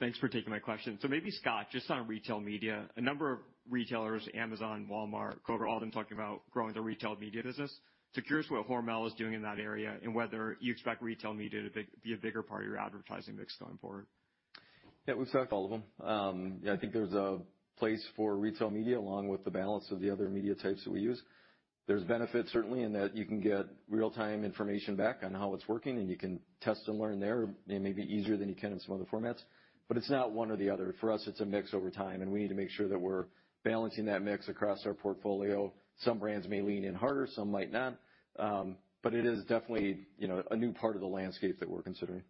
Thanks for taking my question. So maybe, Scott, just on retail media, a number of retailers, Amazon, Walmart, Kroger, all them talking about growing their retail media business. So curious what Hormel is doing in that area, and whether you expect retail media to be a bigger part of your advertising mix going forward? Yeah, we've talked to all of them. Yeah, I think there's a place for retail media, along with the balance of the other media types that we use. There's benefits, certainly, in that you can get real-time information back on how it's working, and you can test and learn there. It may be easier than you can in some other formats, but it's not one or the other. For us, it's a mix over time, and we need to make sure that we're balancing that mix across our portfolio. Some brands may lean in harder, some might not. But it is definitely, you know, a new part of the landscape that we're considering.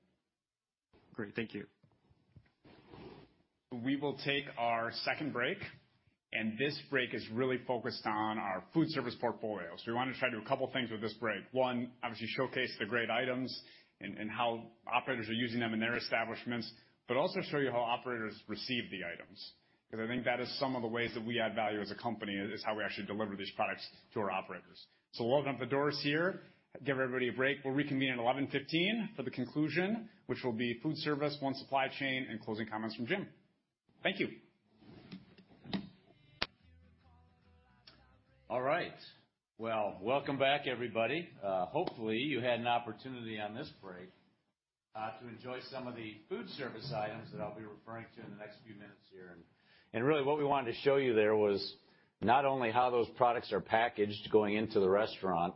Great. Thank you. We will take our second break, and this break is really focused on our Foodservice portfolio. So we want to try to do a couple things with this break. One, obviously showcase the great items and how operators are using them in their establishments, but also show you how operators receive the items, because I think that is some of the ways that we add value as a company, is how we actually deliver these products to our operators. So we'll open up the doors here, give everybody a break. We'll reconvene at 11:15 A.M. for the conclusion, which will be Foodservice, One Supply Chain, and closing comments from Jim. Thank you. All right. Well, welcome back, everybody. Hopefully, you had an opportunity on this break to enjoy some of the foodservice items that I'll be referring to in the next few minutes here. And really, what we wanted to show you there was not only how those products are packaged going into the restaurant,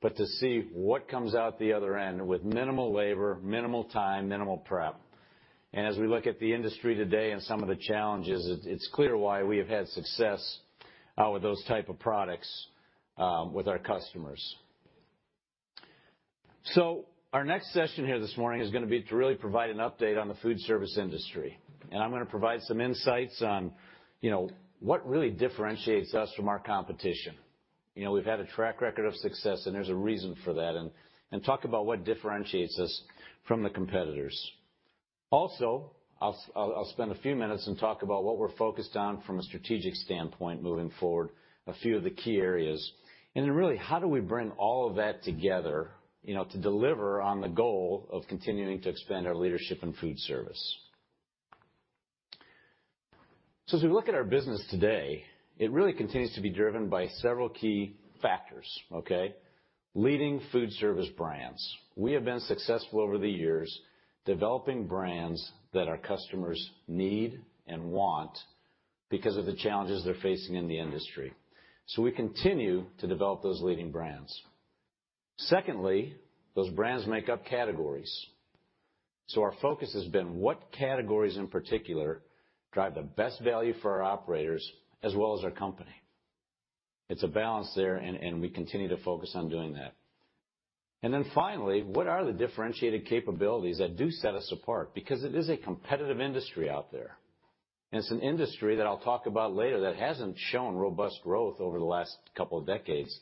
but to see what comes out the other end with minimal labor, minimal time, minimal prep. And as we look at the industry today and some of the challenges, it's clear why we have had success with those type of products with our customers. So our next session here this morning is gonna be to really provide an update on the foodservice industry. And I'm gonna provide some insights on, you know, what really differentiates us from our competition. You know, we've had a track record of success, and there's a reason for that, and talk about what differentiates us from the competitors. Also, I'll spend a few minutes and talk about what we're focused on from a strategic standpoint moving forward, a few of the key areas. And then, really, how do we bring all of that together, you know, to deliver on the goal of continuing to expand our leadership in foodservice? So as we look at our business today, it really continues to be driven by several key factors, okay? Leading foodservice brands. We have been successful over the years developing brands that our customers need and want because of the challenges they're facing in the industry. So we continue to develop those leading brands. Secondly, those brands make up categories, so our focus has been what categories in particular drive the best value for our operators as well as our company. It's a balance there, and, and we continue to focus on doing that. And then finally, what are the differentiated capabilities that do set us apart? Because it is a competitive industry out there, and it's an industry that I'll talk about later, that hasn't shown robust growth over the last couple of decades.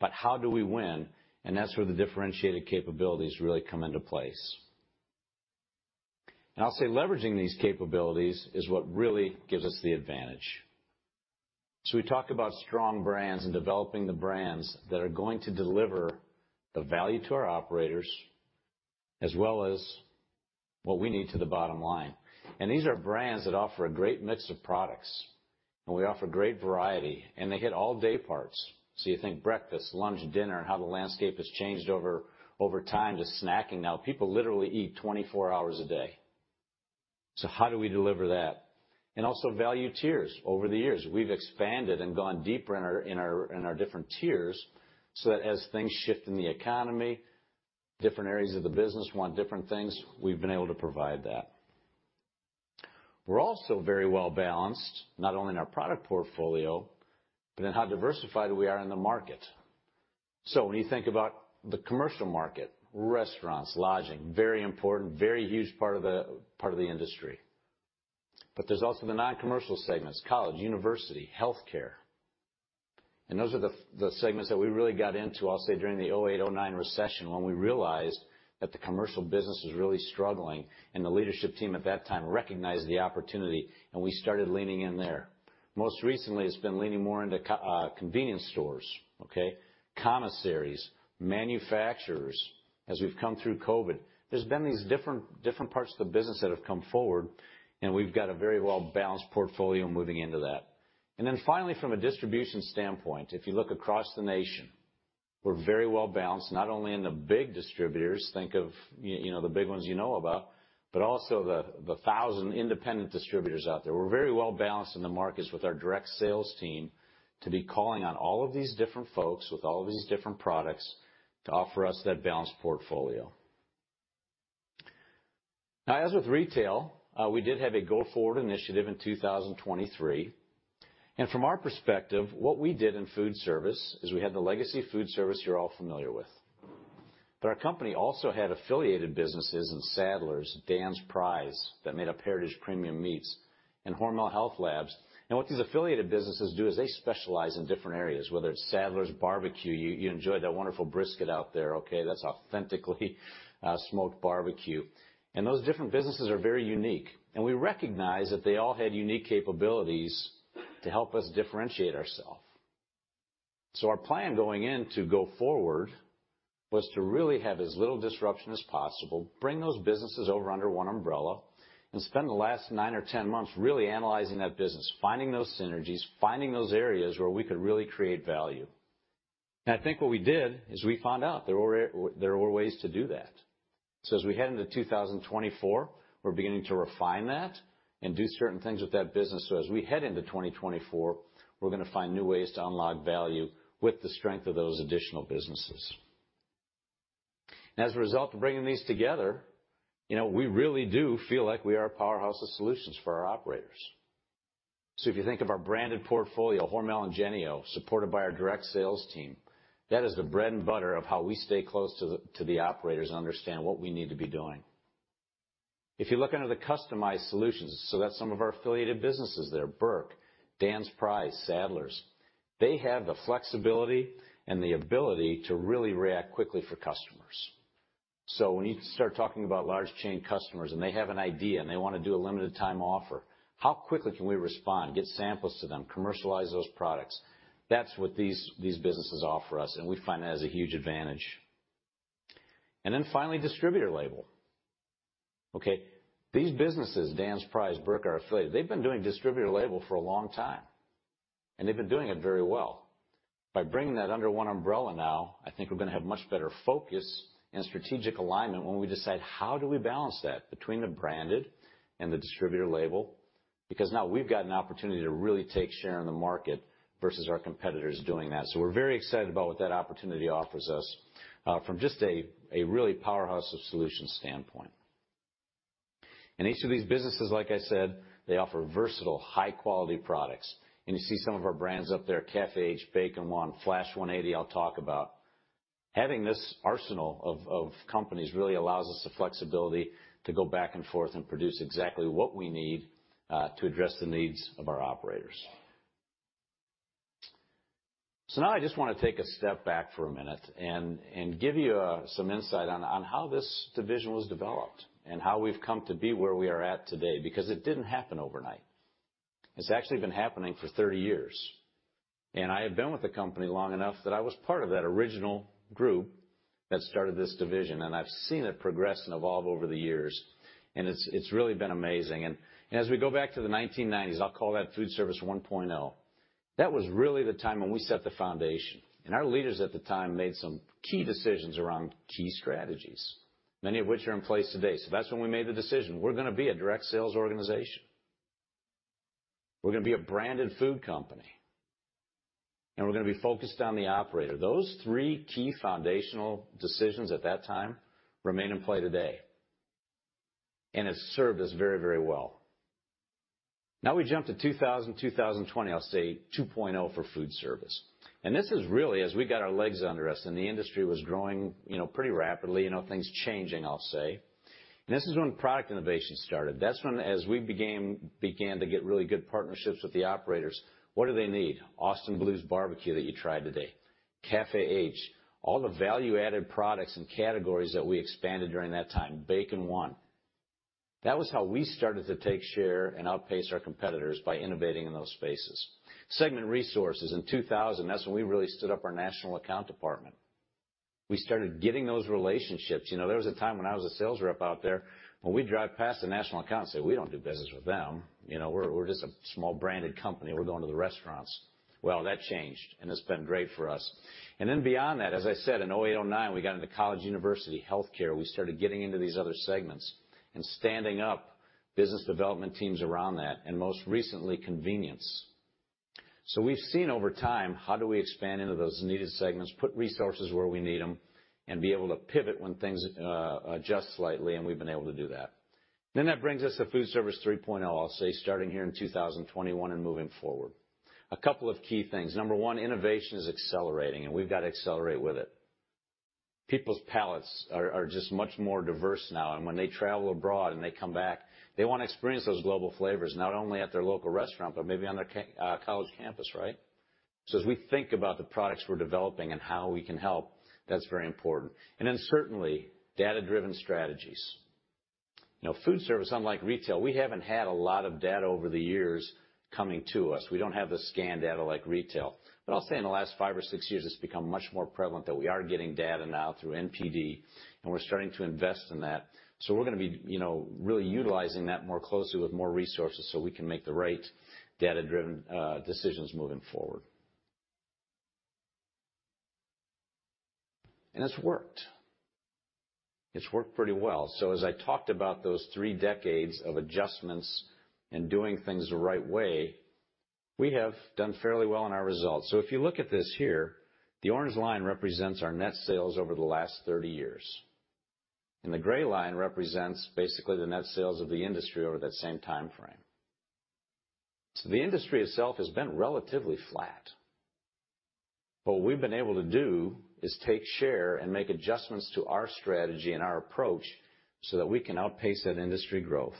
But how do we win? And that's where the differentiated capabilities really come into place. And I'll say leveraging these capabilities is what really gives us the advantage. So we talk about strong brands and developing the brands that are going to deliver the value to our operators, as well as what we need to the bottom line. These are brands that offer a great mix of products, and we offer great variety, and they hit all day parts. So you think breakfast, lunch, dinner, and how the landscape has changed over time to snacking. Now, people literally eat 24 hours a day. So how do we deliver that? And also value tiers. Over the years, we've expanded and gone deeper in our different tiers, so that as things shift in the economy, different areas of the business want different things, we've been able to provide that. We're also very well-balanced, not only in our product portfolio, but in how diversified we are in the market. So when you think about the commercial market, restaurants, lodging, very important, very huge part of the industry. There's also the non-commercial segments, college, university, healthcare, and those are the segments that we really got into, I'll say, during the 2008-2009 recession, when we realized that the commercial business was really struggling, and the leadership team at that time recognized the opportunity, and we started leaning in there. Most recently, it's been leaning more into convenience stores, okay? Commissaries, manufacturers. As we've come through COVID, there's been these different, different parts of the business that have come forward, and we've got a very well-balanced portfolio moving into that. Finally, from a distribution standpoint, if you look across the nation, we're very well-balanced, not only in the big distributors, think of, you know, the big ones you know about, but also the thousand independent distributors out there. We're very well-balanced in the markets with our direct sales team to be calling on all of these different folks with all of these different products to offer us that balanced portfolio. Now, as with retail, we did have a Go Forward initiative in 2023, and from our perspective, what we did in foodservice is we had the legacy foodservice you're all familiar with. But our company also had affiliated businesses in Sadler's, Dan's Prize, that made up Heritage Premium Meats and Hormel Health Labs. And what these affiliated businesses do is they specialize in different areas, whether it's Sadler's Barbecue, you enjoyed that wonderful brisket out there, okay? That's authentically smoked barbecue. And those different businesses are very unique, and we recognize that they all had unique capabilities to help us differentiate ourself. So our plan going in to Go Forward was to really have as little disruption as possible, bring those businesses over under one umbrella, and spend the last nine or 10 months really analyzing that business, finding those synergies, finding those areas where we could really create value. And I think what we did is we found out there were, there were ways to do that. So as we head into 2024, we're beginning to refine that and do certain things with that business. So as we head into 2024, we're gonna find new ways to unlock value with the strength of those additional businesses. As a result of bringing these together, you know, we really do feel like we are a powerhouse of solutions for our operators. So if you think of our branded portfolio, Hormel and Jennie-O, supported by our direct sales team, that is the bread and butter of how we stay close to the operators and understand what we need to be doing. If you look under the customized solutions, so that's some of our affiliated businesses there, Burke, Dan's Prize, Sadler's, they have the flexibility and the ability to really react quickly for customers. So when you start talking about large chain customers, and they have an idea, and they wanna do a limited time offer, how quickly can we respond, get samples to them, commercialize those products? That's what these businesses offer us, and we find that as a huge advantage. And then finally, distributor label. Okay, these businesses, Dan's Prize, Burke, are affiliated. They've been doing distributor label for a long time, and they've been doing it very well. By bringing that under one umbrella now, I think we're gonna have much better focus and strategic alignment when we decide how do we balance that between the branded and the distributor label? Because now we've got an opportunity to really take share in the market versus our competitors doing that. So we're very excited about what that opportunity offers us from just a really powerhouse of solutions standpoint. And each of these businesses, like I said, they offer versatile, high-quality products. And you see some of our brands up there, Café H, Bacon 1, Flash 180, I'll talk about. Having this arsenal of companies really allows us the flexibility to go back and forth and produce exactly what we need to address the needs of our operators. So now I just wanna take a step back for a minute and give you some insight on how this division was developed and how we've come to be where we are at today, because it didn't happen overnight. It's actually been happening for 30 years, and I have been with the company long enough that I was part of that original group that started this division, and I've seen it progress and evolve over the years, and it's really been amazing. And as we go back to the 1990s, I'll call that Foodservice 1.0, that was really the time when we set the foundation, and our leaders at the time made some key decisions around key strategies, many of which are in place today. So that's when we made the decision, we're gonna be a direct sales organization. We're gonna be a branded food company, and we're gonna be focused on the operator. Those three key foundational decisions at that time remain in play today, and it's served us very, very well. Now we jump to 2000, 2020, I'll say 2.0 for foodservice. This is really as we got our legs under us and the industry was growing, you know, pretty rapidly, you know, things changing, I'll say. This is when product innovation started. That's when, as we began to get really good partnerships with the operators, what do they need? Austin Blues Barbecue that you tried today, Café H, all the value-added products and categories that we expanded during that time, Bacon 1. That was how we started to take share and outpace our competitors by innovating in those spaces. Segment Resources in 2000, that's when we really stood up our national account department. We started getting those relationships. You know, there was a time when I was a sales rep out there, when we'd drive past the national account and say, "We don't do business with them. You know, we're, we're just a small branded company. We're going to the restaurants." Well, that changed, and it's been great for us. And then beyond that, as I said, in 2008, 2009, we got into college, university, healthcare. We started getting into these other segments and standing up business development teams around that, and most recently, convenience. So we've seen over time, how do we expand into those needed segments, put resources where we need them, and be able to pivot when things adjust slightly, and we've been able to do that. Then that brings us to Foodservice 3.0, I'll say, starting here in 2021 and moving forward. A couple of key things. Number one, innovation is accelerating, and we've got to accelerate with it. People's palates are just much more diverse now, and when they travel abroad and they come back, they want to experience those global flavors, not only at their local restaurant, but maybe on their college campus, right? So as we think about the products we're developing and how we can help, that's very important. And then certainly, data-driven strategies. You know, foodservice, unlike retail, we haven't had a lot of data over the years coming to us. We don't have the scan data like retail, but I'll say in the last five or six years, it's become much more prevalent that we are getting data now through NPD, and we're starting to invest in that. So we're going to be, you know, really utilizing that more closely with more resources so we can make the right data-driven decisions moving forward. And it's worked. It's worked pretty well. So as I talked about those three decades of adjustments and doing things the right way, we have done fairly well in our results. So if you look at this here, the orange line represents our net sales over the last 30 years, and the gray line represents basically the net sales of the industry over that same time frame. So the industry itself has been relatively flat. What we've been able to do is take share and make adjustments to our strategy and our approach so that we can outpace that industry growth.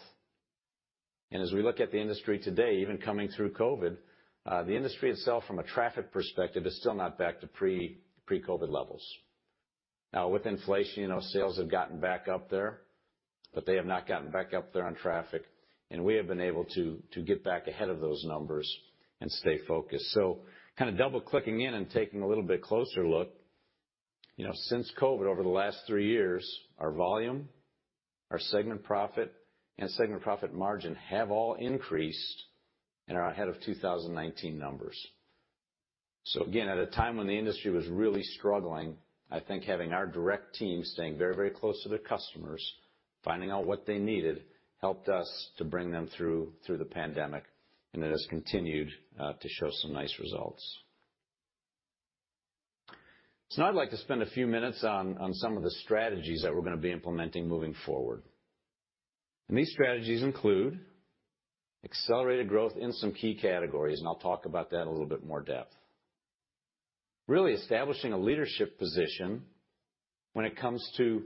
And as we look at the industry today, even coming through COVID, the industry itself, from a traffic perspective, is still not back to pre-COVID levels. Now, with inflation, you know, sales have gotten back up there, but they have not gotten back up there on traffic, and we have been able to get back ahead of those numbers and stay focused. So kind of double-clicking in and taking a little bit closer look, you know, since COVID, over the last three years, our volume, our segment profit, and segment profit margin have all increased and are ahead of 2019 numbers. So again, at a time when the industry was really struggling, I think having our direct team staying very, very close to their customers, finding out what they needed, helped us to bring them through the pandemic, and it has continued to show some nice results. So now I'd like to spend a few minutes on some of the strategies that we're going to be implementing moving forward. These strategies include accelerated growth in some key categories, and I'll talk about that in a little bit more depth. Really establishing a leadership position when it comes to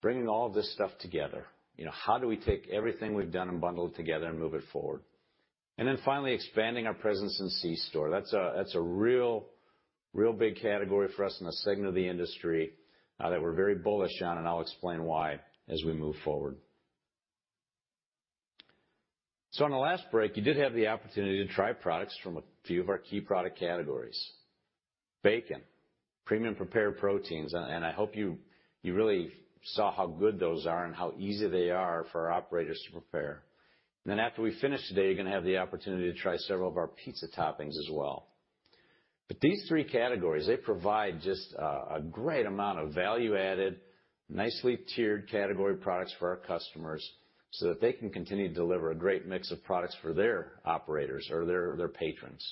bringing all of this stuff together. You know, how do we take everything we've done and bundle it together and move it forward? Then finally, expanding our presence in c-store. That's a, that's a real, real big category for us in a segment of the industry, that we're very bullish on, and I'll explain why as we move forward. So on the last break, you did have the opportunity to try products from a few of our key product categories: bacon, premium prepared proteins, and I hope you, you really saw how good those are and how easy they are for our operators to prepare. Then, after we finish today, you're going to have the opportunity to try several of our pizza toppings as well. But these three categories, they provide just a, a great amount of value-added, nicely tiered category products for our customers so that they can continue to deliver a great mix of products for their operators or their, their patrons.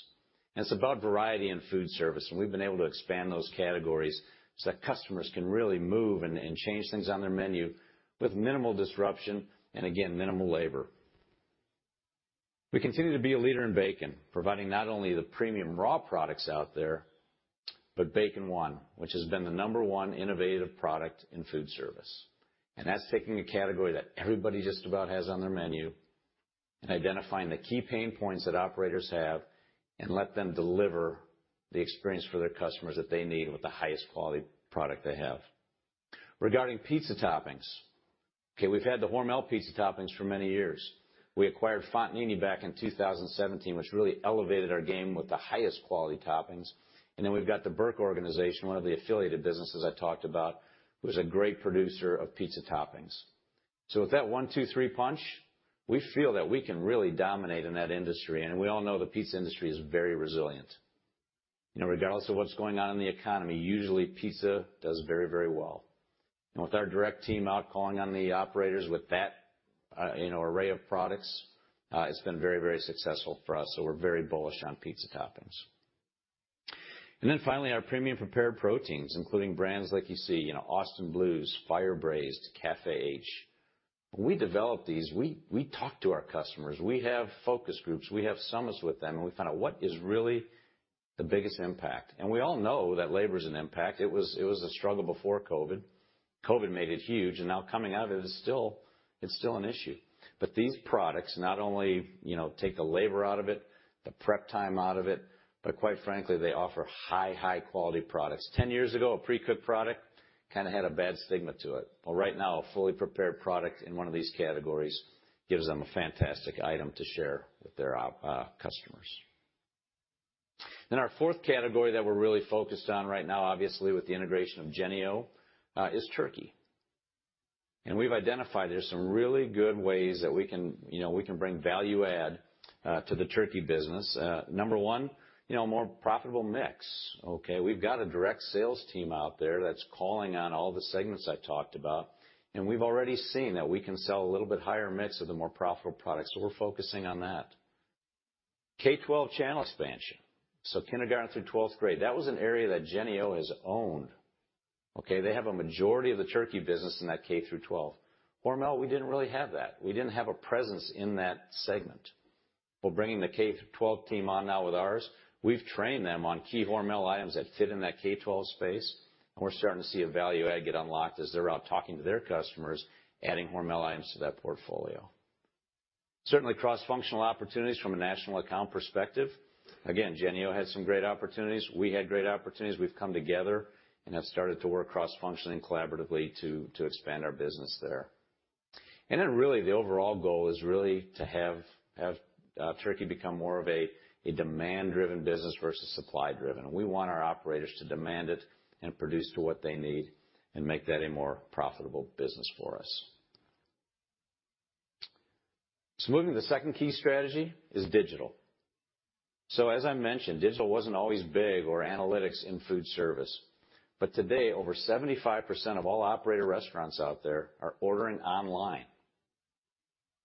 It's about variety in foodservice, and we've been able to expand those categories so that customers can really move and, and change things on their menu with minimal disruption and again, minimal labor. We continue to be a leader in bacon, providing not only the premium raw products out there, but Bacon 1, which has been the number one innovative product in foodservice. That's taking a category that everybody just about has on their menu and identifying the key pain points that operators have and let them deliver the experience for their customers that they need with the highest quality product they have. Regarding pizza toppings, okay, we've had the Hormel pizza toppings for many years. We acquired Fontanini back in 2017, which really elevated our game with the highest quality toppings. And then we've got the Burke organization, one of the affiliated businesses I talked about, who's a great producer of pizza toppings. So with that one, two, three punch, we feel that we can really dominate in that industry, and we all know the pizza industry is very resilient. You know, regardless of what's going on in the economy, usually pizza does very, very well. And with our direct team out calling on the operators with that, you know, array of products, it's been very, very successful for us, so we're very bullish on pizza toppings. And then finally, our premium prepared proteins, including brands like you see, you know, Austin Blues, Fire Braised, Café H. When we develop these, we, we talk to our customers, we have focus groups, we have summits with them, and we find out what is really the biggest impact. We all know that labor is an impact. It was, it was a struggle before COVID. COVID made it huge, and now coming out of it, it's still, it's still an issue. These products not only, you know, take the labor out of it, the prep time out of it, but quite frankly, they offer high, high-quality products. 10 years ago, a precooked product kind of had a bad stigma to it. Well, right now, a fully prepared product in one of these categories gives them a fantastic item to share with their customers. Our fourth category that we're really focused on right now, obviously, with the integration of Jennie-O, is turkey. We've identified there's some really good ways that we can, you know, we can bring value add to the turkey business. Number one, you know, more profitable mix, okay? We've got a direct sales team out there that's calling on all the segments I talked about, and we've already seen that we can sell a little bit higher mix of the more profitable products, so we're focusing on that. K-12 channel expansion, so kindergarten through twelfth grade, that was an area that Jennie-O has owned, okay? They have a majority of the turkey business in that K through twelve. Hormel, we didn't really have that. We didn't have a presence in that segment. Well, bringing the K-12 team on now with ours, we've trained them on key Hormel items that fit in that K-12 space, and we're starting to see a value add get unlocked as they're out talking to their customers, adding Hormel items to that portfolio. Certainly, cross-functional opportunities from a national account perspective. Again, Jennie-O had some great opportunities. We had great opportunities. We've come together and have started to work cross-functionally and collaboratively to, to expand our business there. And then, really, the overall goal is really to have, have, turkey become more of a, a demand-driven business versus supply-driven. We want our operators to demand it and produce to what they need and make that a more profitable business for us. So moving to the second key strategy is digital. So as I mentioned, digital wasn't always big or analytics in foodservice, but today, over 75% of all operator restaurants out there are ordering online.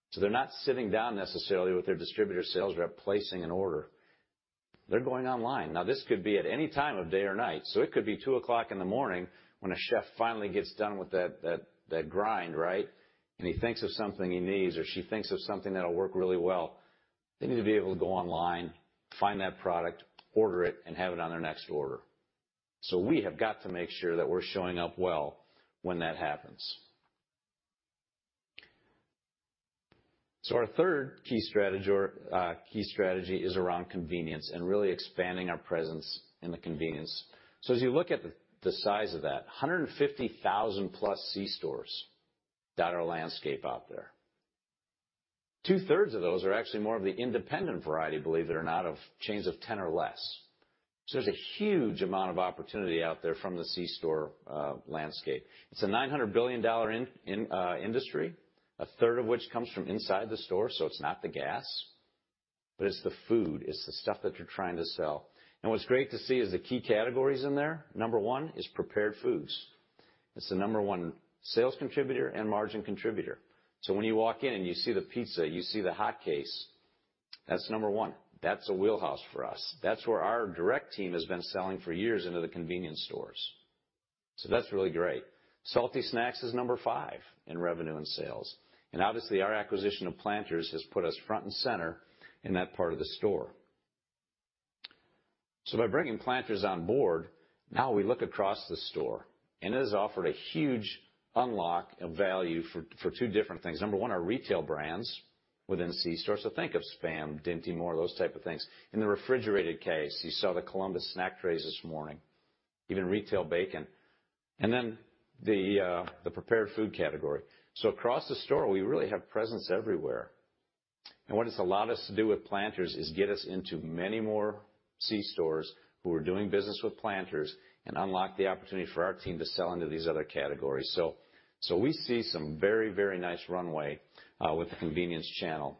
So they're not sitting down necessarily with their distributor sales rep, placing an order. They're going online. Now, this could be at any time of day or night, so it could be 2:00 A.M. when a chef finally gets done with that, that, that grind, right? He thinks of something he needs, or she thinks of something that'll work really well. They need to be able to go online, find that product, order it, and have it on their next order. So we have got to make sure that we're showing up well when that happens. So our third key strategy or key strategy is around convenience and really expanding our presence in the convenience. So as you look at the size of that, 150,000+ c-stores that's the landscape out there. Two-thirds of those are actually more of the independent variety, believe it or not, of chains of 10 or less. So there's a huge amount of opportunity out there from the c-store landscape. It's a $900 billion industry, a third of which comes from inside the store. So it's not the gas, but it's the food. It's the stuff that you're trying to sell. What's great to see is the key categories in there. Number one is prepared foods. It's the number one sales contributor and margin contributor. When you walk in and you see the pizza, you see the hot case, that's number one. That's a wheelhouse for us. That's where our direct team has been selling for years into the convenience stores. That's really great. Salty snacks is number five in revenue and sales, and obviously, our acquisition of Planters has put us front and center in that part of the store. By bringing Planters on board, now we look across the store, and it has offered a huge unlock of value for two different things. Number one, our retail brands within c-stores. So think of SPAM, Dinty Moore, those type of things. In the refrigerated case, you saw the Columbus snack trays this morning, even retail bacon, and then the, the prepared food category. So across the store, we really have presence everywhere. And what it's allowed us to do with Planters is get us into many more c-stores who are doing business with Planters and unlock the opportunity for our team to sell into these other categories. So, so we see some very, very nice runway, with the convenience channel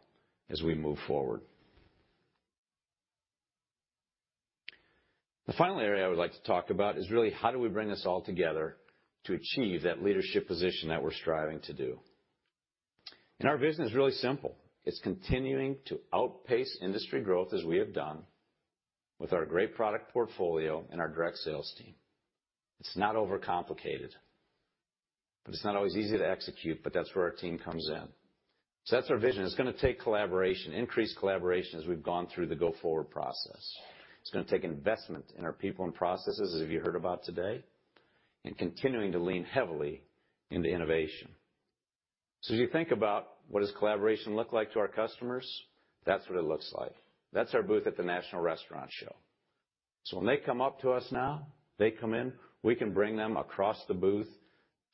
as we move forward. The final area I would like to talk about is really how do we bring this all together to achieve that leadership position that we're striving to do? And our vision is really simple. It's continuing to outpace industry growth, as we have done, with our great product portfolio and our direct sales team. It's not overcomplicated, but it's not always easy to execute, but that's where our team comes in. So that's our vision. It's gonna take collaboration, increased collaboration, as we've gone through the Go Forward process. It's gonna take investment in our people and processes, as you heard about today, and continuing to lean heavily into innovation. So as you think about what does collaboration look like to our customers, that's what it looks like. That's our booth at the National Restaurant Show. So when they come up to us now, they come in, we can bring them across the booth,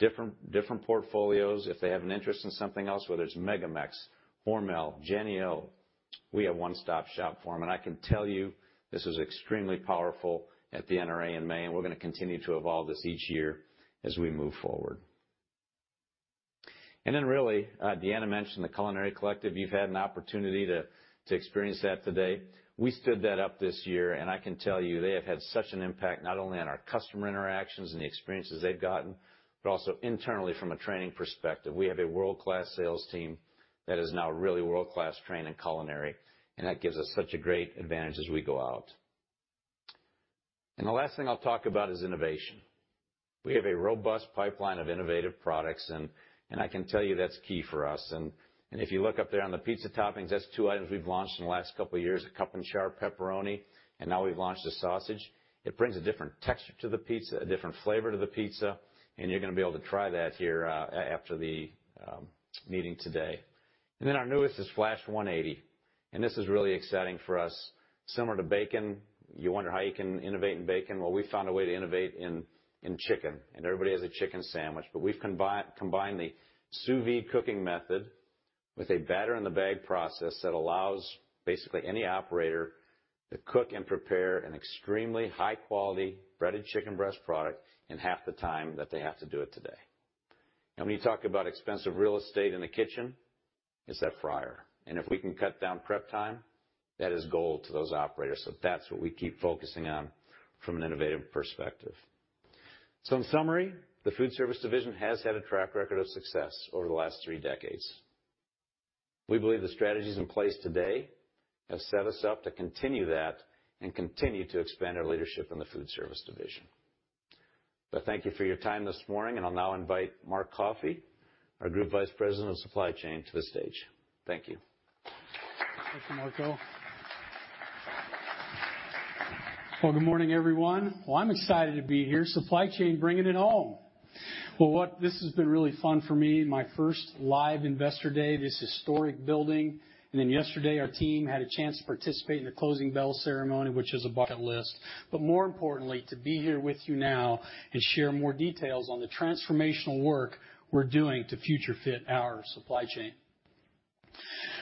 different, different portfolios. If they have an interest in something else, whether it's MegaMex, Hormel, Jennie-O, we have one-stop shop for them. And I can tell you, this is extremely powerful at the NRA in May, and we're gonna continue to evolve this each year as we move forward. Then really, Deanna mentioned the Culinary Collective. You've had an opportunity to experience that today. We stood that up this year, and I can tell you, they have had such an impact, not only on our customer interactions and the experiences they've gotten, but also internally from a training perspective. We have a world-class sales team that is now really world-class trained in culinary, and that gives us such a great advantage as we go out. The last thing I'll talk about is innovation. We have a robust pipeline of innovative products, and I can tell you that's key for us. If you look up there on the pizza toppings, that's two items we've launched in the last couple of years, a cup and char pepperoni, and now we've launched a sausage. It brings a different texture to the pizza, a different flavor to the pizza, and you're gonna be able to try that here after the meeting today. And then our newest is Flash 180, and this is really exciting for us. Similar to bacon, you wonder how you can innovate in bacon? Well, we found a way to innovate in chicken, and everybody has a chicken sandwich. But we've combined the sous vide cooking method with a batter-in-the-bag process that allows basically any operator to cook and prepare an extremely high-quality breaded chicken breast product in half the time that they have to do it today. And when you talk about expensive real estate in the kitchen, it's that fryer. And if we can cut down prep time, that is gold to those operators. So that's what we keep focusing on from an innovative perspective.... In summary, the Foodservice division has had a track record of success over the last three decades. We believe the strategies in place today have set us up to continue that and continue to expand our leadership in the Foodservice division. Thank you for your time this morning, and I'll now invite Mark Coffey, our Group Vice President of Supply Chain, to the stage. Thank you. Thank you, Mark Ourada. Well, good morning, everyone. Well, I'm excited to be here. Supply chain, bringing it home! Well, this has been really fun for me. My first live Investor Day, this historic building, and then yesterday, our team had a chance to participate in the closing bell ceremony, which is a bucket list. But more importantly, to be here with you now and share more details on the transformational work we're doing to future fit our supply chain.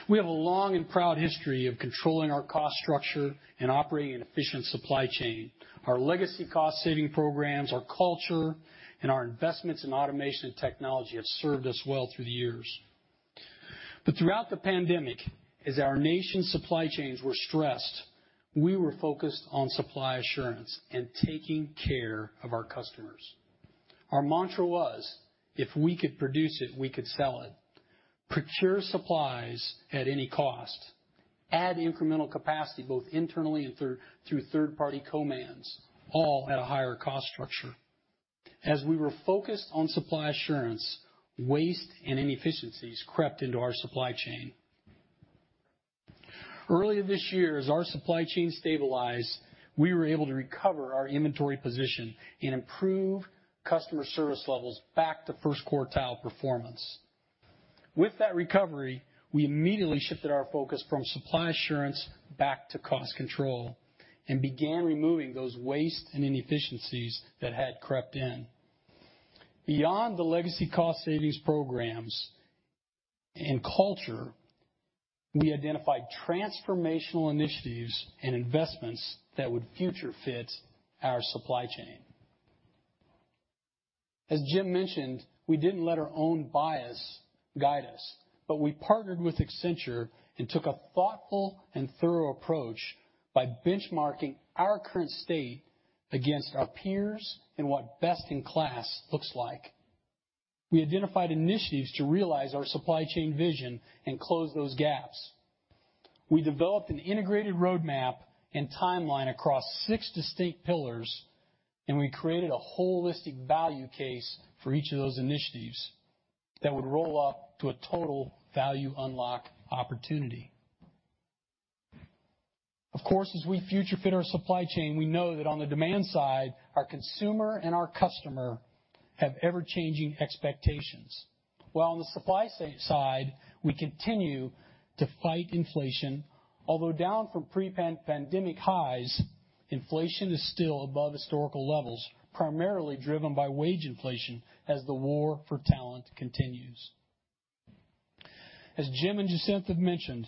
We have a long and proud history of controlling our cost structure and operating an efficient supply chain. Our legacy cost-saving programs, our culture, and our investments in automation and technology have served us well through the years. But throughout the pandemic, as our nation's supply chains were stressed, we were focused on supply assurance and taking care of our customers. Our mantra was, if we could produce it, we could sell it, procure supplies at any cost, add incremental capacity, both internally and through third-party co-mans, all at a higher cost structure. As we were focused on supply assurance, waste and inefficiencies crept into our supply chain. Earlier this year, as our supply chain stabilized, we were able to recover our inventory position and improve customer service levels back to first quartile performance. With that recovery, we immediately shifted our focus from supply assurance back to cost control and began removing those waste and inefficiencies that had crept in. Beyond the legacy cost savings programs and culture, we identified transformational initiatives and investments that would future fit our supply chain. As Jim mentioned, we didn't let our own bias guide us, but we partnered with Accenture and took a thoughtful and thorough approach by benchmarking our current state against our peers and what best-in-class looks like. We identified initiatives to realize our supply chain vision and close those gaps. We developed an integrated roadmap and timeline across six distinct pillars, and we created a holistic value case for each of those initiatives that would roll up to a total value unlock opportunity. Of course, as we future fit our supply chain, we know that on the demand side, our consumer and our customer have ever-changing expectations, while on the supply side, we continue to fight inflation. Although down from pre-pandemic highs, inflation is still above historical levels, primarily driven by wage inflation as the war for talent continues. As Jim and Jacinth have mentioned,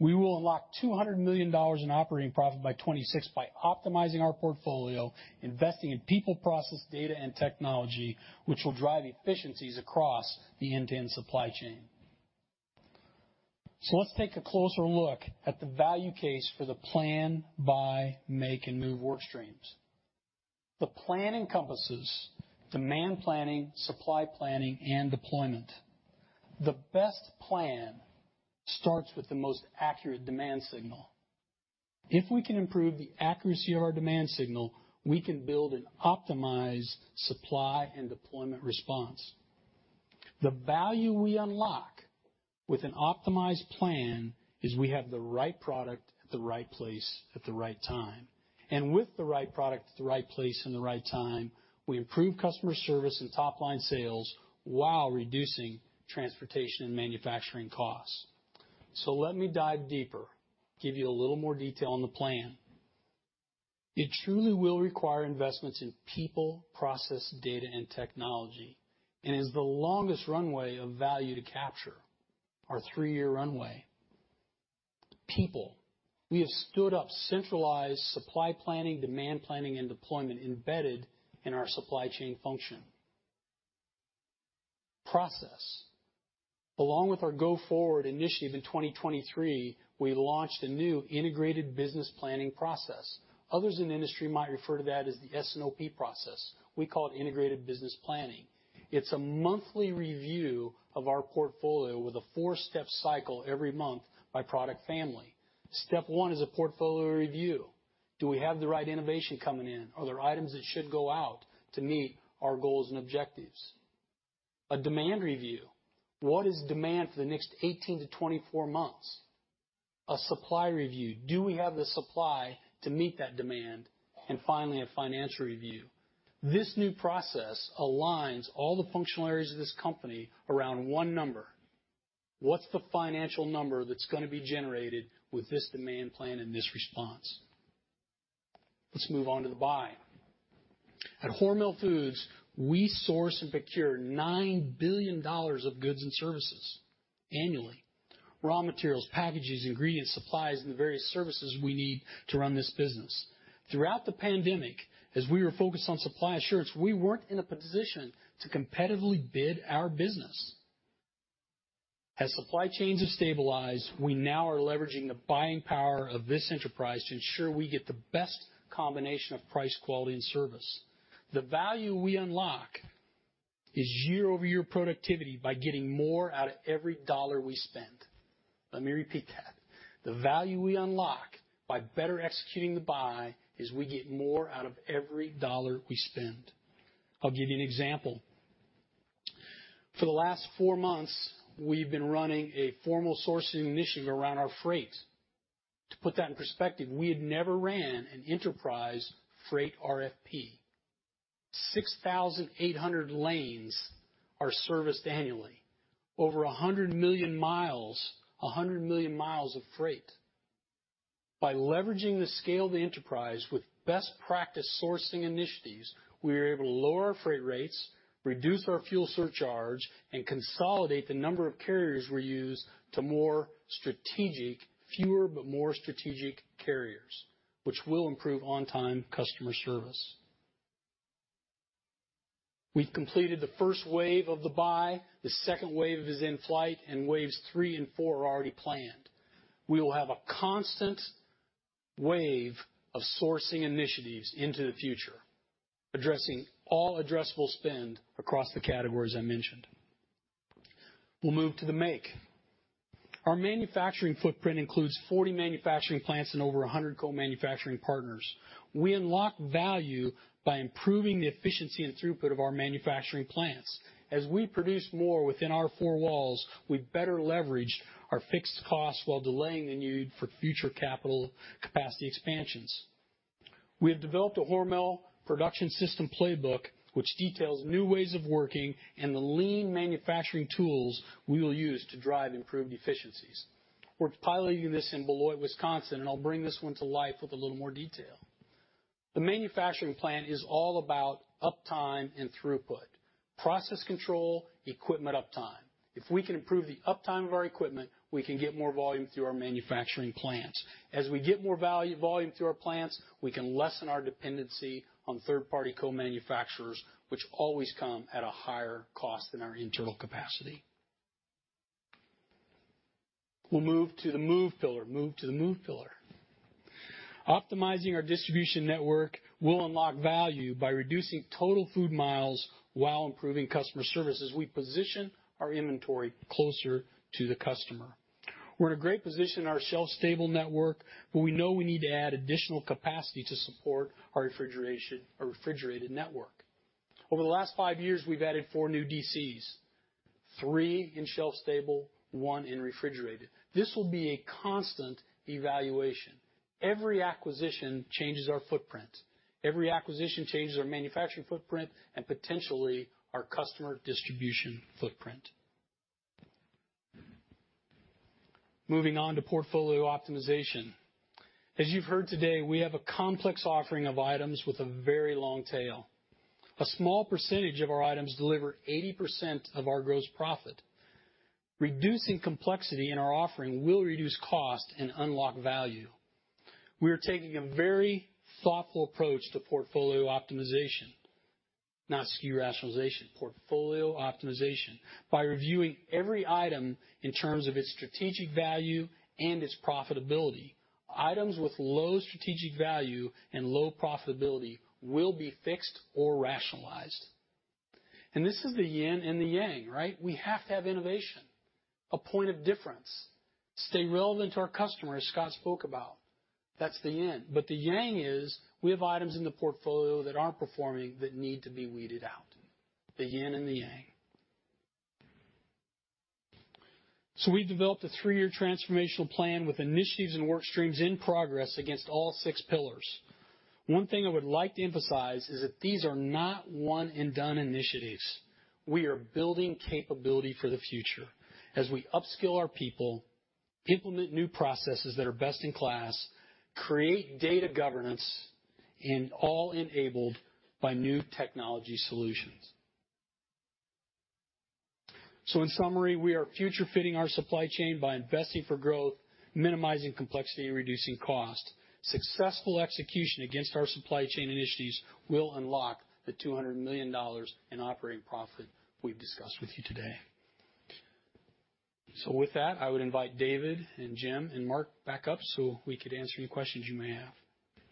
we will unlock $200 million in operating profit by 2026 by optimizing our portfolio, investing in people, process, data, and technology, which will drive efficiencies across the end-to-end supply chain. Let's take a closer look at the value case for the plan, buy, make, and move work streams. The plan encompasses demand planning, supply planning, and deployment. The best plan starts with the most accurate demand signal. If we can improve the accuracy of our demand signal, we can build an optimized supply and deployment response. The value we unlock with an optimized plan is we have the right product at the right place at the right time. With the right product at the right place and the right time, we improve customer service and top-line sales while reducing transportation and manufacturing costs. So let me dive deeper, give you a little more detail on the plan. It truly will require investments in people, process, data, and technology, and is the longest runway of value to capture, our 3-year runway. People, we have stood up centralized supply planning, demand planning, and deployment embedded in our supply chain function. Process. Along with our Go Forward initiative in 2023, we launched a new Integrated Business Planning process. Others in the industry might refer to that as the S&OP process. We call it Integrated Business Planning. It's a monthly review of our portfolio with a 4-step cycle every month by product family. Step one is a portfolio review. Do we have the right innovation coming in? Are there items that should go out to meet our goals and objectives? A demand review. What is demand for the next 18 months-24 months? A supply review. Do we have the supply to meet that demand? And finally, a financial review. This new process aligns all the functional areas of this company around one number. What's the financial number that's going to be generated with this demand plan and this response? Let's move on to the buy. At Hormel Foods, we source and procure $9 billion of goods and services annually. Raw materials, packages, ingredients, supplies, and the various services we need to run this business. Throughout the pandemic, as we were focused on supply assurance, we weren't in a position to competitively bid our business.... As supply chains have stabilized, we now are leveraging the buying power of this enterprise to ensure we get the best combination of price, quality, and service. The value we unlock is year-over-year productivity by getting more out of every dollar we spend. Let me repeat that. The value we unlock by better executing the buy is we get more out of every dollar we spend. I'll give you an example. For the last four months, we've been running a formal sourcing initiative around our freight. To put that in perspective, we had never ran an enterprise freight RFP. 6,800 lanes are serviced annually, over 100 million mi, 100 million mi of freight. By leveraging the scale of the enterprise with best practice sourcing initiatives, we are able to lower our freight rates, reduce our fuel surcharge, and consolidate the number of carriers we use to more strategic, fewer, but more strategic carriers, which will improve on-time customer service. We've completed the first wave of the buy, the second wave is in flight, and waves three and four are already planned. We will have a constant wave of sourcing initiatives into the future, addressing all addressable spend across the categories I mentioned. We'll move to the make. Our manufacturing footprint includes 40 manufacturing plants and over 100 co-manufacturing partners. We unlock value by improving the efficiency and throughput of our manufacturing plants. As we produce more within our four walls, we better leverage our fixed costs while delaying the need for future capital capacity expansions. We have developed a Hormel production system playbook, which details new ways of working and the lean manufacturing tools we will use to drive improved efficiencies. We're piloting this in Beloit, Wisconsin, and I'll bring this one to life with a little more detail. The manufacturing plant is all about uptime and throughput, process control, equipment uptime. If we can improve the uptime of our equipment, we can get more volume through our manufacturing plants. As we get more value volume through our plants, we can lessen our dependency on third-party co-manufacturers, which always come at a higher cost than our internal capacity. We'll move to the move pillar. Move to the move pillar. Optimizing our distribution network will unlock value by reducing total food miles while improving customer service as we position our inventory closer to the customer. We're in a great position in our shelf-stable network, but we know we need to add additional capacity to support our refrigeration, our refrigerated network. Over the last five years, we've added four new DCs, three in shelf stable, one in refrigerated. This will be a constant evaluation. Every acquisition changes our footprint. Every acquisition changes our manufacturing footprint and potentially our customer distribution footprint. Moving on to portfolio optimization. As you've heard today, we have a complex offering of items with a very long tail. A small percentage of our items deliver 80% of our gross profit. Reducing complexity in our offering will reduce cost and unlock value. We are taking a very thoughtful approach to portfolio optimization, not SKU rationalization, portfolio optimization, by reviewing every item in terms of its strategic value and its profitability. Items with low strategic value and low profitability will be fixed or rationalized. And this is the yin and the yang, right? We have to have innovation, a point of difference, stay relevant to our customer, as Scott spoke about. That's the yin. But the yang is we have items in the portfolio that aren't performing that need to be weeded out. The yin and the yang. So we've developed a three-year transformational plan with initiatives and work streams in progress against all six pillars. One thing I would like to emphasize is that these are not one-and-done initiatives. We are building capability for the future as we upskill our people, implement new processes that are best in class, create data governance, and all enabled by new technology solutions. So in summary, we are future-fitting our supply chain by investing for growth, minimizing complexity, and reducing cost. Successful execution against our supply chain initiatives will unlock the $200 million in operating profit we've discussed with you today. So with that, I would invite David and Jim and Mark back up, so we could answer any questions you may have.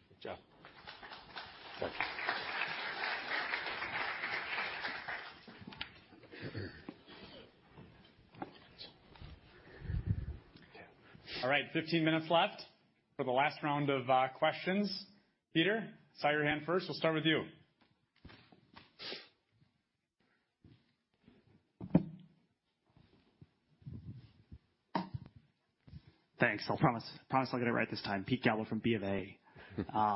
Good job. All right, 15 minutes left for the last round of questions. Peter, saw your hand first. We'll start with you. Thanks. I promise, promise I'll get it right this time. Peter Galbo from BofA. I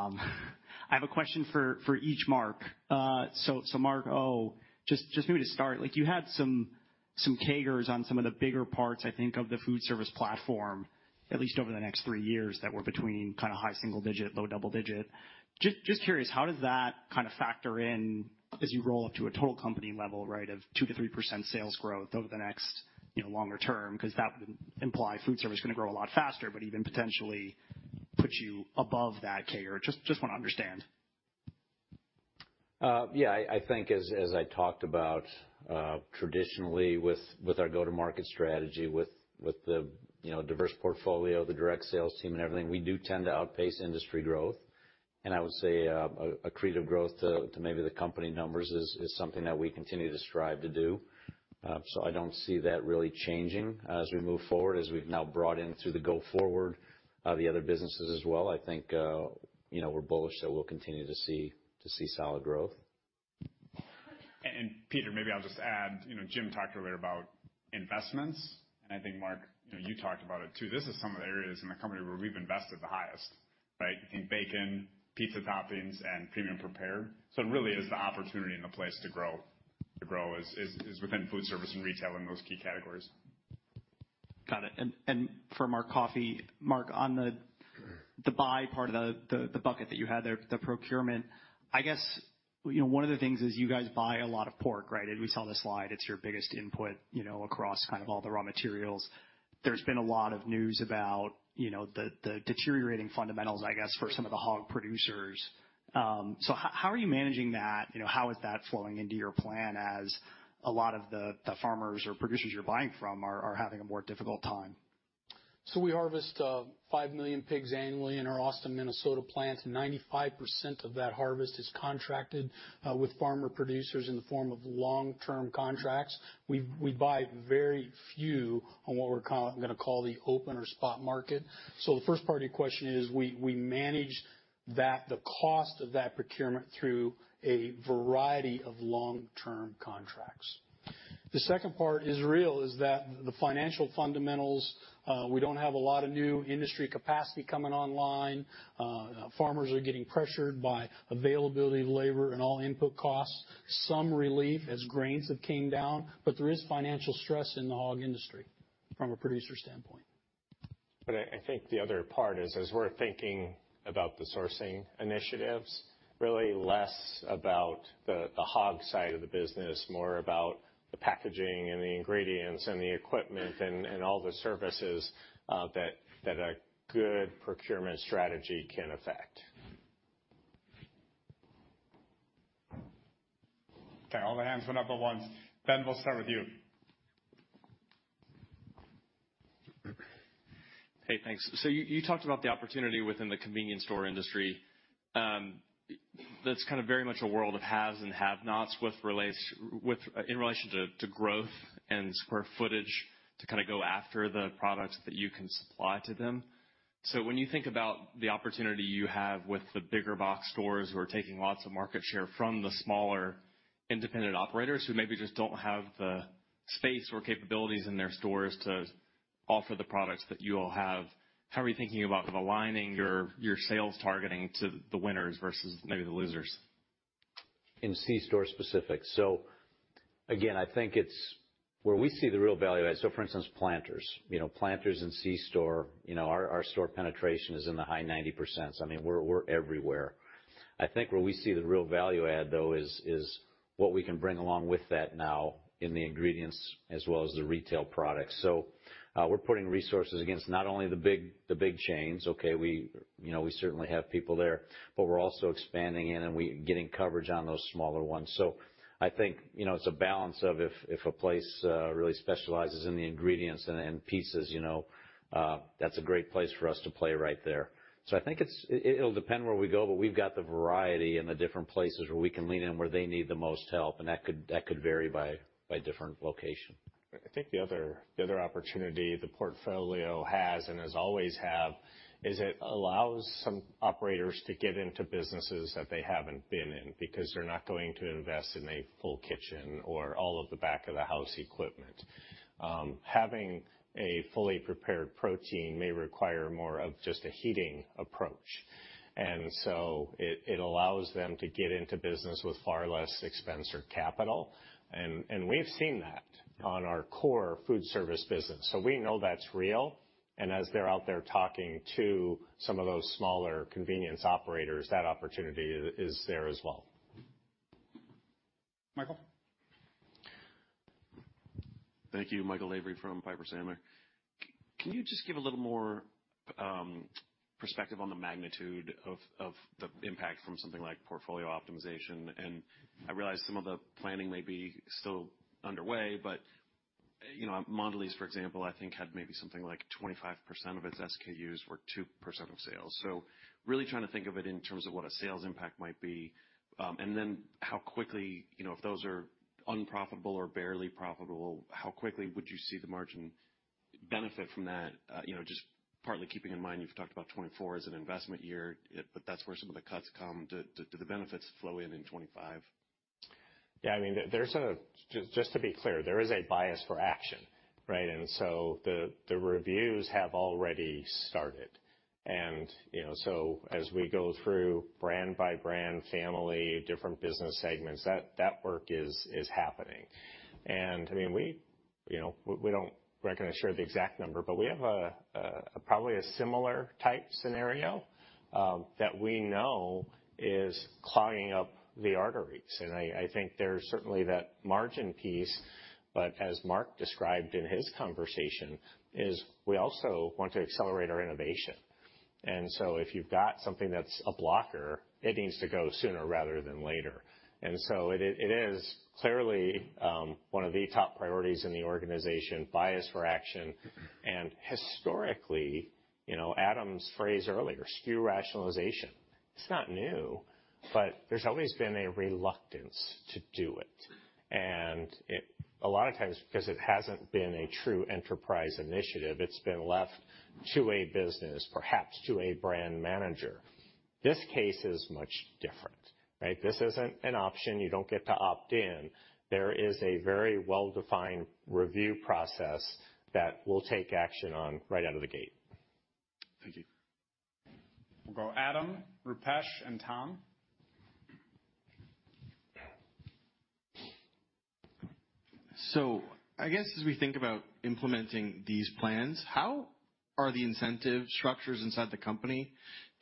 have a question for each Mark. Mark Ourada, just maybe to start, you had some CAGRs on some of the bigger parts, I think, of the foodservice platform, at least over the next three years, that were between kind of high single digit, low double digit. Just curious, how does that kind of factor in as you roll up to a total company level, right, of 2%-3% sales growth over the next, you know, longer term, 'cause that would imply foodservice is going to grow a lot faster, but even potentially put you above that CAGR? Just want to understand.... Yeah, I think as I talked about, traditionally with our go-to-market strategy, with the, you know, diverse portfolio, the direct sales team and everything, we do tend to outpace industry growth. And I would say, accretive growth to maybe the company numbers is something that we continue to strive to do. So I don't see that really changing as we move forward, as we've now brought in through the Go Forward the other businesses as well. I think, you know, we're bullish that we'll continue to see solid growth. Peter, maybe I'll just add, you know, Jim talked earlier about investments, and I think, Mark, you know, you talked about it, too. This is some of the areas in the company where we've invested the highest, right? In bacon, pizza toppings, and premium prepared. So it really is the opportunity and the place to grow is within foodservice and retail in those key categories. Got it. For Mark Coffey. Mark, on the buy part of the bucket that you had there, the procurement, I guess, you know, one of the things is you guys buy a lot of pork, right? And we saw the slide. It's your biggest input, you know, across kind of all the raw materials. There's been a lot of news about, you know, the deteriorating fundamentals, I guess, for some of the hog producers. So how are you managing that? You know, how is that flowing into your plan as a lot of the farmers or producers you're buying from are having a more difficult time? So we harvest 5 million pigs annually in our Austin, Minnesota plant, and 95% of that harvest is contracted with farmer producers in the form of long-term contracts. We buy very few on what we're gonna call the open or spot market. So the first part of your question is, we manage that, the cost of that procurement through a variety of long-term contracts. The second part is real, is that the financial fundamentals, we don't have a lot of new industry capacity coming online. Farmers are getting pressured by availability of labor and all input costs. Some relief as grains have came down, but there is financial stress in the hog industry from a producer standpoint. But I think the other part is, as we're thinking about the sourcing initiatives, really less about the hog side of the business, more about the packaging and the ingredients and the equipment and all the services that a good procurement strategy can affect. Okay, all the hands went up at once. Ben, we'll start with you. Hey, thanks. So you, you talked about the opportunity within the convenience store industry. That's kind of very much a world of haves and have-nots, with, in relation to, to growth and square footage, to kind of go after the products that you can supply to them. So when you think about the opportunity you have with the bigger box stores who are taking lots of market share from the smaller independent operators, who maybe just don't have the space or capabilities in their stores to offer the products that you all have, how are you thinking about aligning your, your sales targeting to the winners versus maybe the losers? In c-store specifics. So again, I think it's where we see the real value add, so for instance, Planters. You know, Planters and c-store, you know, our store penetration is in the high 90%. I mean, we're everywhere. I think where we see the real value add, though, is what we can bring along with that now in the ingredients as well as the retail products. So, we're putting resources against not only the big chains, okay, we, you know, we certainly have people there, but we're also expanding, and we're getting coverage on those smaller ones. So I think, you know, it's a balance of if a place really specializes in the ingredients and pieces, you know, that's a great place for us to play right there. So I think it'll depend where we go, but we've got the variety and the different places where we can lean in, where they need the most help, and that could vary by different location. I think the other opportunity the portfolio has and has always have is it allows some operators to get into businesses that they haven't been in, because they're not going to invest in a full kitchen or all of the back of the house equipment. Having a fully prepared protein may require more of just a heating approach, and so it allows them to get into business with far less expense or capital. And we've seen that on our core foodservice business, so we know that's real, and as they're out there talking to some of those smaller convenience operators, that opportunity is there as well. Michael? Thank you. Michael Lavery from Piper Sandler. Can you just give a little more perspective on the magnitude of the impact from something like portfolio optimization? And I realize some of the planning may be still underway, but, you know, Mondelēz, for example, I think, had maybe something like 25% of its SKUs were 2% of sales. So really trying to think of it in terms of what a sales impact might be, and then how quickly... You know, if those are unprofitable or barely profitable, how quickly would you see the margin benefit from that? You know, just partly keeping in mind, you've talked about 2024 as an investment year, yet but that's where some of the cuts come. Do the benefits flow in in 2025? Yeah, I mean, there's a—just to be clear, there is a bias for action, right? The reviews have already started. You know, as we go through brand by brand, family, different business segments, that work is happening. I mean, we, you know, we don't recognize for sure the exact number, but we have a probably a similar type scenario that we know is clogging up the arteries. I think there's certainly that margin piece, but as Mark described in his conversation, we also want to accelerate our innovation. If you've got something that's a blocker, it needs to go sooner rather than later. It is clearly one of the top priorities in the organization, bias for action. Historically, you know, Adam's phrase earlier, SKU rationalization... It's not new, but there's always been a reluctance to do it. And a lot of times, because it hasn't been a true enterprise initiative, it's been left to a business, perhaps to a brand manager. This case is much different, right? This isn't an option. You don't get to opt in. There is a very well-defined review process that we'll take action on right out of the gate. Thank you. We'll go Adam, Rupesh, and Tom. So I guess as we think about implementing these plans, how are the incentive structures inside the company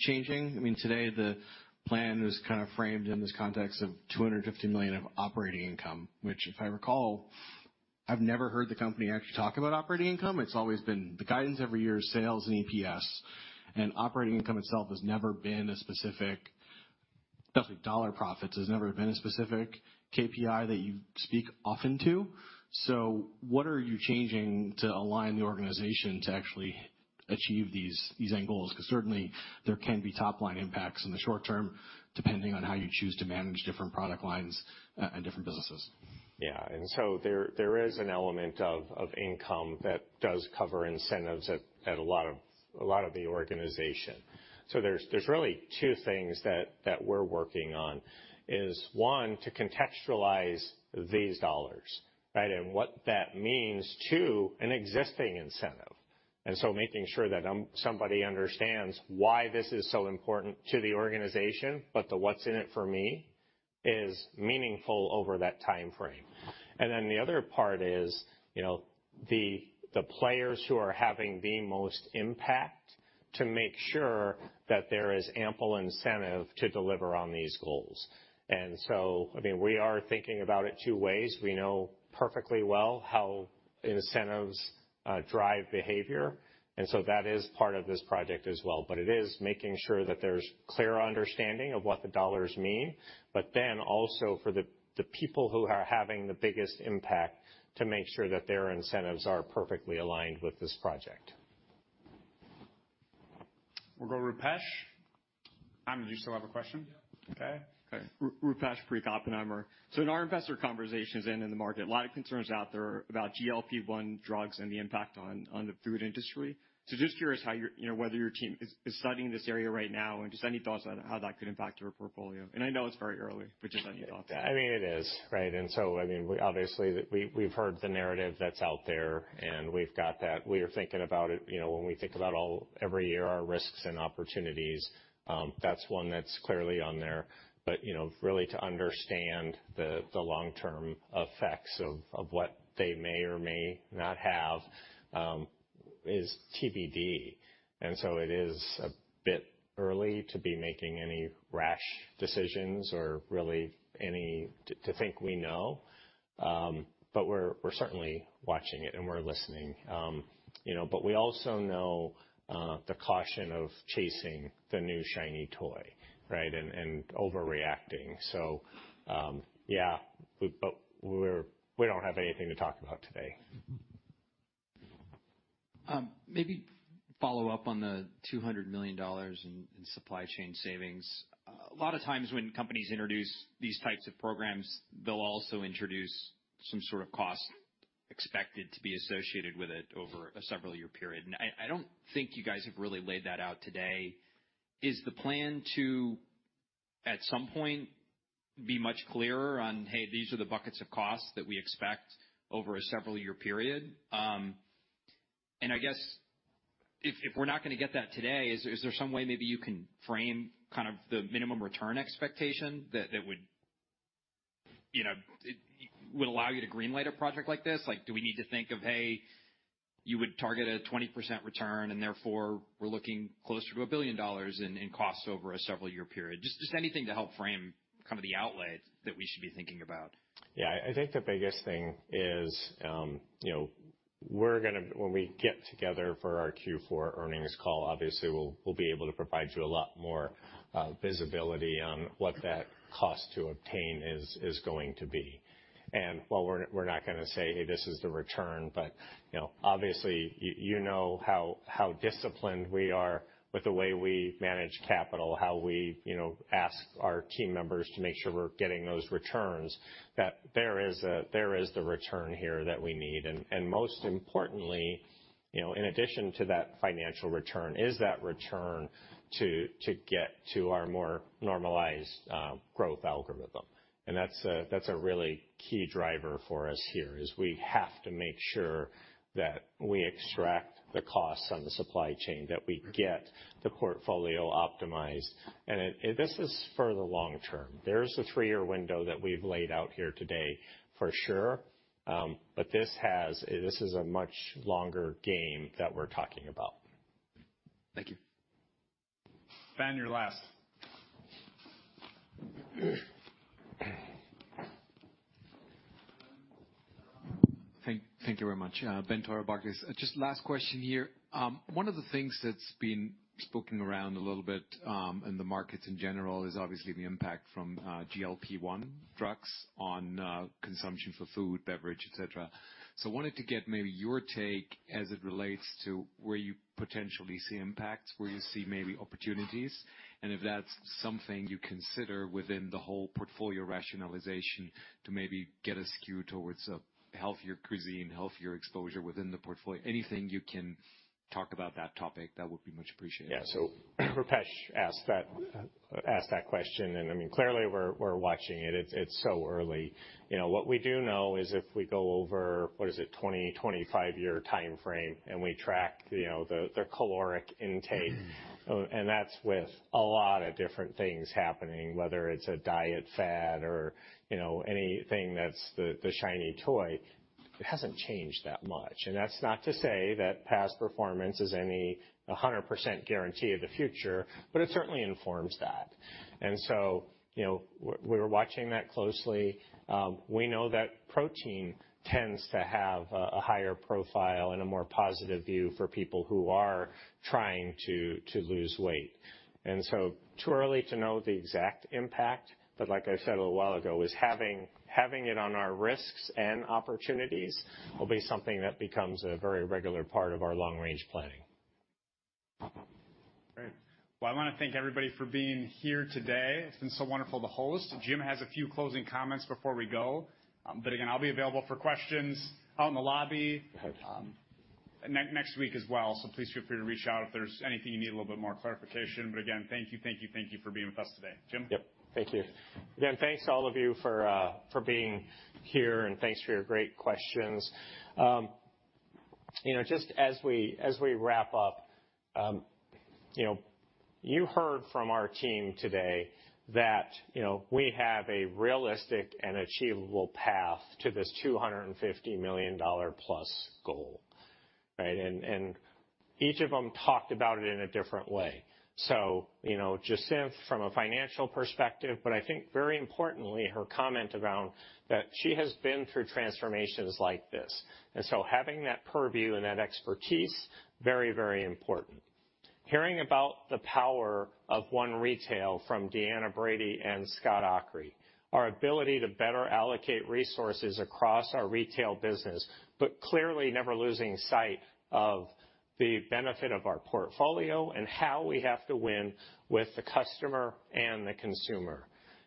changing? I mean, today, the plan is kind of framed in this context of $250 million of operating income, which, if I recall, I've never heard the company actually talk about operating income. It's always been the guidance every year is sales and EPS, and operating income itself has never been a specific, especially dollar profits, has never been a specific KPI that you speak often to. So what are you changing to align the organization to actually achieve these, these end goals? Because certainly, there can be top-line impacts in the short term, depending on how you choose to manage different product lines, and different businesses. Yeah, and so there is an element of income that does cover incentives at a lot of the organization. So there's really two things that we're working on: one, to contextualize these dollars, right? And what that means to an existing incentive. And so making sure that somebody understands why this is so important to the organization, but the what's in it for me is meaningful over that time frame. And then the other part is, you know, the players who are having the most impact, to make sure that there is ample incentive to deliver on these goals. And so, I mean, we are thinking about it two ways. We know perfectly well how incentives drive behavior, and so that is part of this project as well. But it is making sure that there's clear understanding of what the dollars mean, but then also for the people who are having the biggest impact, to make sure that their incentives are perfectly aligned with this project. We'll go Rupesh. Adam, do you still have a question? Yeah. Okay. Okay. Rupesh Parikh, Oppenheimer. So in our investor conversations and in the market, a lot of concerns out there about GLP-1 drugs and the impact on the food industry. So just curious how your—you know, whether your team is studying this area right now, and just any thoughts on how that could impact your portfolio? And I know it's very early, but just any thoughts. I mean, it is, right? And so, I mean, we obviously, we, we've heard the narrative that's out there, and we've got that. We are thinking about it, you know, when we think about all every year, our risks and opportunities, that's one that's clearly on there. But, you know, really to understand the, the long-term effects of, of what they may or may not have, is TBD. And so it is a bit early to be making any rash decisions or really any-- to, to think we know. But we're, we're certainly watching it, and we're listening. You know, but we also know, the caution of chasing the new shiny toy, right? And, and overreacting. So, yeah, but, but we're-- we don't have anything to talk about today. Maybe follow up on the $200 million in supply chain savings. A lot of times when companies introduce these types of programs, they'll also introduce some sort of cost expected to be associated with it over a several-year period. I don't think you guys have really laid that out today. Is the plan to, at some point, be much clearer on, hey, these are the buckets of costs that we expect over a several-year period? And I guess if we're not going to get that today, is there some way maybe you can frame kind of the minimum return expectation that would, you know, it would allow you to greenlight a project like this? Like, do we need to think of, hey, you would target a 20% return, and therefore, we're looking closer to $1 billion in costs over a several-year period. Just anything to help frame kind of the outlay that we should be thinking about. Yeah. I think the biggest thing is, you know, we're gonna, when we get together for our Q4 earnings call, obviously, we'll be able to provide you a lot more visibility on what that cost to obtain is going to be. And while we're not gonna say, "Hey, this is the return," but, you know, obviously, you know how disciplined we are with the way we manage capital, how we, you know, ask our team members to make sure we're getting those returns, that there is the return here that we need. And, most importantly, you know, in addition to that financial return, is that return to get to our more normalized growth algorithm. And that's a really key driver for us here, is we have to make sure that we extract the costs on the supply chain, that we get the portfolio optimized. And it, this is for the long term. There's a three-year window that we've laid out here today, for sure, but this has... This is a much longer game that we're talking about. Thank you. Ben, you're last.... Thank you very much. Ben Theurer. Just last question here. One of the things that's been spoken around a little bit in the markets in general is obviously the impact from GLP-1 drugs on consumption for food, beverage, et cetera. So wanted to get maybe your take as it relates to where you potentially see impacts, where you see maybe opportunities, and if that's something you consider within the whole portfolio rationalization to maybe get a skew towards a healthier cuisine, healthier exposure within the portfolio. Anything you can talk about that topic, that would be much appreciated. Yeah. So Rupesh asked that question, and, I mean, clearly, we're watching it. It's so early. You know, what we do know is if we go over, what is it? 25-year timeframe, and we track, you know, the caloric intake, and that's with a lot of different things happening, whether it's a diet fad or, you know, anything that's the shiny toy, it hasn't changed that much. And that's not to say that past performance is any 100% guarantee of the future, but it certainly informs that. And so, you know, we're watching that closely. We know that protein tends to have a higher profile and a more positive view for people who are trying to lose weight. Too early to know the exact impact, but like I said a little while ago, having it on our risks and opportunities will be something that becomes a very regular part of our long-range planning. Great. Well, I want to thank everybody for being here today. It's been so wonderful to host. Jim has a few closing comments before we go, but again, I'll be available for questions out in the lobby, next week as well, so please feel free to reach out if there's anything you need a little bit more clarification. But again, thank you, thank you, thank you for being with us today. Jim? Yep. Thank you. Again, thanks to all of you for being here, and thanks for your great questions. You know, just as we wrap up, you know, you heard from our team today that, you know, we have a realistic and achievable path to this $250 million+ goal, right? And each of them talked about it in a different way. So, you know, Jacinth, from a financial perspective, but I think very importantly, her comment around that she has been through transformations like this, and so having that purview and that expertise, very, very important. Hearing about the power of One Retail from Deanna Brady and Scott Aakre, our ability to better allocate resources across our retail business, but clearly never losing sight of the benefit of our portfolio and how we have to win with the customer and the consumer.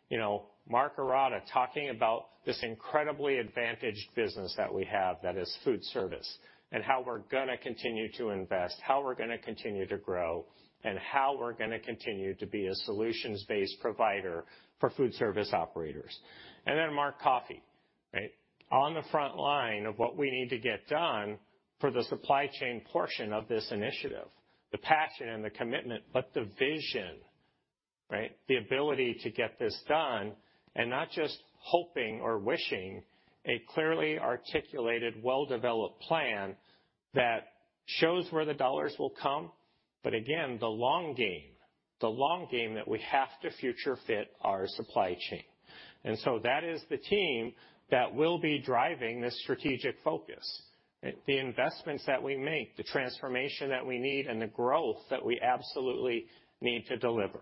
You know, Mark Ourada, talking about this incredibly advantaged business that we have, that is foodservice, and how we're gonna continue to invest, how we're gonna continue to grow, and how we're gonna continue to be a solutions-based provider for foodservice operators. And then Mark Coffey, right? On the front line of what we need to get done for the supply chain portion of this initiative, the passion and the commitment, but the vision, right? The ability to get this done, and not just hoping or wishing, a clearly articulated, well-developed plan that shows where the dollars will come. But again, the long game, the long game that we have to future fit our supply chain. And so that is the team that will be driving this strategic focus, the investments that we make, the transformation that we need, and the growth that we absolutely need to deliver.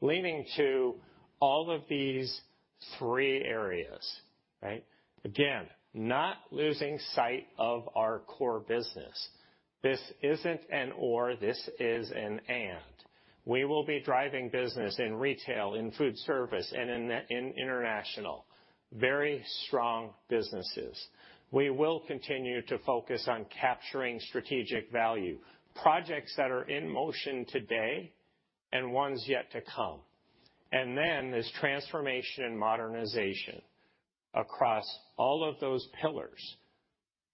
Leading to all of these three areas, right? Again, not losing sight of our core business. This isn't an or, this is an and. We will be driving business in retail, in foodservice, and in the, in international, very strong businesses. We will continue to focus on capturing strategic value, projects that are in motion today and ones yet to come. And then, this transformation and modernization across all of those pillars,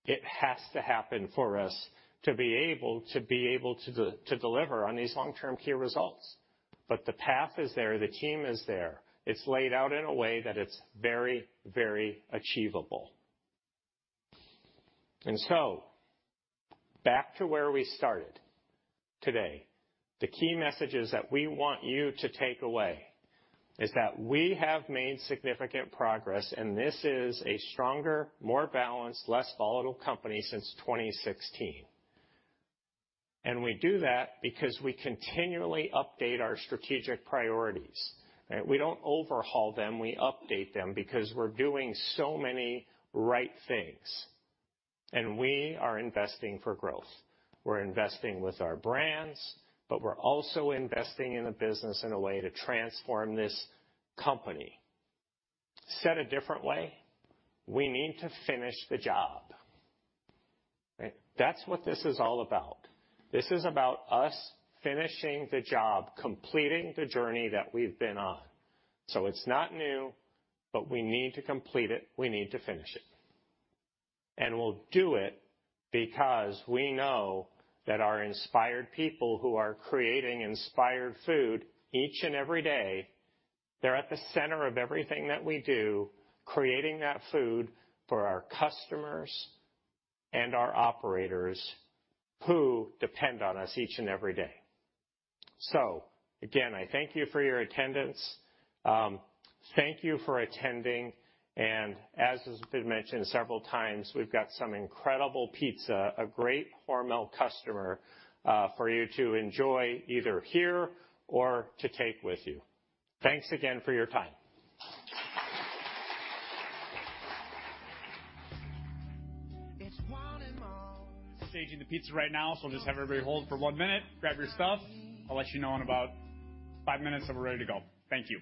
it has to happen for us to be able-- to be able to, to deliver on these long-term key results. But the path is there, the team is there. It's laid out in a way that it's very, very achievable. And so back to where we started today, the key messages that we want you to take away is that we have made significant progress, and this is a stronger, more balanced, less volatile company since 2016. And we do that because we continually update our strategic priorities, right? We don't overhaul them, we update them because we're doing so many right things, and we are investing for growth. We're investing with our brands, but we're also investing in the business in a way to transform this company. Said a different way, we need to finish the job, right? That's what this is all about. This is about us finishing the job, completing the journey that we've been on. So it's not new, but we need to complete it. We need to finish it. And we'll do it because we know that our inspired people who are creating inspired food each and every day, they're at the center of everything that we do, creating that food for our customers and our operators, who depend on us each and every day. So again, I thank you for your attendance. Thank you for attending, and as has been mentioned several times, we've got some incredible pizza, a great Hormel customer for you to enjoy, either here or to take with you. Thanks again for your time. Staging the pizza right now, so we'll just have everybody hold for 1 minute. Grab your stuff. I'll let you know in about 5 minutes that we're ready to go. Thank you.